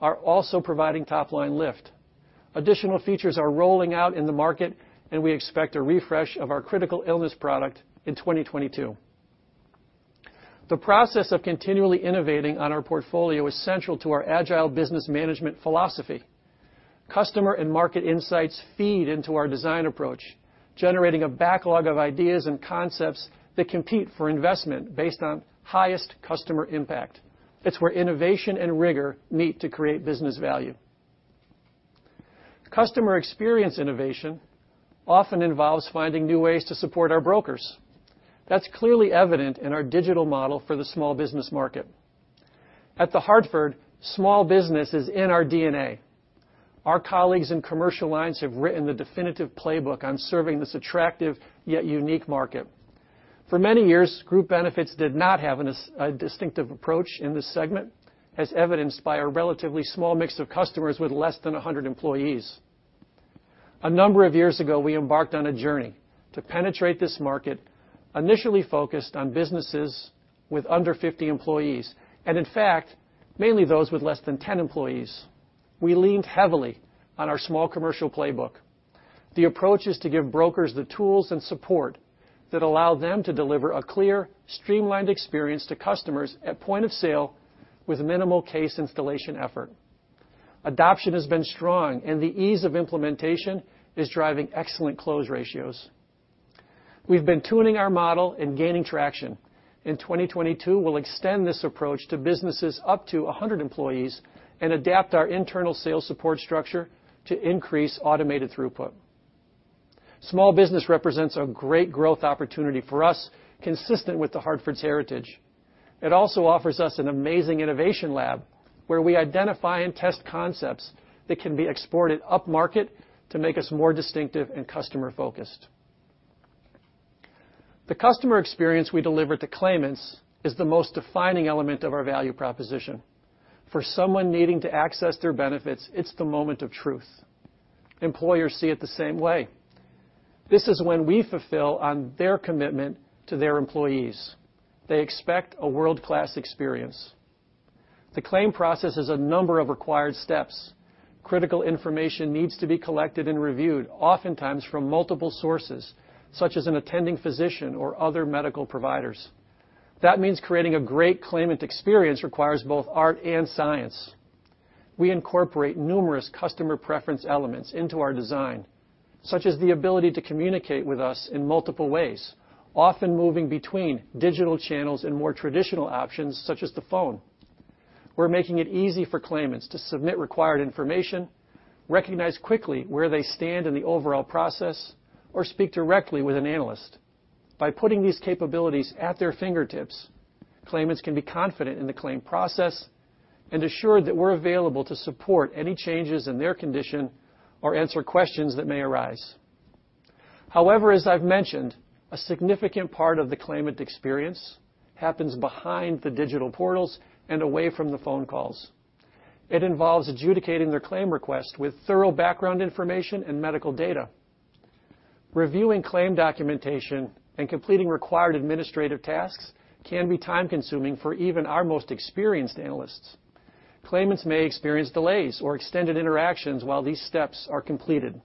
are also providing top-line lift. Additional features are rolling out in the market, and we expect a refresh of our critical illness product in 2022. The process of continually innovating on our portfolio is central to our agile business management philosophy. Customer and market insights feed into our design approach, generating a backlog of ideas and concepts that compete for investment based on highest customer impact. It's where innovation and rigor meet to create business value. Customer experience innovation often involves finding new ways to support our brokers. That's clearly evident in our digital model for the small business market. At The Hartford, small business is in our DNA. Our colleagues in Commercial Lines have written the definitive playbook on serving this attractive, yet unique market. For many years, Group Benefits did not have a distinctive approach in this segment, as evidenced by our relatively small mix of customers with less than 100 employees. A number of years ago, we embarked on a journey to penetrate this market, initially focused on businesses with under 50 employees, and in fact, mainly those with less than 10 employees. We leaned heavily on our Small Commercial playbook. The approach is to give brokers the tools and support that allow them to deliver a clear, streamlined experience to customers at point of sale with minimal case installation effort. Adoption has been strong, and the ease of implementation is driving excellent close ratios. We've been tuning our model and gaining traction. In 2022, we'll extend this approach to businesses up to 100 employees and adapt our internal sales support structure to increase automated throughput. Small business represents a great growth opportunity for us, consistent with The Hartford's heritage. It also offers us an amazing innovation lab, where we identify and test concepts that can be exported upmarket to make us more distinctive and customer-focused. The customer experience we deliver to claimants is the most defining element of our value proposition. For someone needing to access their benefits, it's the moment of truth. Employers see it the same way. This is when we fulfill on their commitment to their employees. They expect a world-class experience. The claim process is a number of required steps. Critical information needs to be collected and reviewed, oftentimes from multiple sources, such as an attending physician or other medical providers. That means creating a great claimant experience requires both art and science. We incorporate numerous customer preference elements into our design, such as the ability to communicate with us in multiple ways, often moving between digital channels and more traditional options, such as the phone. We're making it easy for claimants to submit required information, recognize quickly where they stand in the overall process, or speak directly with an analyst. By putting these capabilities at their fingertips, claimants can be confident in the claim process and assured that we're available to support any changes in their condition or answer questions that may arise. However, as I've mentioned, a significant part of the claimant experience happens behind the digital portals and away from the phone calls. It involves adjudicating their claim request with thorough background information and medical data. Reviewing claim documentation and completing required administrative tasks can be time-consuming for even our most experienced analysts. Claimants may experience delays or extended interactions while these steps are completed.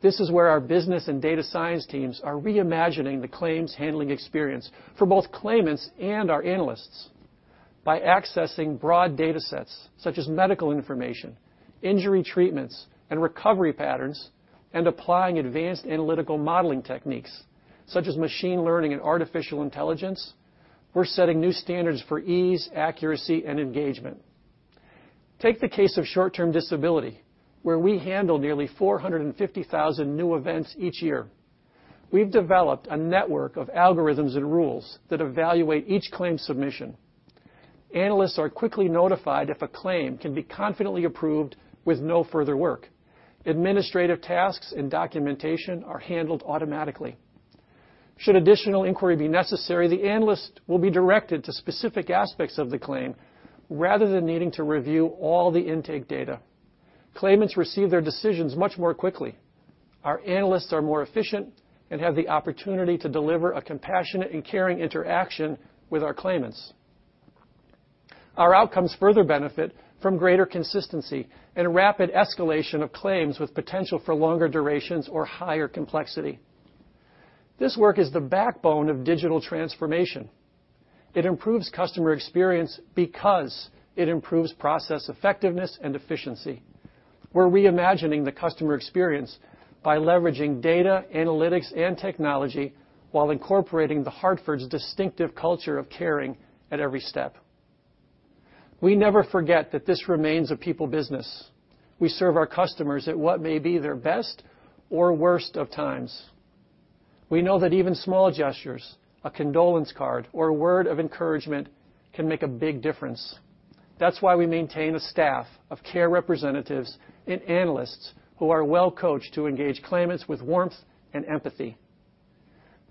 This is where our business and data science teams are reimagining the claims handling experience for both claimants and our analysts. By accessing broad data sets, such as medical information, injury treatments, and recovery patterns, and applying advanced analytical modeling techniques, such as machine learning and artificial intelligence, we're setting new standards for ease, accuracy, and engagement. Take the case of short-term disability, where we handle nearly four hundred and fifty thousand new events each year. We've developed a network of algorithms and rules that evaluate each claim submission. Analysts are quickly notified if a claim can be confidently approved with no further work. Administrative tasks and documentation are handled automatically. Should additional inquiry be necessary, the analyst will be directed to specific aspects of the claim, rather than needing to review all the intake data. Claimants receive their decisions much more quickly. Our analysts are more efficient and have the opportunity to deliver a compassionate and caring interaction with our claimants. Our outcomes further benefit from greater consistency and rapid escalation of claims with potential for longer durations or higher complexity.... This work is the backbone of digital transformation. It improves customer experience because it improves process effectiveness and efficiency. We're reimagining the customer experience by leveraging data, analytics, and technology, while incorporating The Hartford's distinctive culture of caring at every step. We never forget that this remains a people business. We serve our customers at what may be their best or worst of times. We know that even small gestures, a condolence card, or a word of encouragement can make a big difference. That's why we maintain a staff of care representatives and analysts who are well-coached to engage claimants with warmth and empathy.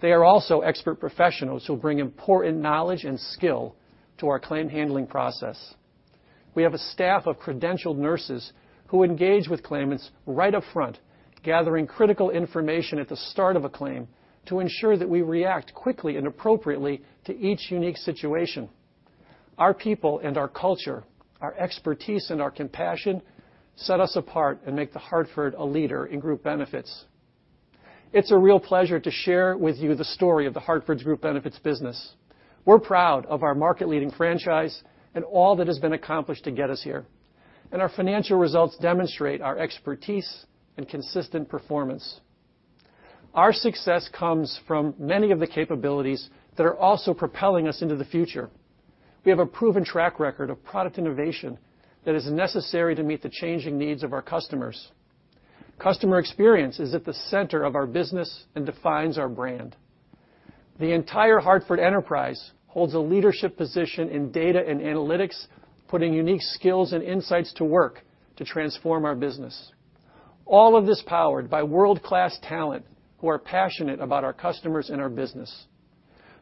They are also expert professionals who bring important knowledge and skill to our claim handling process. We have a staff of credentialed nurses who engage with claimants right up front, gathering critical information at the start of a claim to ensure that we react quickly and appropriately to each unique situation. Our people and our culture, our expertise and our compassion, set us apart and make The Hartford a leader in Group Benefits. It's a real pleasure to share with you the story of The Hartford's Group Benefits business. We're proud of our market-leading franchise and all that has been accomplished to get us here, and our financial results demonstrate our expertise and consistent performance. Our success comes from many of the capabilities that are also propelling us into the future. We have a proven track record of product innovation that is necessary to meet the changing needs of our customers. Customer experience is at the center of our business and defines our brand. The entire Hartford enterprise holds a leadership position in data and analytics, putting unique skills and insights to work to transform our business. All of this powered by world-class talent, who are passionate about our customers and our business.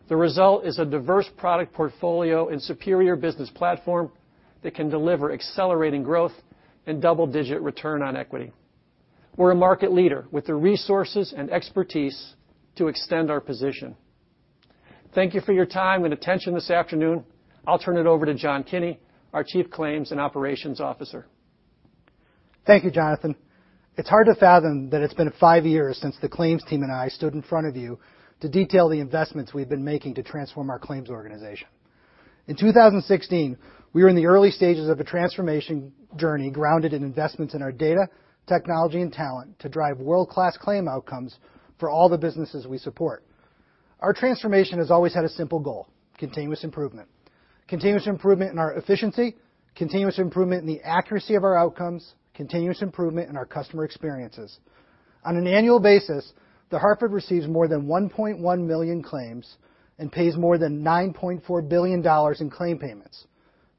The result is a diverse product portfolio and superior business platform that can deliver accelerating growth and double-digit return on equity. We're a market leader with the resources and expertise to extend our position. Thank you for your time and attention this afternoon. I'll turn it over to John Kinney, our Chief Claims and Operations Officer. Thank you, Jonathan. It's hard to fathom that it's been five years since the claims team and I stood in front of you to detail the investments we've been making to transform our claims organization. In 2016, we were in the early stages of a transformation journey grounded in investments in our data, technology, and talent to drive world-class claim outcomes for all the businesses we support. Our transformation has always had a simple goal: continuous improvement. Continuous improvement in our efficiency, continuous improvement in the accuracy of our outcomes, continuous improvement in our customer experiences. On an annual basis, The Hartford receives more than 1.1 million claims and pays more than $9.4 billion in claim payments.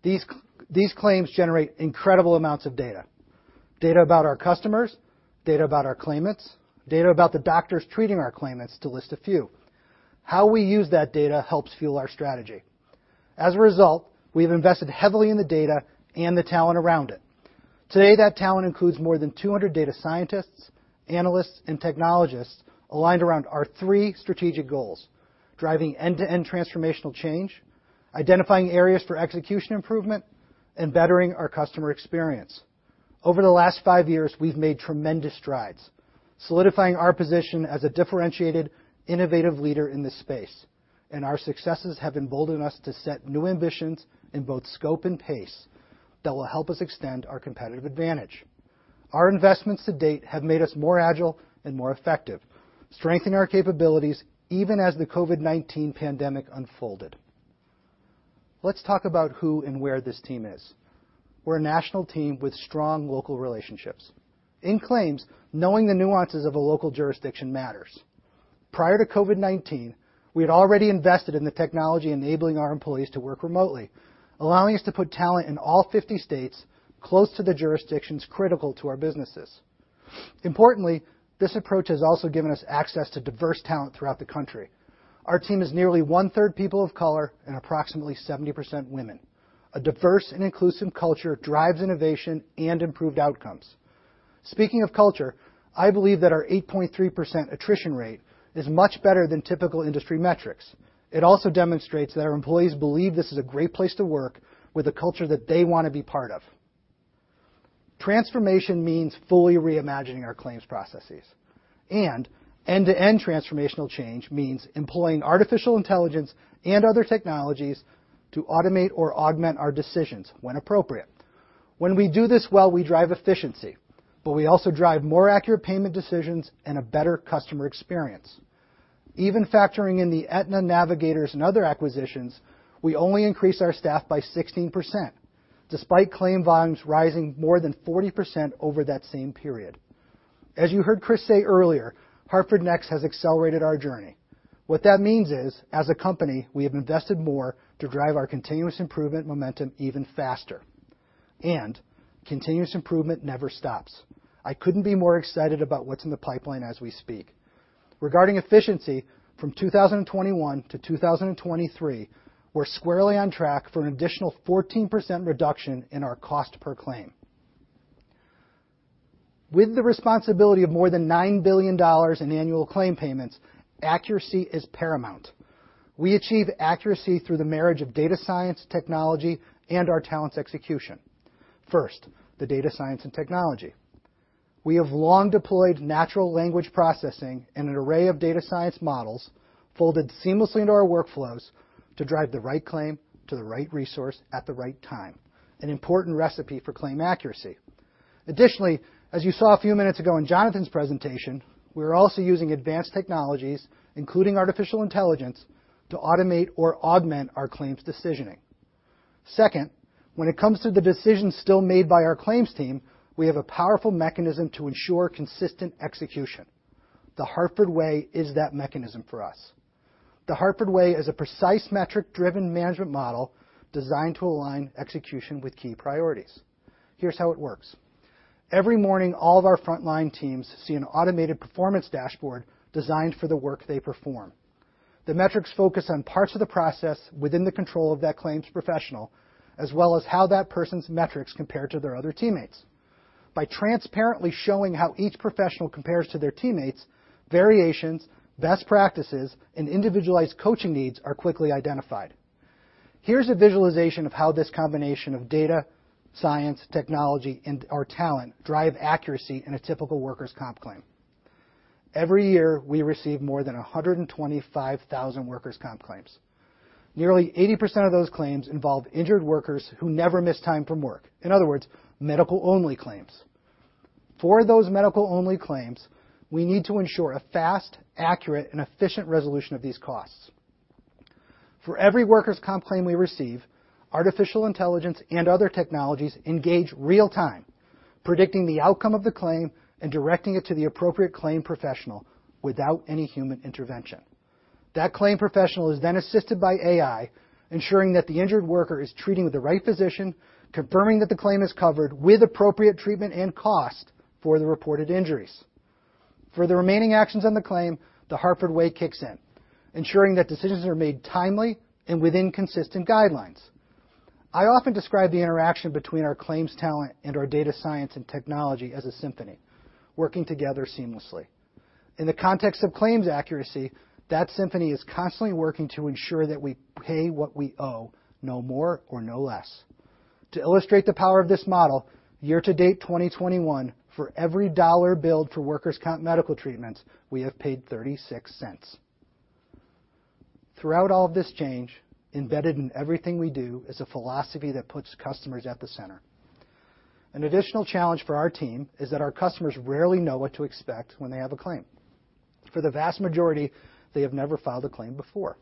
These claims generate incredible amounts of data. Data about our customers, data about our claimants, data about the doctors treating our claimants, to list a few. How we use that data helps fuel our strategy. As a result, we've invested heavily in the data and the talent around it. Today, that talent includes more than 200 data scientists, analysts, and technologists aligned around our three strategic goals: driving end-to-end transformational change, identifying areas for execution improvement, and bettering our customer experience. Over the last five years, we've made tremendous strides, solidifying our position as a differentiated, innovative leader in this space, and our successes have emboldened us to set new ambitions in both scope and pace that will help us extend our competitive advantage. Our investments to date have made us more agile and more effective, strengthening our capabilities even as the COVID-19 pandemic unfolded. Let's talk about who and where this team is. We're a national team with strong local relationships. In claims, knowing the nuances of a local jurisdiction matters. Prior to COVID-19, we had already invested in the technology enabling our employees to work remotely, allowing us to put talent in all 50 states close to the jurisdictions critical to our businesses. Importantly, this approach has also given us access to diverse talent throughout the country. Our team is nearly one-third people of color and approximately 70% women. A diverse and inclusive culture drives innovation and improved outcomes. Speaking of culture, I believe that our 8.3% attrition rate is much better than typical industry metrics. It also demonstrates that our employees believe this is a great place to work, with a culture that they want to be part of. Transformation means fully reimagining our claims processes, and end-to-end transformational change means employing artificial intelligence and other technologies to automate or augment our decisions when appropriate. When we do this well, we drive efficiency, but we also drive more accurate payment decisions and a better customer experience. Even factoring in the Aetna, Navigators and other acquisitions, we only increased our staff by 16%, despite claim volumes rising more than 40% over that same period. As you heard Chris say earlier, Hartford Next has accelerated our journey. What that means is, as a company, we have invested more to drive our continuous improvement momentum even faster, and continuous improvement never stops. I couldn't be more excited about what's in the pipeline as we speak. Regarding efficiency, from 2021 to 2023, we're squarely on track for an additional 14% reduction in our cost per claim. With the responsibility of more than $9 billion in annual claim payments, accuracy is paramount. We achieve accuracy through the marriage of data science, technology, and our talent's execution. First, the data science and technology. We have long deployed natural language processing and an array of data science models folded seamlessly into our workflows to drive the right claim to the right resource at the right time, an important recipe for claim accuracy. Additionally, as you saw a few minutes ago in Jonathan's presentation, we're also using advanced technologies, including artificial intelligence, to automate or augment our claims decisioning. Second, when it comes to the decisions still made by our claims team, we have a powerful mechanism to ensure consistent execution. The Hartford Way is that mechanism for us. The Hartford Way is a precise, metric-driven management model designed to align execution with key priorities. Here's how it works. Every morning, all of our frontline teams see an automated performance dashboard designed for the work they perform. The metrics focus on parts of the process within the control of that claims professional, as well as how that person's metrics compare to their other teammates. By transparently showing how each professional compares to their teammates, variations, best practices, and individualized coaching needs are quickly identified. Here's a visualization of how this combination of data, science, technology, and our talent drive accuracy in a typical workers' comp claim. Every year, we receive more than a hundred and twenty-five thousand workers' comp claims. Nearly 80% of those claims involve injured workers who never miss time from work. In other words, medical-only claims. For those medical-only claims, we need to ensure a fast, accurate, and efficient resolution of these costs. For every workers' comp claim we receive, artificial intelligence and other technologies engage real-time, predicting the outcome of the claim and directing it to the appropriate claim professional without any human intervention. That claim professional is then assisted by AI, ensuring that the injured worker is treating with the right physician, confirming that the claim is covered with appropriate treatment and cost for the reported injuries. For the remaining actions on the claim, The Hartford Way kicks in, ensuring that decisions are made timely and within consistent guidelines. I often describe the interaction between our claims talent and our data science and technology as a symphony, working together seamlessly. In the context of claims accuracy, that symphony is constantly working to ensure that we pay what we owe, no more or no less. To illustrate the power of this model, year to date, 2021, for every $1 billed for workers' comp medical treatments, we have paid $0.36. Throughout all of this change, embedded in everything we do, is a philosophy that puts customers at the center. An additional challenge for our team is that our customers rarely know what to expect when they have a claim. For the vast majority, they have never filed a claim before.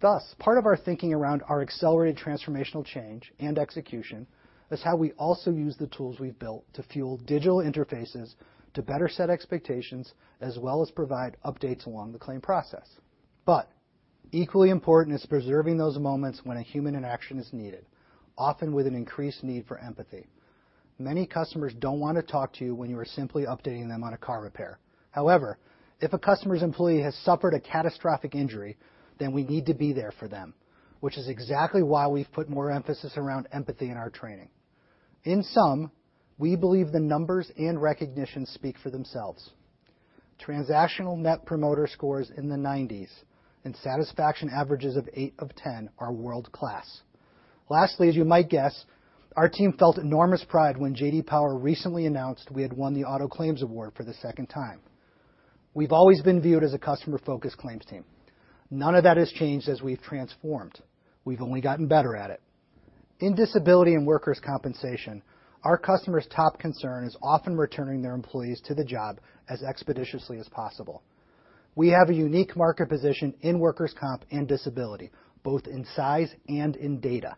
Thus, part of our thinking around our accelerated transformational change and execution is how we also use the tools we've built to fuel digital interfaces to better set expectations, as well as provide updates along the claim process. But equally important is preserving those moments when a human interaction is needed, often with an increased need for empathy. Many customers don't want to talk to you when you are simply updating them on a car repair. However, if a customer's employee has suffered a catastrophic injury, then we need to be there for them, which is exactly why we've put more emphasis around empathy in our training. In sum, we believe the numbers and recognition speak for themselves. Transactional Net Promoter Scores in the nineties and satisfaction averages of eight of ten are world-class. Lastly, as you might guess, our team felt enormous pride when J.D. Power recently announced we had won the Auto Claims Award for the second time. We've always been viewed as a customer-focused claims team. None of that has changed as we've transformed. We've only gotten better at it. In disability and workers' compensation, our customers' top concern is often returning their employees to the job as expeditiously as possible. We have a unique market position in workers' comp and disability, both in size and in data.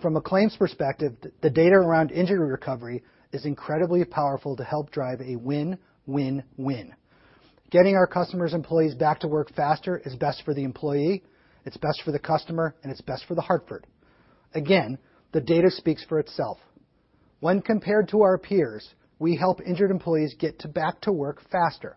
From a claims perspective, the data around injury recovery is incredibly powerful to help drive a win, win, win. Getting our customers' employees back to work faster is best for the employee, it's best for the customer, and it's best for The Hartford. Again, the data speaks for itself. When compared to our peers, we help injured employees get back to work faster,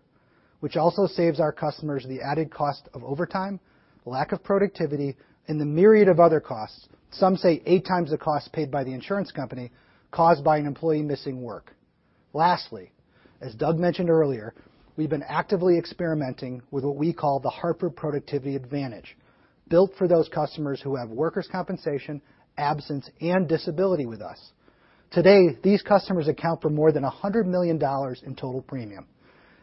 which also saves our customers the added cost of overtime, lack of productivity, and the myriad of other costs, some say eight times the cost paid by the insurance company, caused by an employee missing work. Lastly, as Doug mentioned earlier, we've been actively experimenting with what we call the Hartford Productivity Advantage, built for those customers who have workers' compensation, absence, and disability with us. Today, these customers account for more than $100 million in total premium.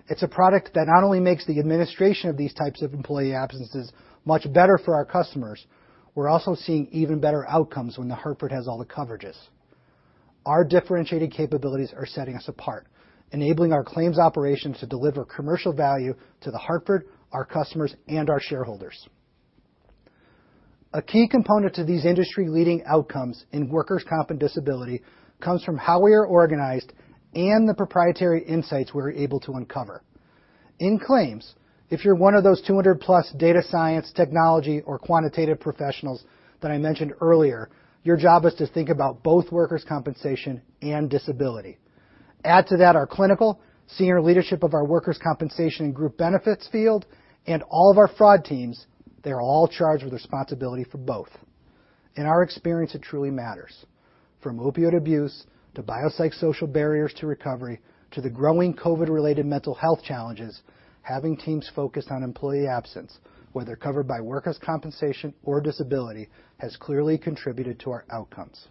It's a product that not only makes the administration of these types of employee absences much better for our customers. We're also seeing even better outcomes when The Hartford has all the coverages. Our differentiating capabilities are setting us apart, enabling our claims operations to deliver commercial value to The Hartford, our customers, and our shareholders. A key component to these industry-leading outcomes in workers' comp and disability comes from how we are organized and the proprietary insights we're able to uncover. In claims, if you're one of those 200 plus data science, technology, or quantitative professionals that I mentioned earlier, your job is to think about both workers' compensation and disability. Add to that our clinical, senior leadership of our workers' compensation and Group Benefits field, and all of our fraud teams. They are all charged with responsibility for both. In our experience, it truly matters. From opiate abuse to biopsychosocial barriers to recovery, to the growing COVID-related mental health challenges, having teams focused on employee absence, whether covered by workers' compensation or disability, has clearly contributed to our outcomes.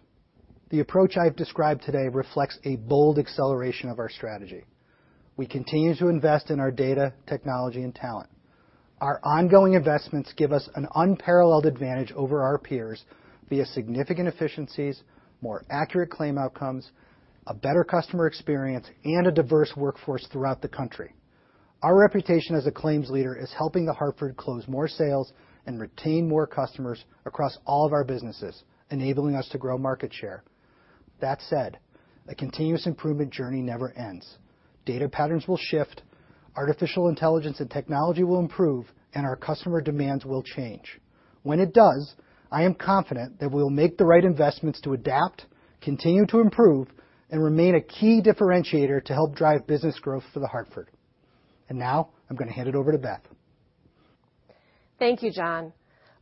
The approach I've described today reflects a bold acceleration of our strategy. We continue to invest in our data, technology, and talent. Our ongoing investments give us an unparalleled advantage over our peers via significant efficiencies, more accurate claim outcomes, a better customer experience, and a diverse workforce throughout the country. Our reputation as a claims leader is helping The Hartford close more sales and retain more customers across all of our businesses, enabling us to grow market share. That said, a continuous improvement journey never ends. Data patterns will shift, artificial intelligence and technology will improve, and our customer demands will change. When it does, I am confident that we'll make the right investments to adapt, continue to improve, and remain a key differentiator to help drive business growth for The Hartford. And now I'm going to hand it over to Beth. Thank you, John.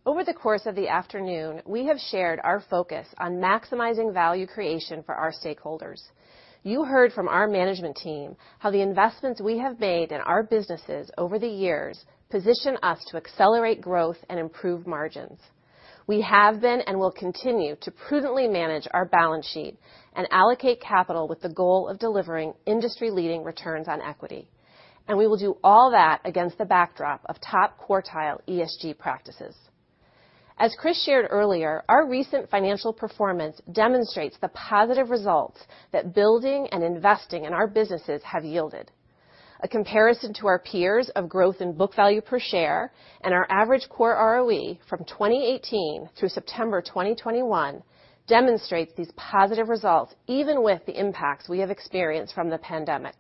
Over the course of the afternoon, we have shared our focus on maximizing value creation for our stakeholders. You heard from our management team how the investments we have made in our businesses over the years position us to accelerate growth and improve margins. We have been and will continue to prudently manage our balance sheet and allocate capital with the goal of delivering industry-leading returns on equity, and we will do all that against the backdrop of top-quartile ESG practices. As Chris shared earlier, our recent financial performance demonstrates the positive results that building and investing in our businesses have yielded. A comparison to our peers of growth in book value per share and our average core ROE from 2018 through September 2021 demonstrates these positive results, even with the impacts we have experienced from the pandemic.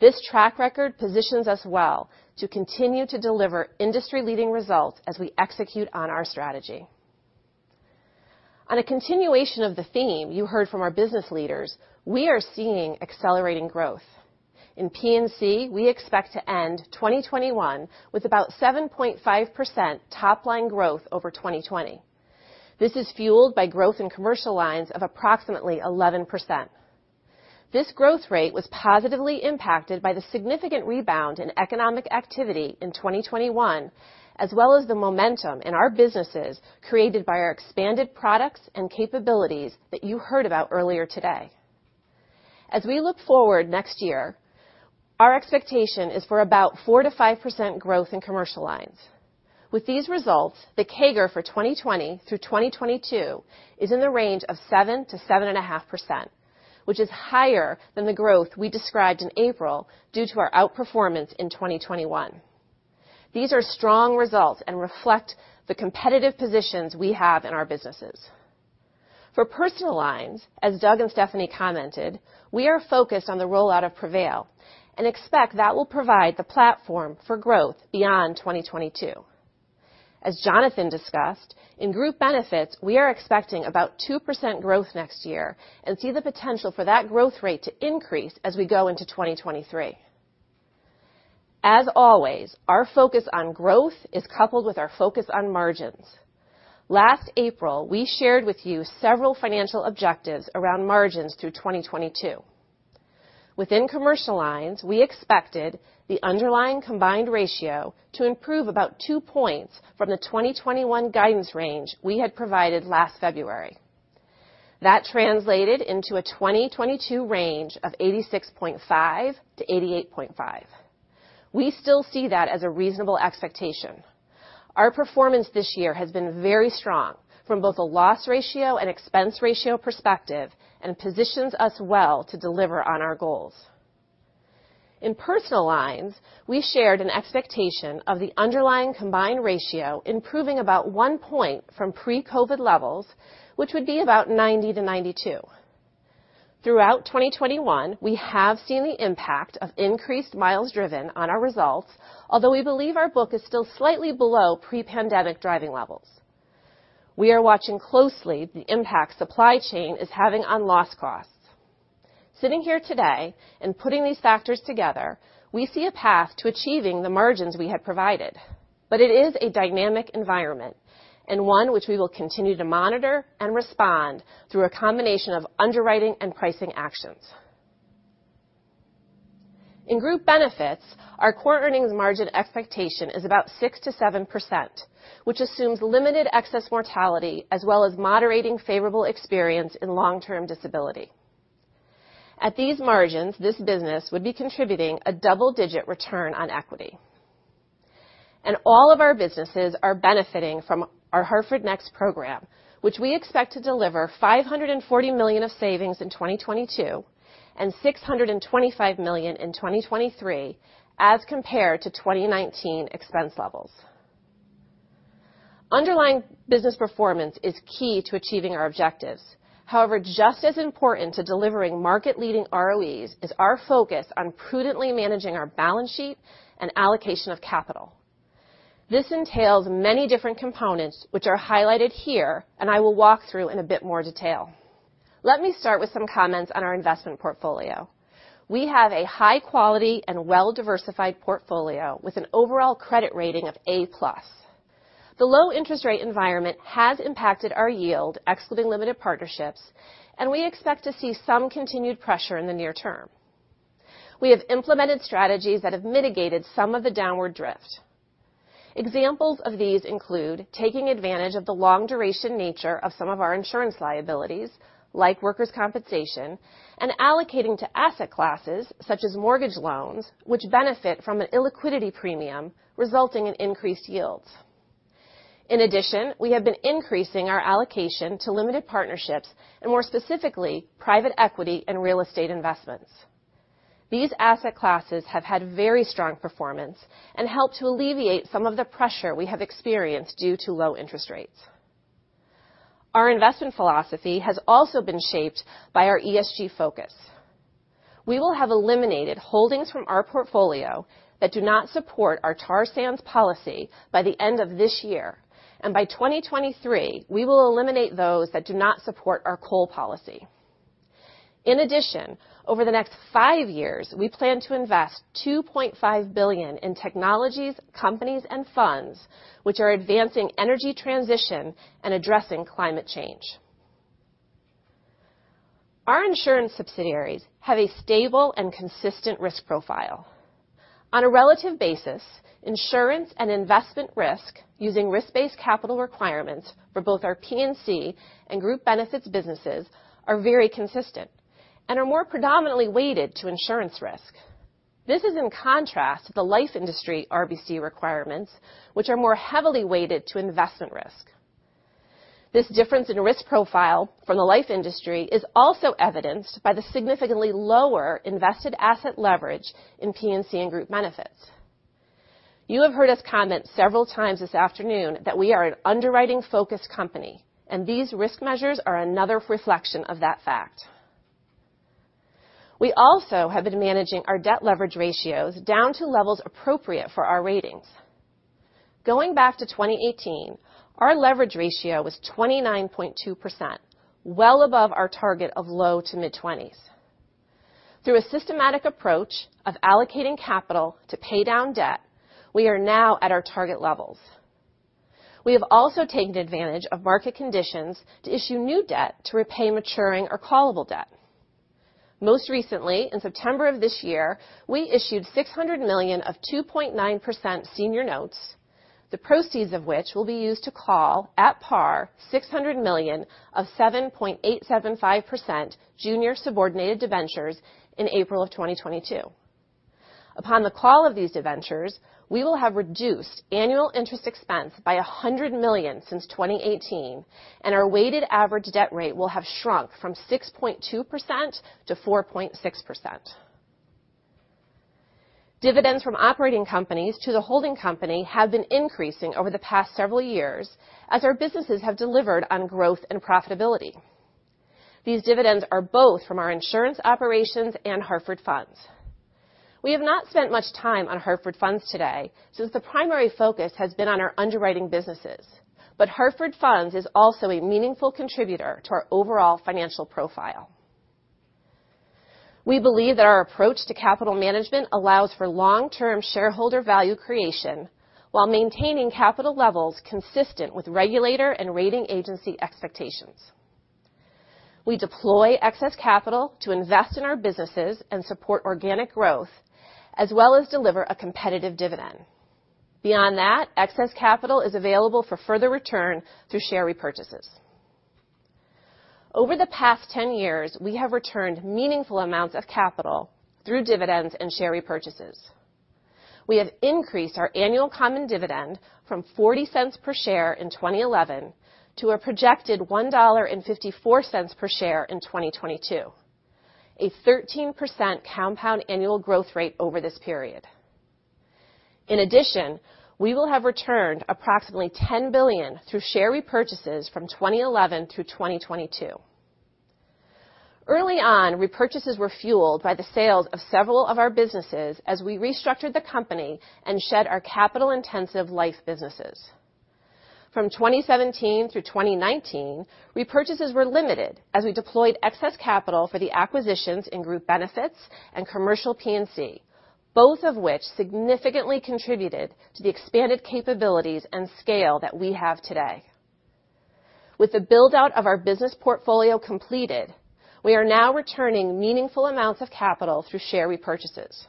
This track record positions us well to continue to deliver industry-leading results as we execute on our strategy. On a continuation of the theme you heard from our business leaders, we are seeing accelerating growth. In P&C, we expect to end 2021 with about 7.5% top-line growth over 2020. This is fueled by growth in Commercial Lines of approximately 11%. This growth rate was positively impacted by the significant rebound in economic activity in 2021, as well as the momentum in our businesses created by our expanded products and capabilities that you heard about earlier today. As we look forward next year, our expectation is for about 4%-5% growth in Commercial Lines. With these results, the CAGR for 2020 through 2022 is in the range of 7-7.5%, which is higher than the growth we described in April due to our outperformance in 2021. These are strong results and reflect the competitive positions we have in our businesses. For Personal Lines, as Doug and Stephanie commented, we are focused on the rollout of Prevail and expect that will provide the platform for growth beyond 2022. As Jonathan discussed, in Group Benefits, we are expecting about 2% growth next year and see the potential for that growth rate to increase as we go into 2023. As always, our focus on growth is coupled with our focus on margins. Last April, we shared with you several financial objectives around margins through 2022. Within Commercial Lines, we expected the underlying combined ratio to improve about two points from the 2021 guidance range we had provided last February. That translated into a 2022 range of 86.5-88.5. We still see that as a reasonable expectation. Our performance this year has been very strong from both a loss ratio and expense ratio perspective, and positions us well to deliver on our goals. In Personal Lines, we shared an expectation of the underlying combined ratio improving about one point from pre-COVID levels, which would be about 90-92. Throughout 2021, we have seen the impact of increased miles driven on our results, although we believe our book is still slightly below pre-pandemic driving levels. We are watching closely the impact supply chain is having on loss costs. Sitting here today and putting these factors together, we see a path to achieving the margins we had provided, but it is a dynamic environment and one which we will continue to monitor and respond through a combination of underwriting and pricing actions. In Group Benefits, our core earnings margin expectation is about 6-7%, which assumes limited excess mortality as well as moderating favorable experience in long-term disability. At these margins, this business would be contributing a double-digit return on equity. And all of our businesses are benefiting from our Hartford Next program, which we expect to deliver $540 million of savings in 2022 and $625 million in 2023 as compared to 2019 expense levels. Underlying business performance is key to achieving our objectives. However, just as important to delivering market-leading ROEs is our focus on prudently managing our balance sheet and allocation of capital. This entails many different components, which are highlighted here, and I will walk through in a bit more detail. Let me start with some comments on our investment portfolio. We have a high quality and well-diversified portfolio with an overall credit rating of A plus. The low interest rate environment has impacted our yield, excluding limited partnerships, and we expect to see some continued pressure in the near term. We have implemented strategies that have mitigated some of the downward drift. Examples of these include taking advantage of the long duration nature of some of our insurance liabilities, like workers' compensation, and allocating to asset classes such as mortgage loans, which benefit from an illiquidity premium, resulting in increased yields. In addition, we have been increasing our allocation to limited partnerships, and more specifically, private equity and real estate investments. These asset classes have had very strong performance and helped to alleviate some of the pressure we have experienced due to low interest rates. Our investment philosophy has also been shaped by our ESG focus. We will have eliminated holdings from our portfolio that do not support our tar sands policy by the end of this year, and by 2023, we will eliminate those that do not support our coal policy. In addition, over the next five years, we plan to invest $2.5 billion in technologies, companies, and funds which are advancing energy transition and addressing climate change. Our insurance subsidiaries have a stable and consistent risk profile. On a relative basis, insurance and investment risk, using risk-based capital requirements for both our P&C and Group Benefits businesses, are very consistent and are more predominantly weighted to insurance risk. This is in contrast to the life industry RBC requirements, which are more heavily weighted to investment risk. This difference in risk profile from the life industry is also evidenced by the significantly lower invested asset leverage in P&C and Group Benefits. You have heard us comment several times this afternoon that we are an underwriting-focused company, and these risk measures are another reflection of that fact. We also have been managing our debt leverage ratios down to levels appropriate for our ratings. Going back to 2018, our leverage ratio was 29.2%, well above our target of low to mid-twenties. Through a systematic approach of allocating capital to pay down debt, we are now at our target levels. We have also taken advantage of market conditions to issue new debt to repay maturing or callable debt. Most recently, in September of this year, we issued $600 million of 2.9% senior notes, the proceeds of which will be used to call at par $600 million of 7.875% junior subordinated debentures in April of 2022. Upon the call of these debentures, we will have reduced annual interest expense by $100 million since 2018, and our weighted average debt rate will have shrunk from 6.2% to 4.6%. Dividends from operating companies to the holding company have been increasing over the past several years as our businesses have delivered on growth and profitability. These dividends are both from our insurance operations and Hartford Funds. We have not spent much time on Hartford Funds today, since the primary focus has been on our underwriting businesses, but Hartford Funds is also a meaningful contributor to our overall financial profile. We believe that our approach to capital management allows for long-term shareholder value creation while maintaining capital levels consistent with regulator and rating agency expectations. We deploy excess capital to invest in our businesses and support organic growth, as well as deliver a competitive dividend. Beyond that, excess capital is available for further return through share repurchases. Over the past ten years, we have returned meaningful amounts of capital through dividends and share repurchases. We have increased our annual common dividend from $0.40 per share in 2011 to a projected $1.54 per share in 2022, a 13% compound annual growth rate over this period. In addition, we will have returned approximately $10 billion through share repurchases from 2011 through 2022. Early on, repurchases were fueled by the sales of several of our businesses as we restructured the company and shed our capital-intensive life businesses. From 2017 through 2019, repurchases were limited as we deployed excess capital for the acquisitions in Group Benefits and commercial P&C, both of which significantly contributed to the expanded capabilities and scale that we have today. With the build-out of our business portfolio completed, we are now returning meaningful amounts of capital through share repurchases.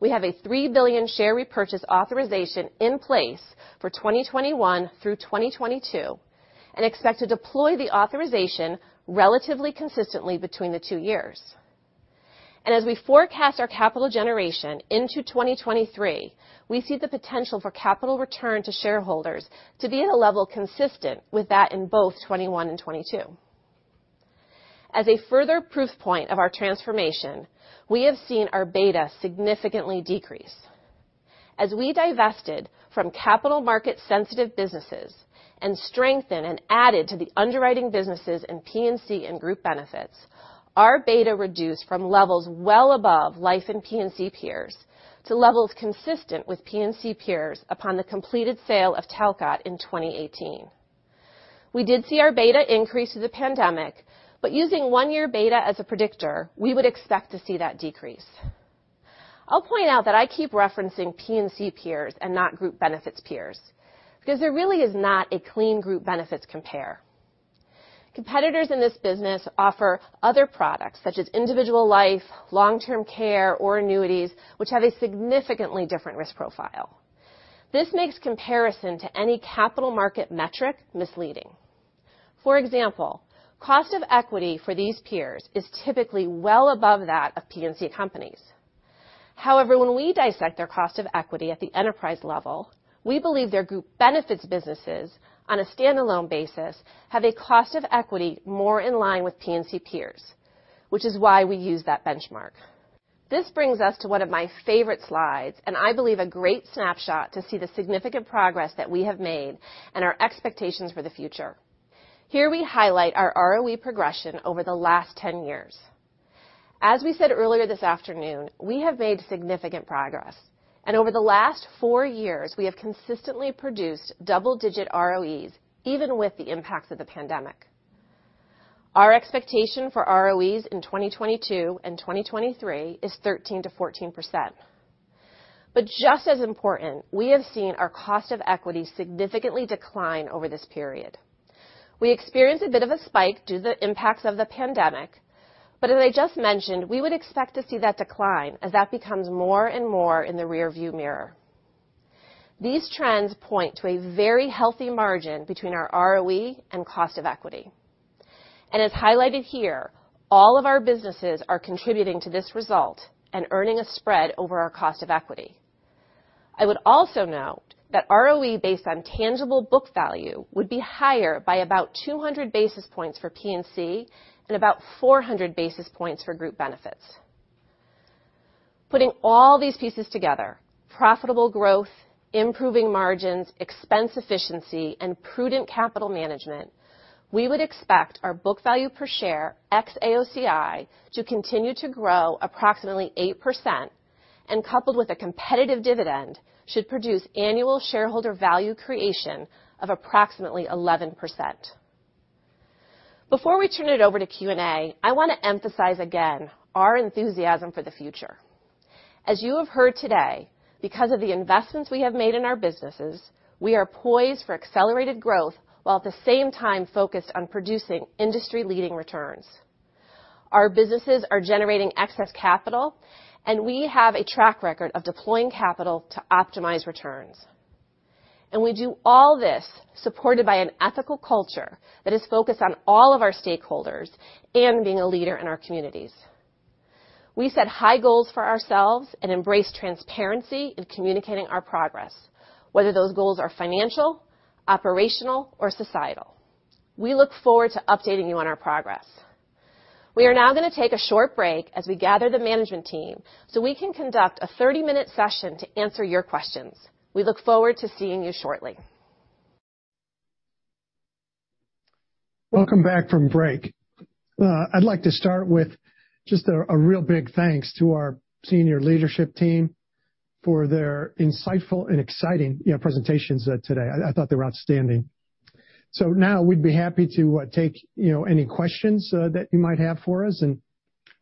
We have a $3 billion share repurchase authorization in place for 2021 through 2022, and expect to deploy the authorization relatively consistently between the two years. And as we forecast our capital generation into 2023, we see the potential for capital return to shareholders to be at a level consistent with that in both 2021 and 2022. As a further proof point of our transformation, we have seen our beta significantly decrease. As we divested from capital market sensitive businesses and strengthened and added to the underwriting businesses in P&C and Group Benefits, our beta reduced from levels well above life and P&C peers to levels consistent with P&C peers upon the completed sale of Talcott in 2018. We did see our beta increase through the pandemic, but using one-year beta as a predictor, we would expect to see that decrease. I'll point out that I keep referencing P&C peers and not Group Benefits peers, because there really is not a clean Group Benefits compare. Competitors in this business offer other products, such as individual life, long-term care, or annuities, which have a significantly different risk profile. This makes comparison to any capital market metric misleading. For example, cost of equity for these peers is typically well above that of P&C companies. However, when we dissect their cost of equity at the enterprise level, we believe their Group Benefits businesses on a standalone basis have a cost of equity more in line with P&C peers, which is why we use that benchmark. This brings us to one of my favorite slides, and I believe, a great snapshot to see the significant progress that we have made and our expectations for the future. Here we highlight our ROE progression over the last 10 years. As we said earlier this afternoon, we have made significant progress, and over the last four years, we have consistently produced double-digit ROEs, even with the impacts of the pandemic. Our expectation for ROEs in 2022 and 2023 is 13%-14%, but just as important, we have seen our cost of equity significantly decline over this period. We experienced a bit of a spike due to the impacts of the pandemic, but as I just mentioned, we would expect to see that decline as that becomes more and more in the rearview mirror. These trends point to a very healthy margin between our ROE and cost of equity, and as highlighted here, all of our businesses are contributing to this result and earning a spread over our cost of equity. I would also note that ROE, based on tangible book value, would be higher by about two hundred basis points for P&C and about four hundred basis points for Group Benefits. Putting all these pieces together, profitable growth, improving margins, expense efficiency, and prudent capital management, we would expect our book value per share, ex-AOCI, to continue to grow approximately 8%, and coupled with a competitive dividend, should produce annual shareholder value creation of approximately 11%. Before we turn it over to Q&A, I want to emphasize again our enthusiasm for the future. As you have heard today, because of the investments we have made in our businesses, we are poised for accelerated growth, while at the same time focused on producing industry-leading returns. Our businesses are generating excess capital, and we have a track record of deploying capital to optimize returns. And we do all this supported by an ethical culture that is focused on all of our stakeholders and being a leader in our communities. We set high goals for ourselves and embrace transparency in communicating our progress, whether those goals are financial, operational, or societal. We look forward to updating you on our progress. We are now gonna take a short break as we gather the management team, so we can conduct a 30-minute session to answer your questions. We look forward to seeing you shortly. Welcome back from break. I'd like to start with just a real big thanks to our senior leadership team for their insightful and exciting, you know, presentations today. I thought they were outstanding. So now we'd be happy to take, you know, any questions that you might have for us, and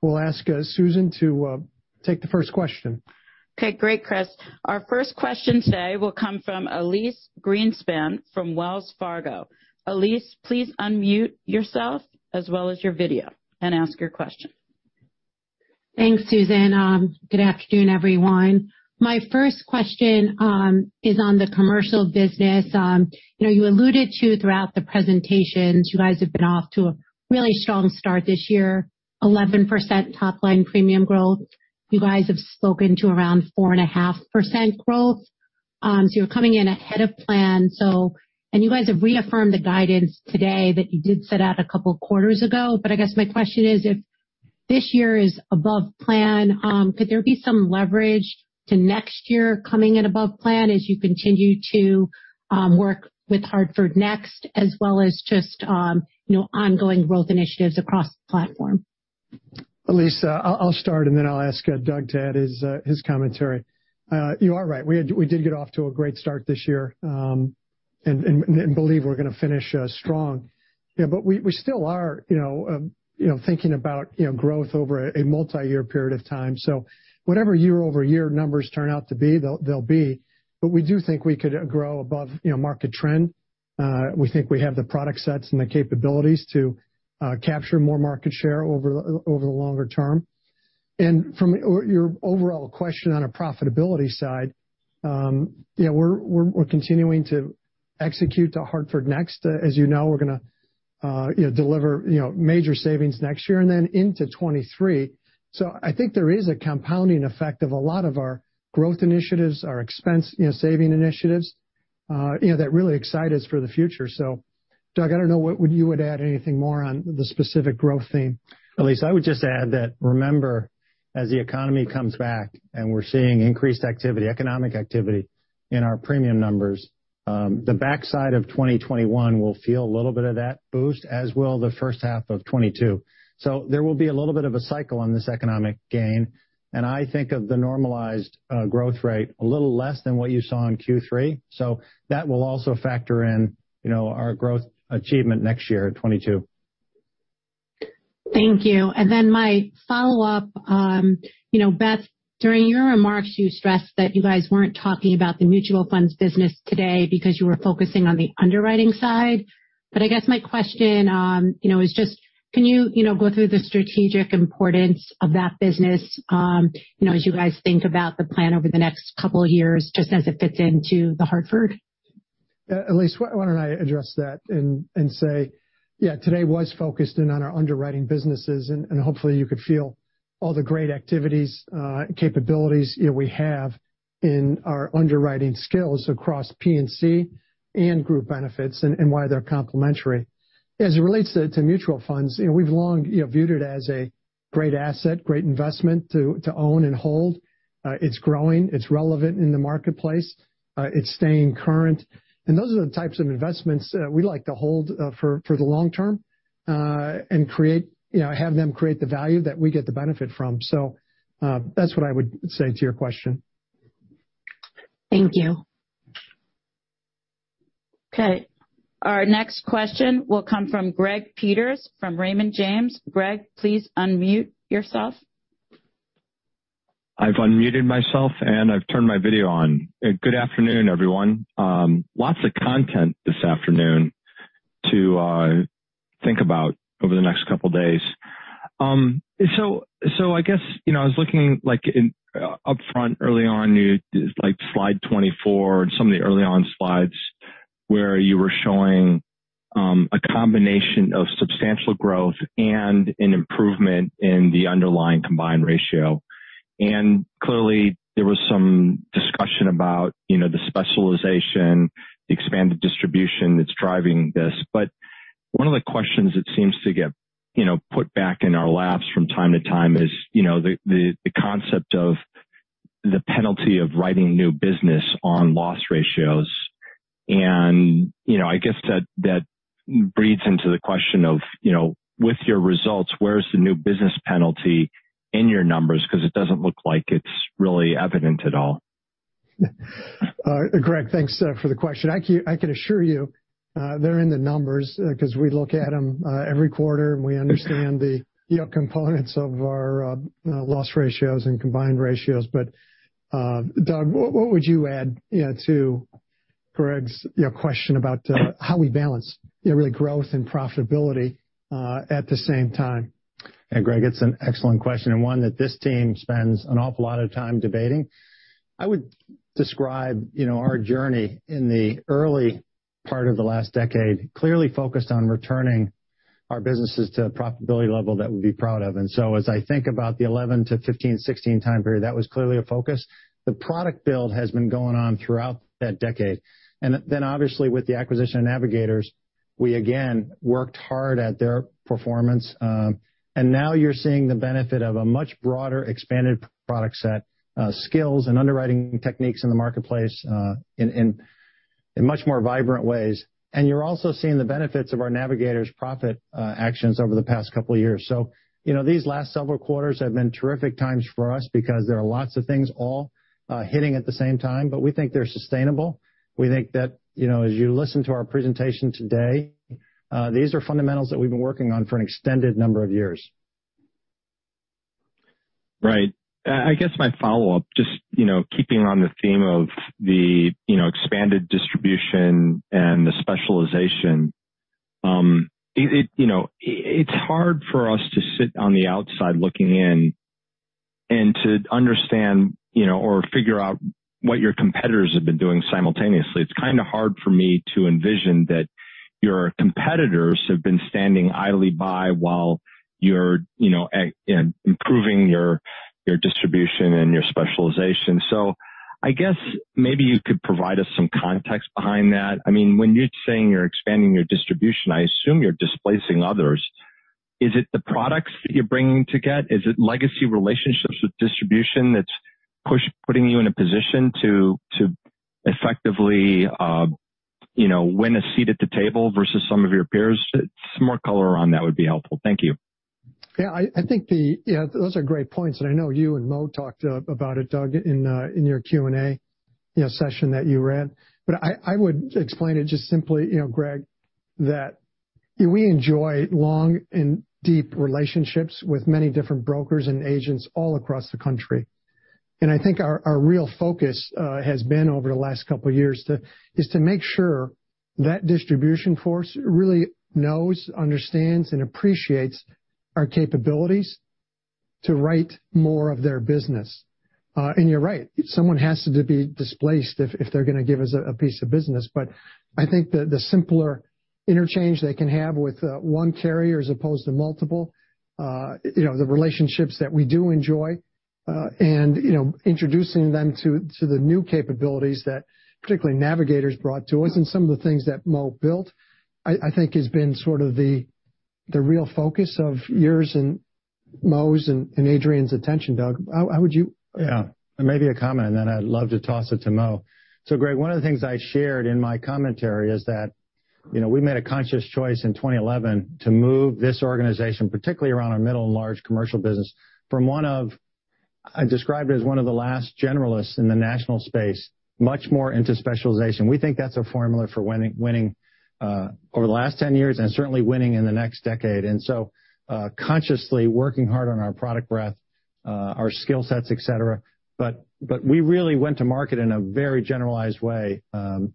we'll ask Susan to take the first question. Okay, great, Chris. Our first question today will come from Elyse Greenspan from Wells Fargo. Elyse, please unmute yourself as well as your video and ask your question. Thanks, Susan. Good afternoon, everyone. My first question is on the commercial business. You know, you alluded to throughout the presentations, you guys have been off to a really strong start this year, 11% top-line premium growth. You guys have spoken to around 4.5% growth. So you're coming in ahead of plan. And you guys have reaffirmed the guidance today that you did set out a couple quarters ago. But I guess my question is, if this year is above plan, could there be some leverage to next year coming in above plan as you continue to work with Hartford Next, as well as just, you know, ongoing growth initiatives across the platform? Elyse, I'll start, and then I'll ask Doug to add his commentary. You are right. We did get off to a great start this year, and believe we're gonna finish strong. Yeah, but we still are, you know, you know, thinking about, you know, growth over a multiyear period of time. So whatever year-over-year numbers turn out to be, they'll be, but we do think we could grow above, you know, market trend. We think we have the product sets and the capabilities to capture more market share over the longer term. And from your overall question on a profitability side, yeah, we're continuing to execute to Hartford Next. As you know, we're gonna, you know, deliver, you know, major savings next year, and then into 2023, so I think there is a compounding effect of a lot of our growth initiatives, our expense, you know, saving initiatives, you know, that really excite us for the future, so Doug, I don't know, what would you add anything more on the specific growth theme? Elyse, I would just add that, remember, as the economy comes back and we're seeing increased activity, economic activity in our premium numbers, the backside of 2021 will feel a little bit of that boost, as will the first half of 2022. So there will be a little bit of a cycle on this economic gain, and I think of the normalized, growth rate, a little less than what you saw in Q3. So that will also factor in, you know, our growth achievement next year in 2022.... Thank you. And then my follow-up, you know, Beth, during your remarks, you stressed that you guys weren't talking about the mutual funds business today because you were focusing on the underwriting side. But I guess my question, you know, is just can you, you know, go through the strategic importance of that business, you know, as you guys think about the plan over the next couple of years, just as it fits into The Hartford? Elyse, why don't I address that and say, yeah, today was focused in on our underwriting businesses, and hopefully you could feel all the great activities, capabilities, you know, we have in our underwriting skills across P&C and Group Benefits and why they're complementary. As it relates to mutual funds, you know, we've long viewed it as a great asset, great investment to own and hold. It's growing, it's relevant in the marketplace, it's staying current, and those are the types of investments we like to hold for the long term and create, you know, have them create the value that we get the benefit from. So, that's what I would say to your question. Thank you. Okay, our next question will come from Greg Peters, from Raymond James. Greg, please unmute yourself. I've unmuted myself, and I've turned my video on. Good afternoon, everyone. Lots of content this afternoon to think about over the next couple of days. So I guess you know, I was looking, like, in up front, early on, you like slide 24 and some of the early on slides, where you were showing a combination of substantial growth and an improvement in the underlying combined ratio. And clearly, there was some discussion about, you know, the specialization, the expanded distribution that's driving this. But one of the questions that seems to get, you know, put back in our laps from time to time is, you know, the concept of the penalty of writing new business on loss ratios. You know, I guess that breeds into the question of, you know, with your results, where is the new business penalty in your numbers? 'Cause it doesn't look like it's really evident at all. Greg, thanks for the question. I can, I can assure you, they're in the numbers, 'cause we look at them every quarter, and we understand the, you know, components of our loss ratios and combined ratios. But, Doug, what, what would you add, you know, to Greg's, you know, question about how we balance, you know, really growth and profitability at the same time? And Greg, it's an excellent question, and one that this team spends an awful lot of time debating. I would describe, you know, our journey in the early part of the last decade, clearly focused on returning our businesses to a profitability level that we'd be proud of. And so as I think about the eleven to fifteen, sixteen time period, that was clearly a focus. The product build has been going on throughout that decade. And then, obviously, with the acquisition of Navigators, we again worked hard at their performance. And now you're seeing the benefit of a much broader, expanded product set, skills and underwriting techniques in the marketplace, in much more vibrant ways. And you're also seeing the benefits of our Navigators profit actions over the past couple of years. So, you know, these last several quarters have been terrific times for us because there are lots of things all hitting at the same time, but we think they're sustainable. We think that, you know, as you listen to our presentation today, these are fundamentals that we've been working on for an extended number of years. Right. I guess my follow-up, just, you know, keeping on the theme of the, you know, expanded distribution and the specialization. It, you know, it's hard for us to sit on the outside looking in and to understand, you know, or figure out what your competitors have been doing simultaneously. It's kind of hard for me to envision that your competitors have been standing idly by while you're, you know, improving your distribution and your specialization. So I guess maybe you could provide us some context behind that. I mean, when you're saying you're expanding your distribution, I assume you're displacing others. Is it the products that you're bringing to get? Is it legacy relationships with distribution that's putting you in a position to, to effectively, you know, win a seat at the table versus some of your peers? Some more color around that would be helpful. Thank you. Yeah, I think the... Yeah, those are great points, and I know you and Mo talked about it, Doug, in your Q&A, you know, session that you ran. But I would explain it just simply, you know, Greg, that we enjoy long and deep relationships with many different brokers and agents all across the country. And I think our real focus has been over the last couple of years is to make sure that distribution force really knows, understands, and appreciates our capabilities to write more of their business. And you're right, someone has to be displaced if they're gonna give us a piece of business. But I think the simpler interchange they can have with one carrier as opposed to multiple, you know, the relationships that we do enjoy, and, you know, introducing them to the new capabilities that particularly Navigators brought to us and some of the things that Mo built, I think has been sort of the real focus of yours and Mo's and Adrien's attention. Doug, how would you? Yeah. Maybe a comment, and then I'd love to toss it to Mo. So Greg, one of the things I shared in my commentary is that, you know, we made a conscious choice in 2011 to move this organization, particularly around our Middle and Large Commercial business, from one I described as one of the last generalists in the national space, much more into specialization. We think that's a formula for winning over the last ten years and certainly winning in the next decade. And so, consciously working hard on our product breadth, our skill sets, et cetera, but we really went to market in a very generalized way,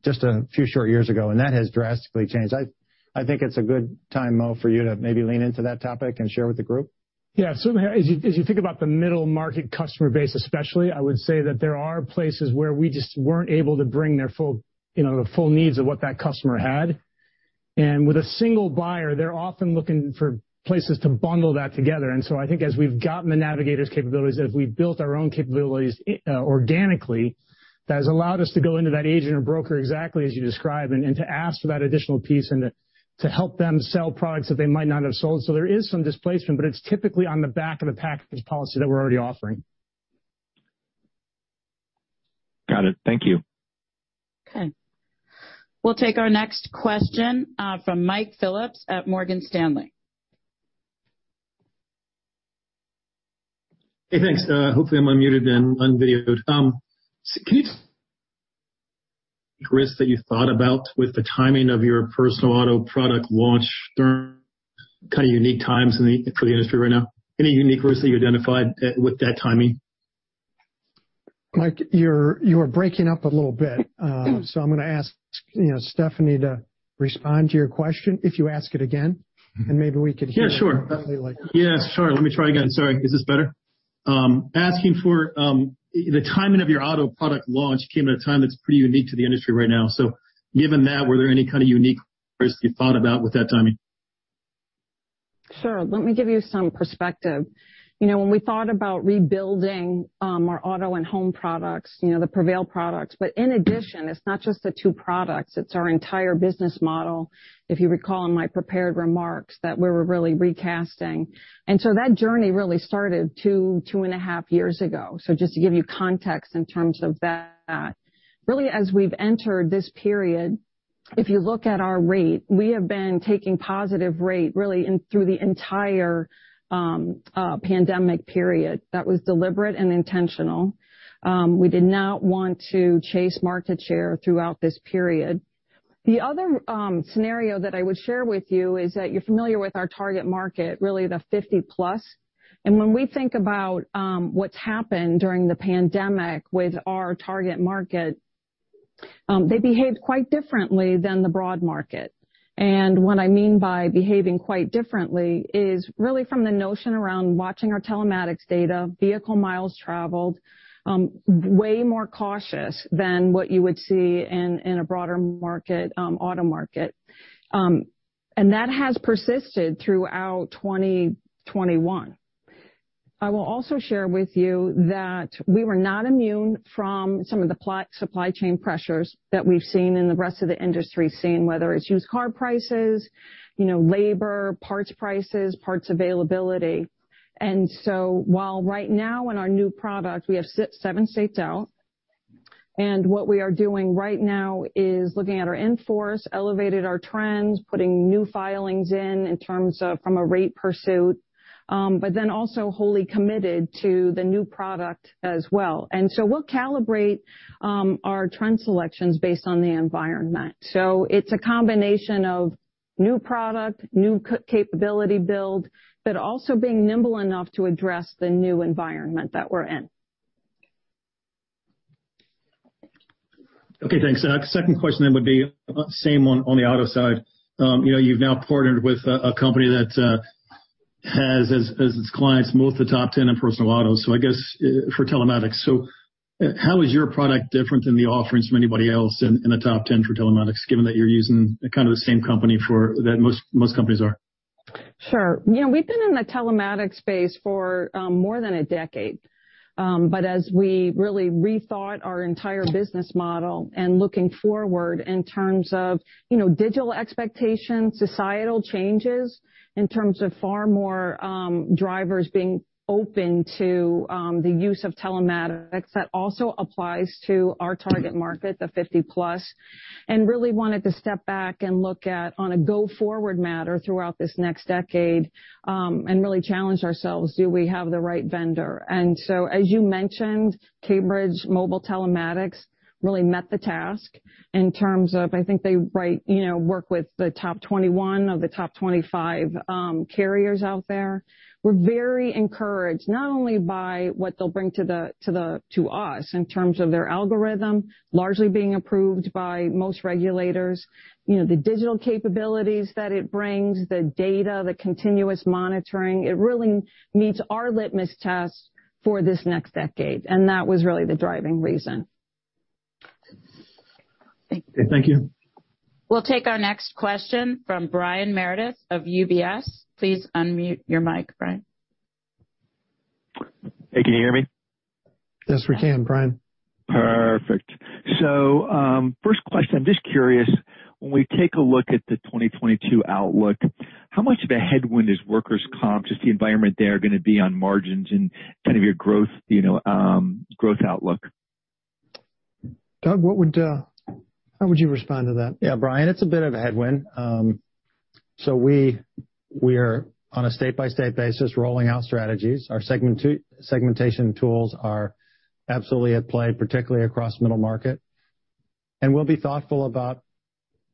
just a few short years ago, and that has drastically changed. I think it's a good time, Mo, for you to maybe lean into that topic and share with the group. Yeah, so as you think about the Middle Market customer base especially, I would say that there are places where we just weren't able to bring their full, you know, the full needs of what that customer had. And with a single buyer, they're often looking for places to bundle that together. And so I think as we've gotten the Navigators capabilities, as we've built our own capabilities organically, that has allowed us to go into that agent or broker exactly as you describe, and to ask for that additional piece and to help them sell products that they might not have sold. So there is some displacement, but it's typically on the back of the package policy that we're already offering. Gotit. Thank you. Okay. We'll take our next question from Mike Phillips at Morgan Stanley. Hey, thanks. Hopefully I'm unmuted and on video. Can you walk us through the risks that you thought about with the timing of your personal auto product launch during kind of unique times for the industry right now? Any unique risks that you identified with that timing? Mike, you're breaking up a little bit, so I'm gonna ask, you know, Stephanie to respond to your question, if you ask it again, and maybe we could hear- Yeah, sure. Definitely, like- Yes, sure. Let me try again. Sorry. Is this better? Asking for the timing of your auto product launch came at a time that's pretty unique to the industry right now. So given that, were there any kind of unique risks you thought about with that timing? Sure. Let me give you some perspective. You know, when we thought about rebuilding, our auto and home products, you know, the Prevail products, but in addition, it's not just the two products, it's our entire business model, if you recall in my prepared remarks, that we were really recasting. And so that journey really started two, two and a half years ago. So just to give you context in terms of that, really, as we've entered this period, if you look at our rate, we have been taking positive rate really in through the entire, pandemic period. That was deliberate and intentional. We did not want to chase market share throughout this period. The other, scenario that I would share with you is that you're familiar with our target market, really, the fifty plus. When we think about what's happened during the pandemic with our target market, they behaved quite differently than the broad market. What I mean by behaving quite differently is really from the notion around watching our telematics data, vehicle miles traveled, way more cautious than what you would see in a broader market, auto market. That has persisted throughout 2021. I will also share with you that we were not immune from some of the supply chain pressures that we've seen in the rest of the industry, seeing whether it's used car prices, you know, labor, parts prices, parts availability. And so while right now in our new product, we have seven states out, and what we are doing right now is looking at our in-force, evaluating our trends, putting new filings in, in terms of, from a rate perspective, but then also wholly committed to the new product as well. And so we'll calibrate our trend selections based on the environment. So it's a combination of new product, new capability build, but also being nimble enough to address the new environment that we're in. Okay, thanks. Second question then would be about the same one on the auto side. You know, you've now partnered with a company that has as its clients both the top ten and personal auto, so I guess for telematics. So how is your product different than the offerings from anybody else in the top ten for telematics, given that you're using kind of the same company for that most companies are? Sure. You know, we've been in the telematics space for, more than a decade. But as we really rethought our entire business model and looking forward in terms of, you know, digital expectations, societal changes, in terms of far more, drivers being open to, the use of telematics, that also applies to our target market, the 50-plus, and really wanted to step back and look at, on a go-forward matter throughout this next decade, and really challenge ourselves: Do we have the right vendor? And so, as you mentioned, Cambridge Mobile Telematics really met the task in terms of I think they write, you know, work with the top 21 or the top 25, carriers out there. We're very encouraged, not only by what they'll bring to us in terms of their algorithm, largely being approved by most regulators, you know, the digital capabilities that it brings, the data, the continuous monitoring. It really meets our litmus test for this next decade, and that was really the driving reason. Thank you. We'll take our next question from Brian Meredith of UBS. Please unmute your mic, Brian. Hey, can you hear me? Yes, we can, Brian. Perfect. So, first question, I'm just curious, when we take a look at the 2022 outlook, how much of a headwind is workers' comp, just the environment there going to be on margins and kind of your growth, you know, growth outlook?... Doug, what would, how would you respond to that? Yeah, Brian, it's a bit of a headwind. So we are on a state-by-state basis rolling out strategies. Our segmentation tools are absolutely at play, particularly across Middle Market. And we'll be thoughtful about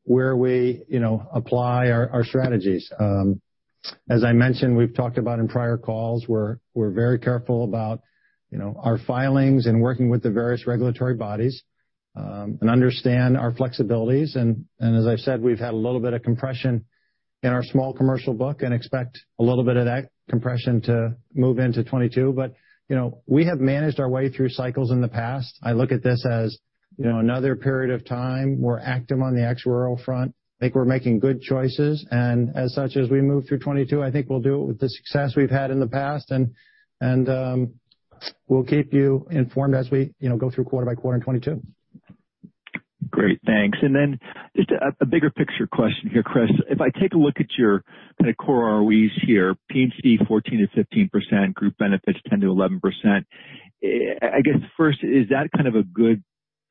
where we, you know, apply our strategies. As I mentioned, we've talked about in prior calls, we're very careful about, you know, our filings and working with the various regulatory bodies, and understand our flexibilities. And as I've said, we've had a little bit of compression in our Small Commercial book and expect a little bit of that compression to move into 2022. But, you know, we have managed our way through cycles in the past. I look at this as, you know, another period of time. We're active onhe actuarial front. I think we're making good choices, and as such, as we move through 2022, I think we'll do it with the success we've had in the past, and we'll keep you informed as we, you know, go through quarter-by-quarter in 2022. Great, thanks. And then just a bigger picture question here, Chris. If I take a look at your kind of core ROEs here, P&C, 14-15%, Group Benefits, 10-11%, I guess, first, is that kind of a good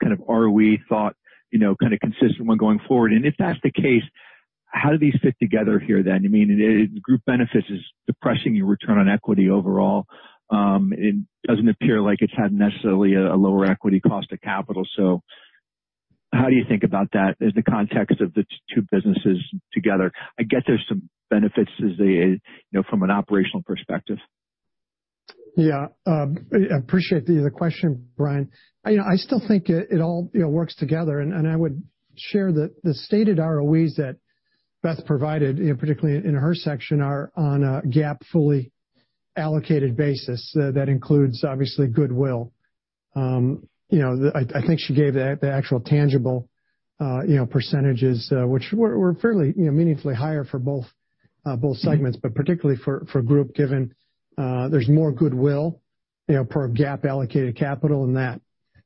kind of ROE thought, you know, kind of consistent when going forward? And if that's the case, how do these fit together here then? I mean, the Group Benefits is depressing your return on equity overall. It doesn't appear like it's had necessarily a lower equity cost of capital. So how do you think about that as the context of the two businesses together? I get there's some benefits as a, you know, from an operational perspective. Yeah, I appreciate the question, Brian. You know, I still think it all works together, and I would share that the stated ROEs that Beth provided, you know, particularly in her section, are on a GAAP fully allocated basis that includes, obviously, goodwill. You know, I think she gave the actual tangible percentages, which were fairly meaningfully higher for both segments, but particularly for group, given there's more goodwill per GAAP allocated capital in that.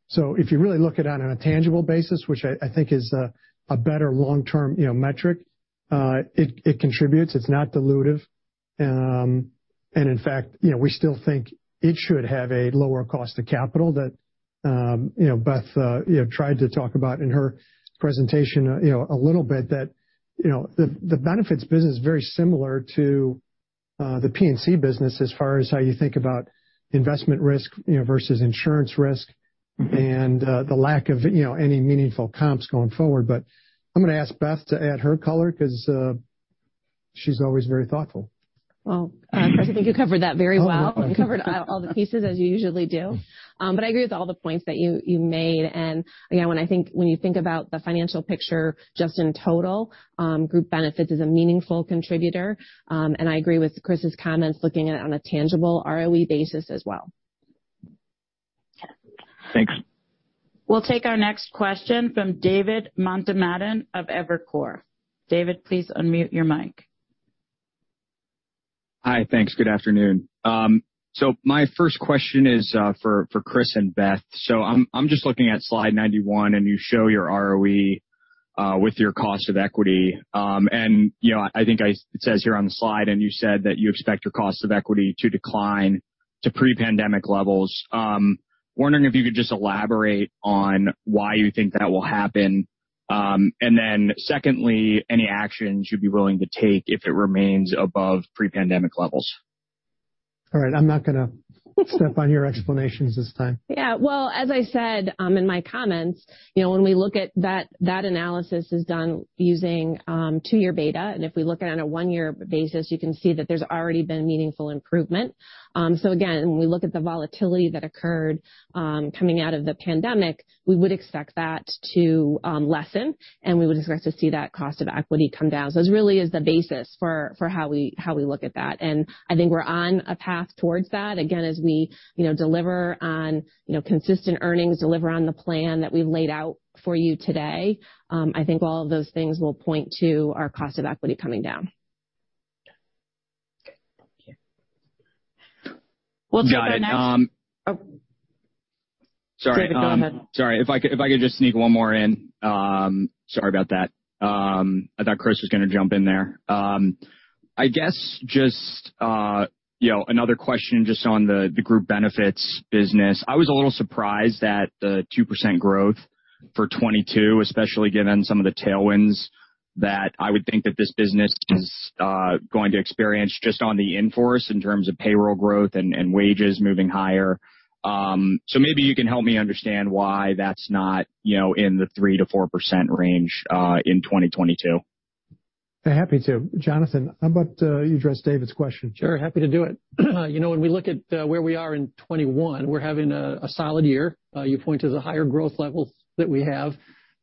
So if you really look at it on a tangible basis, which I think is a better long-term metric, it contributes, it's not dilutive. And in fact, you know, we still think it should have a lower cost of capital that, you know, Beth, you know, tried to talk about in her presentation, you know, a little bit that, you know, the benefits business is very similar to the P&C business as far as how you think about investment risk, you know, versus insurance risk, and the lack of, you know, any meaningful comps going forward. But I'm gonna ask Beth to add her color because she's always very thoughtful. Chris, I think you covered that very well. You covered all the pieces as you usually do. But I agree with all the points that you made. And again, when you think about the financial picture just in total, Group Benefits is a meaningful contributor, and I agree with Chris's comments, looking at it on a tangible ROE basis as well. Thanks. We'll take our next question from David Motemaden of Evercore. David, please unmute your mic. Hi, thanks. Good afternoon. So my first question is for Chris and Beth. So I'm just looking at slide ninety-one, and you show your ROE with your cost of equity, and you know, I think it says here on the slide, and you said that you expect your cost of equity to decline to pre-pandemic levels. Wondering if you could just elaborate on why you think that will happen, and then secondly, any actions you'd be willing to take if it remains above pre-pandemic levels? All right, I'm not gonna step on your explanations this time. Yeah. Well, as I said, in my comments, you know, when we look at that, that analysis is done using two-year beta. And if we look at it on a one-year basis, you can see that there's already been meaningful improvement. So again, when we look at the volatility that occurred coming out of the pandemic, we would expect that to lessen, and we would expect to see that cost of equity come down. So it really is the basis for how we look at that. And I think we're on a path towards that. Again, as we, you know, deliver on, you know, consistent earnings, deliver on the plan that we've laid out for you today, I think all of those things will point to our cost of equity coming down. We'll take our next- Got it, Sorry, um- David, go ahead. Sorry. If I could, if I could just sneak one more in. Sorry about that. I thought Chris was gonna jump in there. I guess just, you know, another question just on the, the Group Benefits business. I was a little surprised at the 2% growth for 2022, especially given some of the tailwinds that I would think that this business is, going to experience just on the in-force in terms of payroll growth and, and wages moving higher. So maybe you can help me understand why that's not, you know, in the 3%-4% range, in 2022? I'm happy to. Jonathan, how about you address David's question? Sure, happy to do it. You know, when we look at where we are in 2021, we're having a solid year. You point to the higher growth levels that we have.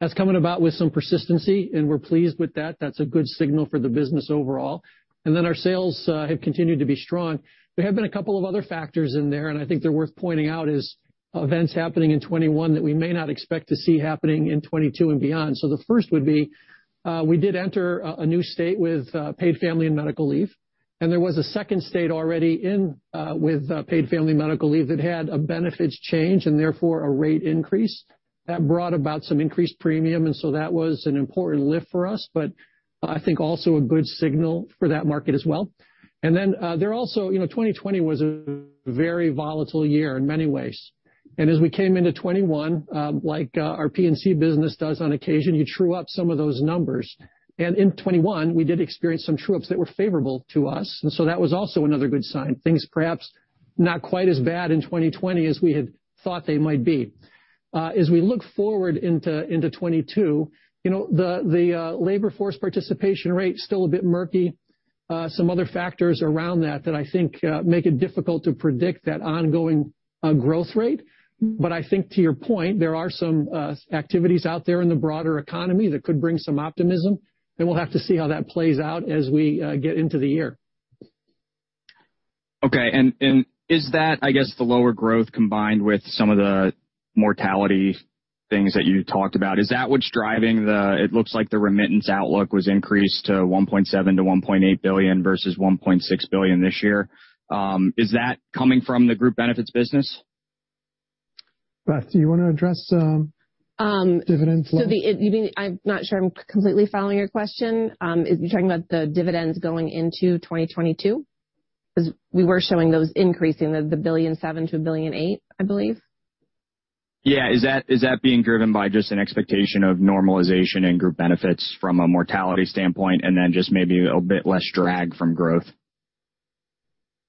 That's coming about with some persistency, and we're pleased with that. That's a good signal for the business overall. And then our sales have continued to be strong. There have been a couple of other factors in there, and I think they're worth pointing out, is events happening in 2021 that we may not expect to see happening in 2022 and beyond. So the first would be, we did enter a new state with paid family and medical leave, and there was a second state already in with paid family medical leave that had a benefits change and therefore a rate increase. That brought about some increased premium, and so that was an important lift for us, but I think also a good signal for that market as well. And then, there are also... You know, 2020 was a very volatile year in many ways.... And as we came into 2021, like, our P&C business does on occasion, you true up some of those numbers. And in 2021, we did experience some true ups that were favorable to us, and so that was also another good sign. Things perhaps not quite as bad in 2020 as we had thought they might be. As we look forward into 2022, you know, the labor force participation rate's still a bit murky. Some other factors around that that I think make it difficult to predict that ongoing growth rate. But I think to your point, there are some activities out there in the broader economy that could bring some optimism, and we'll have to see how that plays out as we get into the year. Okay, and is that, I guess, the lower growth combined with some of the mortality things that you talked about, is that what's driving the, it looks like the remittance outlook was increased to $1.7-$1.8 billion, versus $1.6 billion this year? Is that coming from the Group Benefits business? Beth, do you wanna address, dividends level? So, you mean I'm not sure I'm completely following your question. Are you talking about the dividends going into 2022? 'Cause we were showing those increasing, $1.7 billion to $1.8 billion, I believe. Yeah, is that being driven by just an expectation of normalization and Group Benefits from a mortality standpoint, and then just maybe a bit less drag from growth?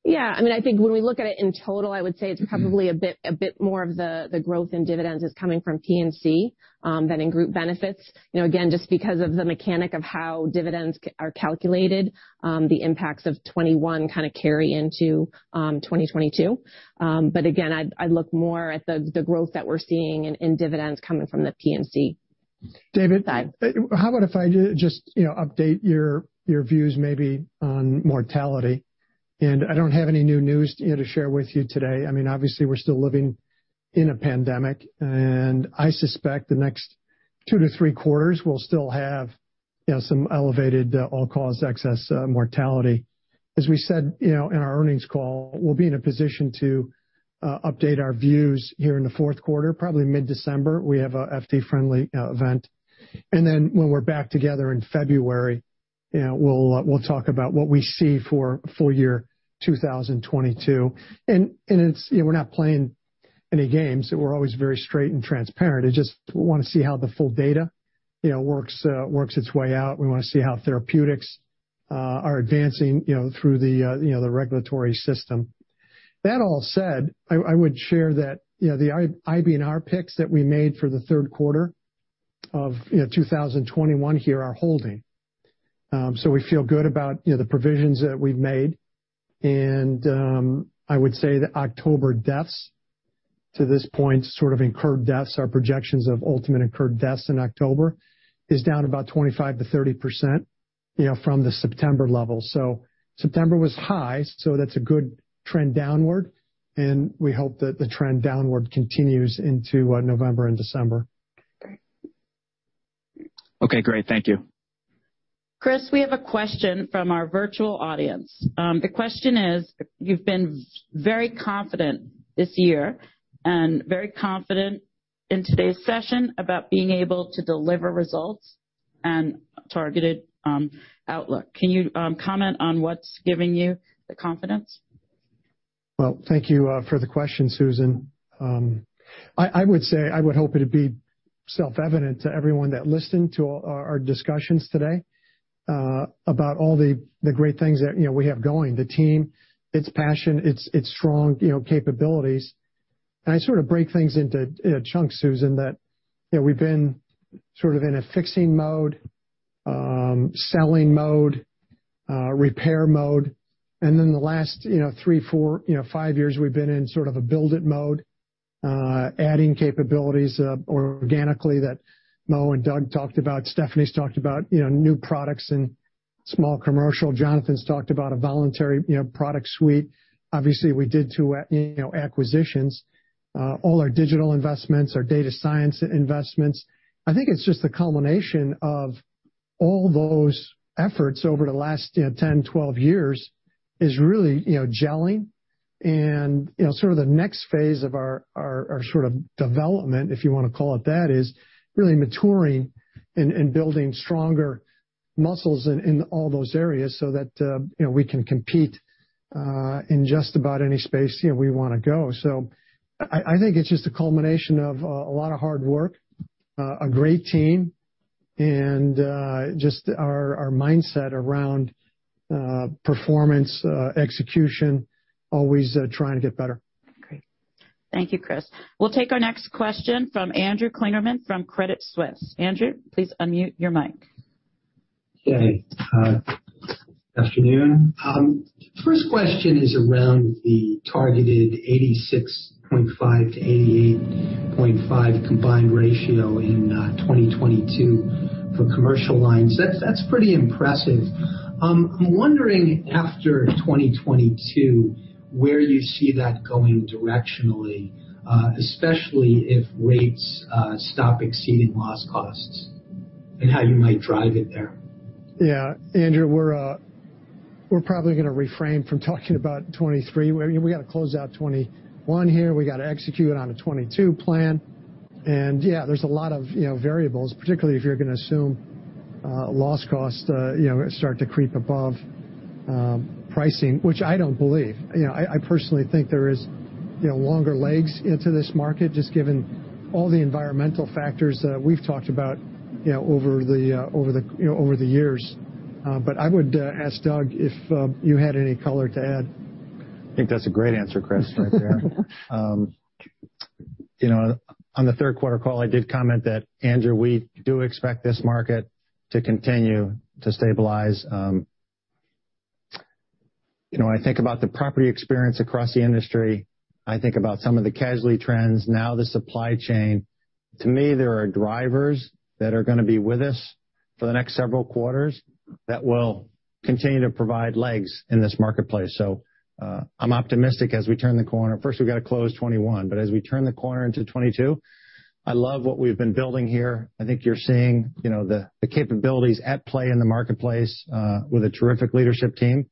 Yeah. I mean, I think when we look at it in total, I would say it's probably a bit more of the growth in dividends is coming from P&C than in Group Benefits. You know, again, just because of the mechanic of how dividends are calculated, the impacts of 2021 kind of carry into 2022. But again, I look more at the growth that we're seeing in dividends coming from the P&C side. David, how about if I just, you know, update your views maybe on mortality? And I don't have any new news, you know, to share with you today. I mean, obviously, we're still living in a pandemic, and I suspect the next two to three quarters, we'll still have, you know, some elevated all-cause excess mortality. As we said, you know, in our earnings call, we'll be in a position to update our views here in the fourth quarter, probably mid-December. We have an investor-friendly event. And then when we're back together in February, you know, we'll talk about what we see for full year 2022. And it's, you know, we're not playing any games, so we're always very straight and transparent. It's just, we wanna see how the full data, you know, works its way out. We wanna see how therapeutics are advancing, you know, through the regulatory system. That all said, I would share that, you know, the IBNR picks that we made for the third quarter of 2021 here are holding. So we feel good about, you know, the provisions that we've made, and I would say the October deaths to this point, sort of incurred deaths, our projections of ultimate incurred deaths in October, is down about 25%-30%, you know, from the September level. So September was high, so that's a good trend downward, and we hope that the trend downward continues into November and December. Great. Okay, great. Thank you. Chris, we have a question from our virtual audience. The question is: You've been very confident this year and very confident in today's session about being able to deliver results and targeted outlook. Can you comment on what's giving you the confidence? Thank you for the question, Susan. I would say I would hope it'd be self-evident to everyone that listened to all our discussions today about all the great things that you know we have going. The team, its passion, its strong you know capabilities. I sort of break things into you know chunks, Susan, that you know we've been sort of in a fixing mode, selling mode, repair mode, and then the last you know three, four you know five years, we've been in sort of a build-it mode, adding capabilities organically that Mo and Doug talked about. Stephanie's talked about you know new products and Small Commercial. Jonathan's talked about a voluntary you know product suite. Obviously, we did two you know acquisitions, all our digital investments, our data science investments. I think it's just the culmination of all those efforts over the last, you know, 10, 12 years is really, you know, gelling. And, you know, sort of the next phase of our sort of development, if you wanna call it that, is really maturing and building stronger muscles in all those areas so that, you know, we can compete in just about any space, you know, we wanna go. So I think it's just a culmination of a lot of hard work, a great team, and just our mindset around performance, execution, always trying to get better. Great. Thank you, Chris. We'll take our next question from Andrew Kligerman from Credit Suisse. Andrew, please unmute your mic. Okay, afternoon. First question is around the targeted 86.5 to 88.5 combined ratio in 2022 for Commercial Lines. That's pretty impressive. I'm wondering, after 2022, where you see that going directionally, especially if rates stop exceeding loss costs, and how you might drive it there? Yeah, Andrew, we're probably gonna refrain from talking about 2023. I mean, we gotta close out 2021 here. We gotta execute on a 2022 plan. And yeah, there's a lot of, you know, variables, particularly if you're gonna assume loss costs, you know, start to creep above pricing, which I don't believe. You know, I personally think there is, you know, longer legs into this market, just given all the environmental factors that we've talked about, you know, over the years. But I would ask Doug if you had any color to add. I think that's a great answer, Chris, right there. You know, on the third quarter call, I did comment that, Andrew, we do expect this market to continue to stabilize. You know, when I think about the property experience across the industry, I think about some of the casualty trends, now the supply chain. To me, there are drivers that are gonna be with us for the next several quarters that will continue to provide legs in this marketplace, so I'm optimistic as we turn the corner. First, we've got to close 2021, but as we turn the corner into 2022, I love what we've been building here. I think you're seeing, you know, the capabilities at play in the marketplace, with a terrific leadership team,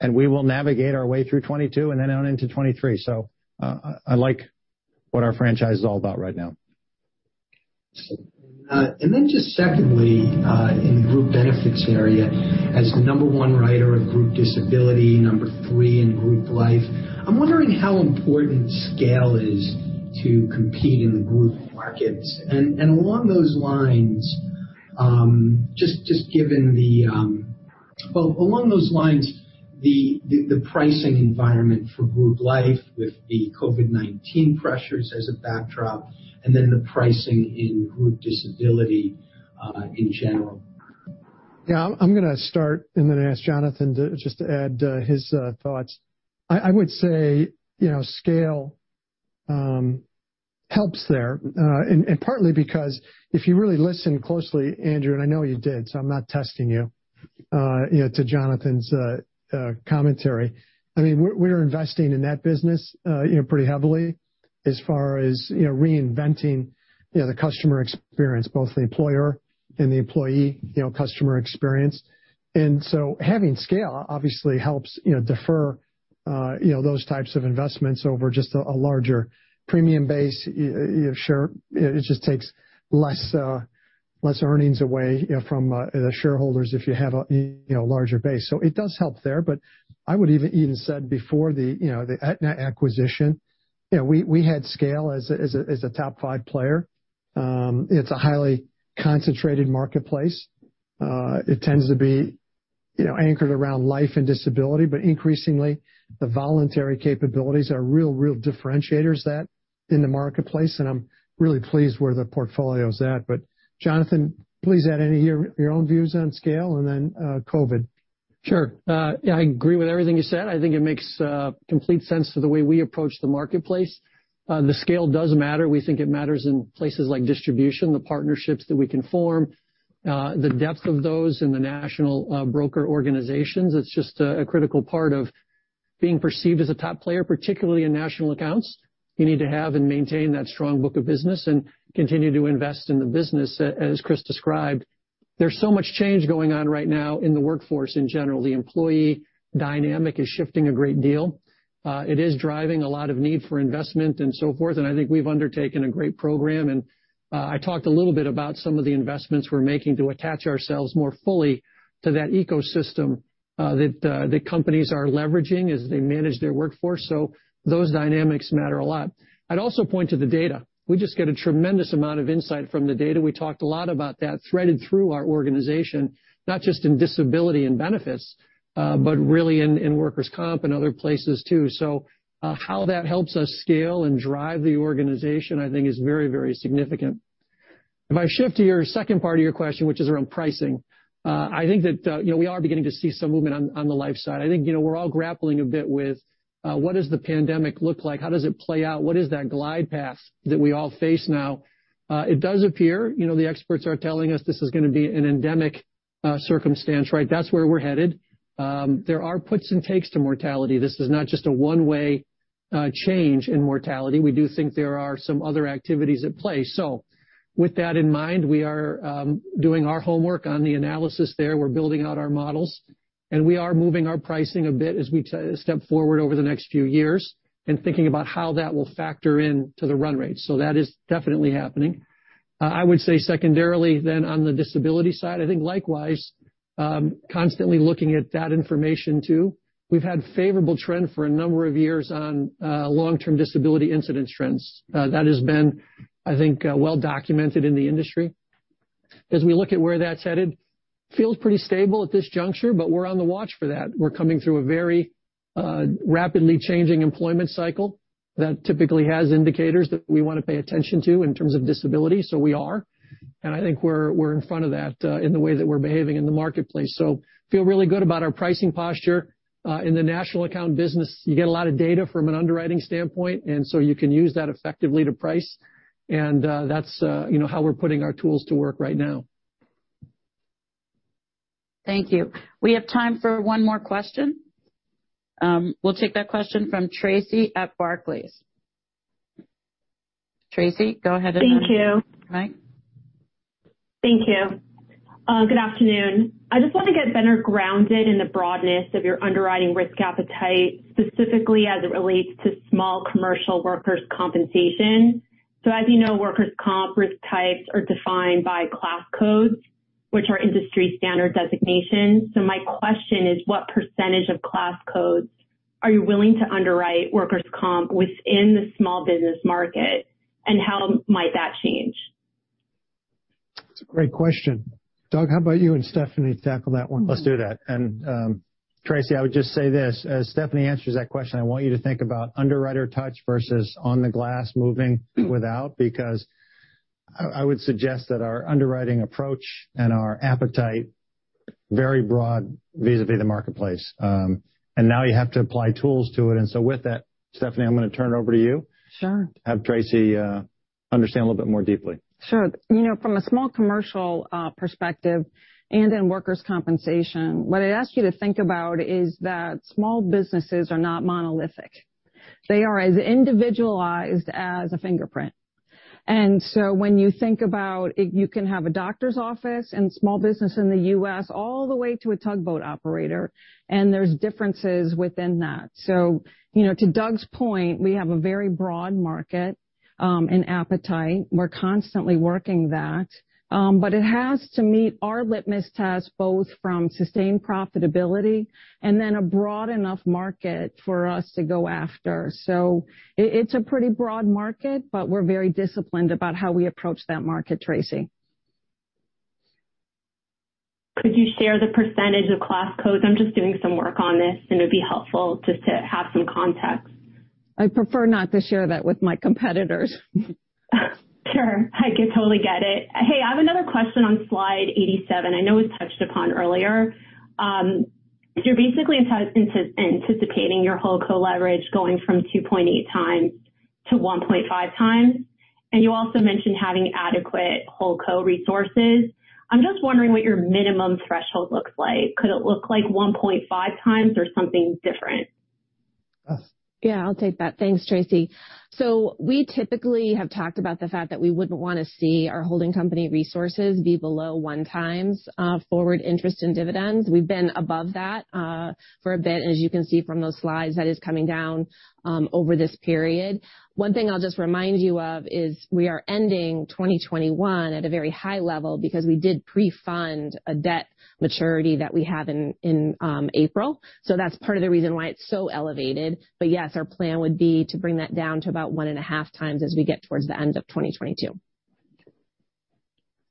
and we will navigate our way through 2022 and then out into 2023. I like what our franchise is all about right now. And then just secondly, in Group Benefits area, as the number one writer of group disability, number three in group life, I'm wondering how important scale is to compete in the group markets. And along those lines, just given the pricing environment for group life with the COVID-19 pressures as a backdrop, and then the pricing in group disability, in general. Yeah, I'm gonna start and then ask Jonathan to just add his thoughts. I would say, you know, scale helps there, and partly because if you really listen closely, Andrew, and I know you did, so I'm not testing you, you know, to Jonathan's commentary. I mean, we're investing in that business, you know, pretty heavily as far as, you know, reinventing, you know, the customer experience, both the employer and the employee, you know, customer experience. And so having scale obviously helps, you know, defer, you know, those types of investments over just a larger premium base. Sure, it just takes less earnings away, you know, from the shareholders if you have a larger base. So it does help there, but I would even said before the, you know, the Aetna acquisition, you know, we had scale as a top five player. It's a highly concentrated marketplace. It tends to be, you know, anchored around life and disability, but increasingly, the voluntary capabilities are real differentiators that in the marketplace, and I'm really pleased where the portfolio is at. But Jonathan, please add any of your own views on scale and then, COVID. Sure. Yeah, I agree with everything you said. I think it makes complete sense to the way we approach the marketplace. The scale does matter. We think it matters in places like distribution, the partnerships that we can form, the depth of those in the national broker organizations. It's just a critical part of being perceived as a top player, particularly in national accounts. You need to have and maintain that strong book of business and continue to invest in the business as Chris described. There's so much change going on right now in the workforce in general. The employee dynamic is shifting a great deal. It is driving a lot of need for investment and so forth, and I think we've undertaken a great program. I talked a little bit about some of the investments we're making to attach ourselves more fully to that ecosystem, that the companies are leveraging as they manage their workforce. Those dynamics matter a lot. I'd also point to the data. We just get a tremendous amount of insight from the data. We talked a lot about that, threaded through our organization, not just in disability and benefits, but really in workers' comp and other places too. How that helps us scale and drive the organization, I think is very, very significant. If I shift to your second part of your question, which is around pricing, I think that, you know, we are beginning to see some movement on the life side. I think, you know, we're all grappling a bit with what does the pandemic look like? How does it play out? What is that glide path that we all face now? It does appear, you know, the experts are telling us this is gonna be an endemic circumstance, right? That's where we're headed. There are puts and takes to mortality. This is not just a one-way change in mortality. We do think there are some other activities at play. So with that in mind, we are doing our homework on the analysis there. We're building out our models, and we are moving our pricing a bit as we step forward over the next few years and thinking about how that will factor in to the run rate. So that is definitely happening. I would say secondarily then, on the disability side, I think likewise, constantly looking at that information too. We've had favorable trend for a number of years on long-term disability incidence trends. That has been, I think, well documented in the industry. As we look at where that's headed, feels pretty stable at this juncture, but we're on the watch for that. We're coming through a very rapidly changing employment cycle that typically has indicators that we want to pay attention to in terms of disability, so we are. And I think we're in front of that in the way that we're behaving in the marketplace. So feel really good about our pricing posture. In the national account business, you get a lot of data from an underwriting standpoint, and so you can use that effectively to price. That's, you know, how we're putting our tools to work right now. Thank you. We have time for one more question. We'll take that question from Tracy at Barclays. Tracy, go ahead and- Thank you.... Thank you. Good afternoon. I just want to get better grounded in the broadness of your underwriting risk appetite, specifically as it relates to Small Commercial workers' compensation. So as you know, workers' comp risk types are defined by class codes, which are industry standard designations. So my question is, what percentage of class codes are you willing to underwrite workers' comp within the small business market, and how might that change? That's a great question. Doug, how about you and Stephanie tackle that one? Let's do that, and Tracy, I would just say this, as Stephanie answers that question, I want you to think about underwriter touch versus on the glass moving without, because I would suggest that our underwriting approach and our appetite, very broad vis-à-vis the marketplace, and now you have to apply tools to it, and so with that, Stephanie, I'm gonna turn it over to you. Sure. Have Tracy understand a little bit more deeply. Sure. You know, from a Small Commercial perspective and in workers' compensation, what I'd ask you to think about is that small businesses are not monolithic. They are as individualized as a fingerprint. And so when you think about it, you can have a doctor's office and small business in the U.S. all the way to a tugboat operator, and there's differences within that. So, you know, to Doug's point, we have a very broad market and appetite. We're constantly working that, but it has to meet our litmus test, both from sustained profitability and then a broad enough market for us to go after. So it, it's a pretty broad market, but we're very disciplined about how we approach that market, Tracy. Could you share the percentage of class codes? I'm just doing some work on this, and it'd be helpful just to have some context. I prefer not to share that with my competitors. Sure, I can totally get it. Hey, I have another question on slide 87. I know it was touched upon earlier. You're basically anticipating your whole company leverage going from 2.8 times to 1.5 times, and you also mentioned having adequate whole company resources. I'm just wondering what your minimum threshold looks like. Could it look like 1.5 times or something different? Yeah, I'll take that. Thanks, Tracy. So we typically have talked about the fact that we wouldn't wanna see our holding company resources be below one times forward interest and dividends. We've been above that for a bit, and as you can see from those slides, that is coming down over this period. One thing I'll just remind you of is we are ending 2021 at a very high level because we did pre-fund a debt maturity that we have in April, so that's part of the reason why it's so elevated. But yes, our plan would be to bring that down to about one and a half times as we get towards the end of 2022.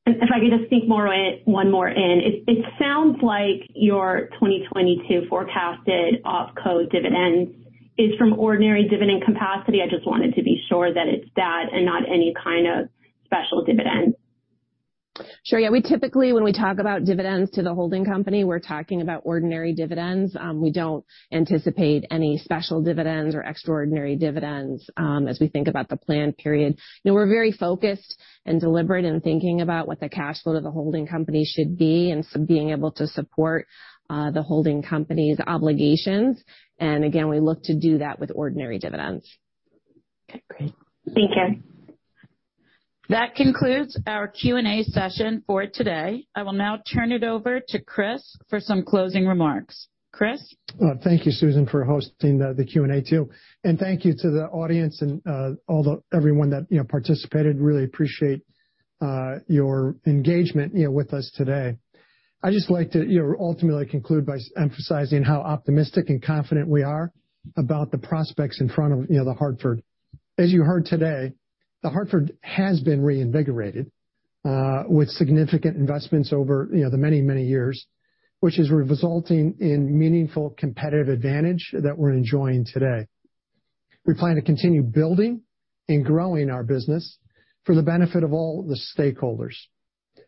And if I could just sneak one more in. It sounds like your 2022 forecasted off-cycle dividends is from ordinary dividend capacity. I just wanted to be sure that it's that and not any kind of special dividend. Sure. Yeah, we typically, when we talk about dividends to the holding company, we're talking about ordinary dividends. We don't anticipate any special dividends or extraordinary dividends as we think about the plan period. You know, we're very focused and deliberate in thinking about what the cash flow to the holding company should be and so being able to support the holding company's obligations, and again, we look to do that with ordinary dividends. Okay, great. Thank you. That concludes our Q&A session for today. I will now turn it over to Chris for some closing remarks. Chris? Thank you, Susan, for hosting the Q&A, too. And thank you to the audience and everyone that, you know, participated. Really appreciate your engagement, you know, with us today. I'd just like to, you know, ultimately conclude by emphasizing how optimistic and confident we are about the prospects in front of, you know, The Hartford. As you heard today, The Hartford has been reinvigorated with significant investments over, you know, the many, many years, which is resulting in meaningful competitive advantage that we're enjoying today. We plan to continue building and growing our business for the benefit of all the stakeholders.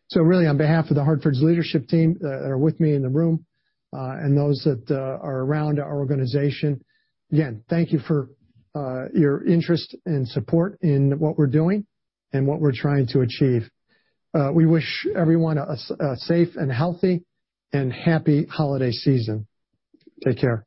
So really, on behalf of The Hartford's leadership team that are with me in the room and those that are around our organization, again, thank you for your interest and support in what we're doing and what we're trying to achieve. We wish everyone a safe and healthy and happy holiday season. Take care.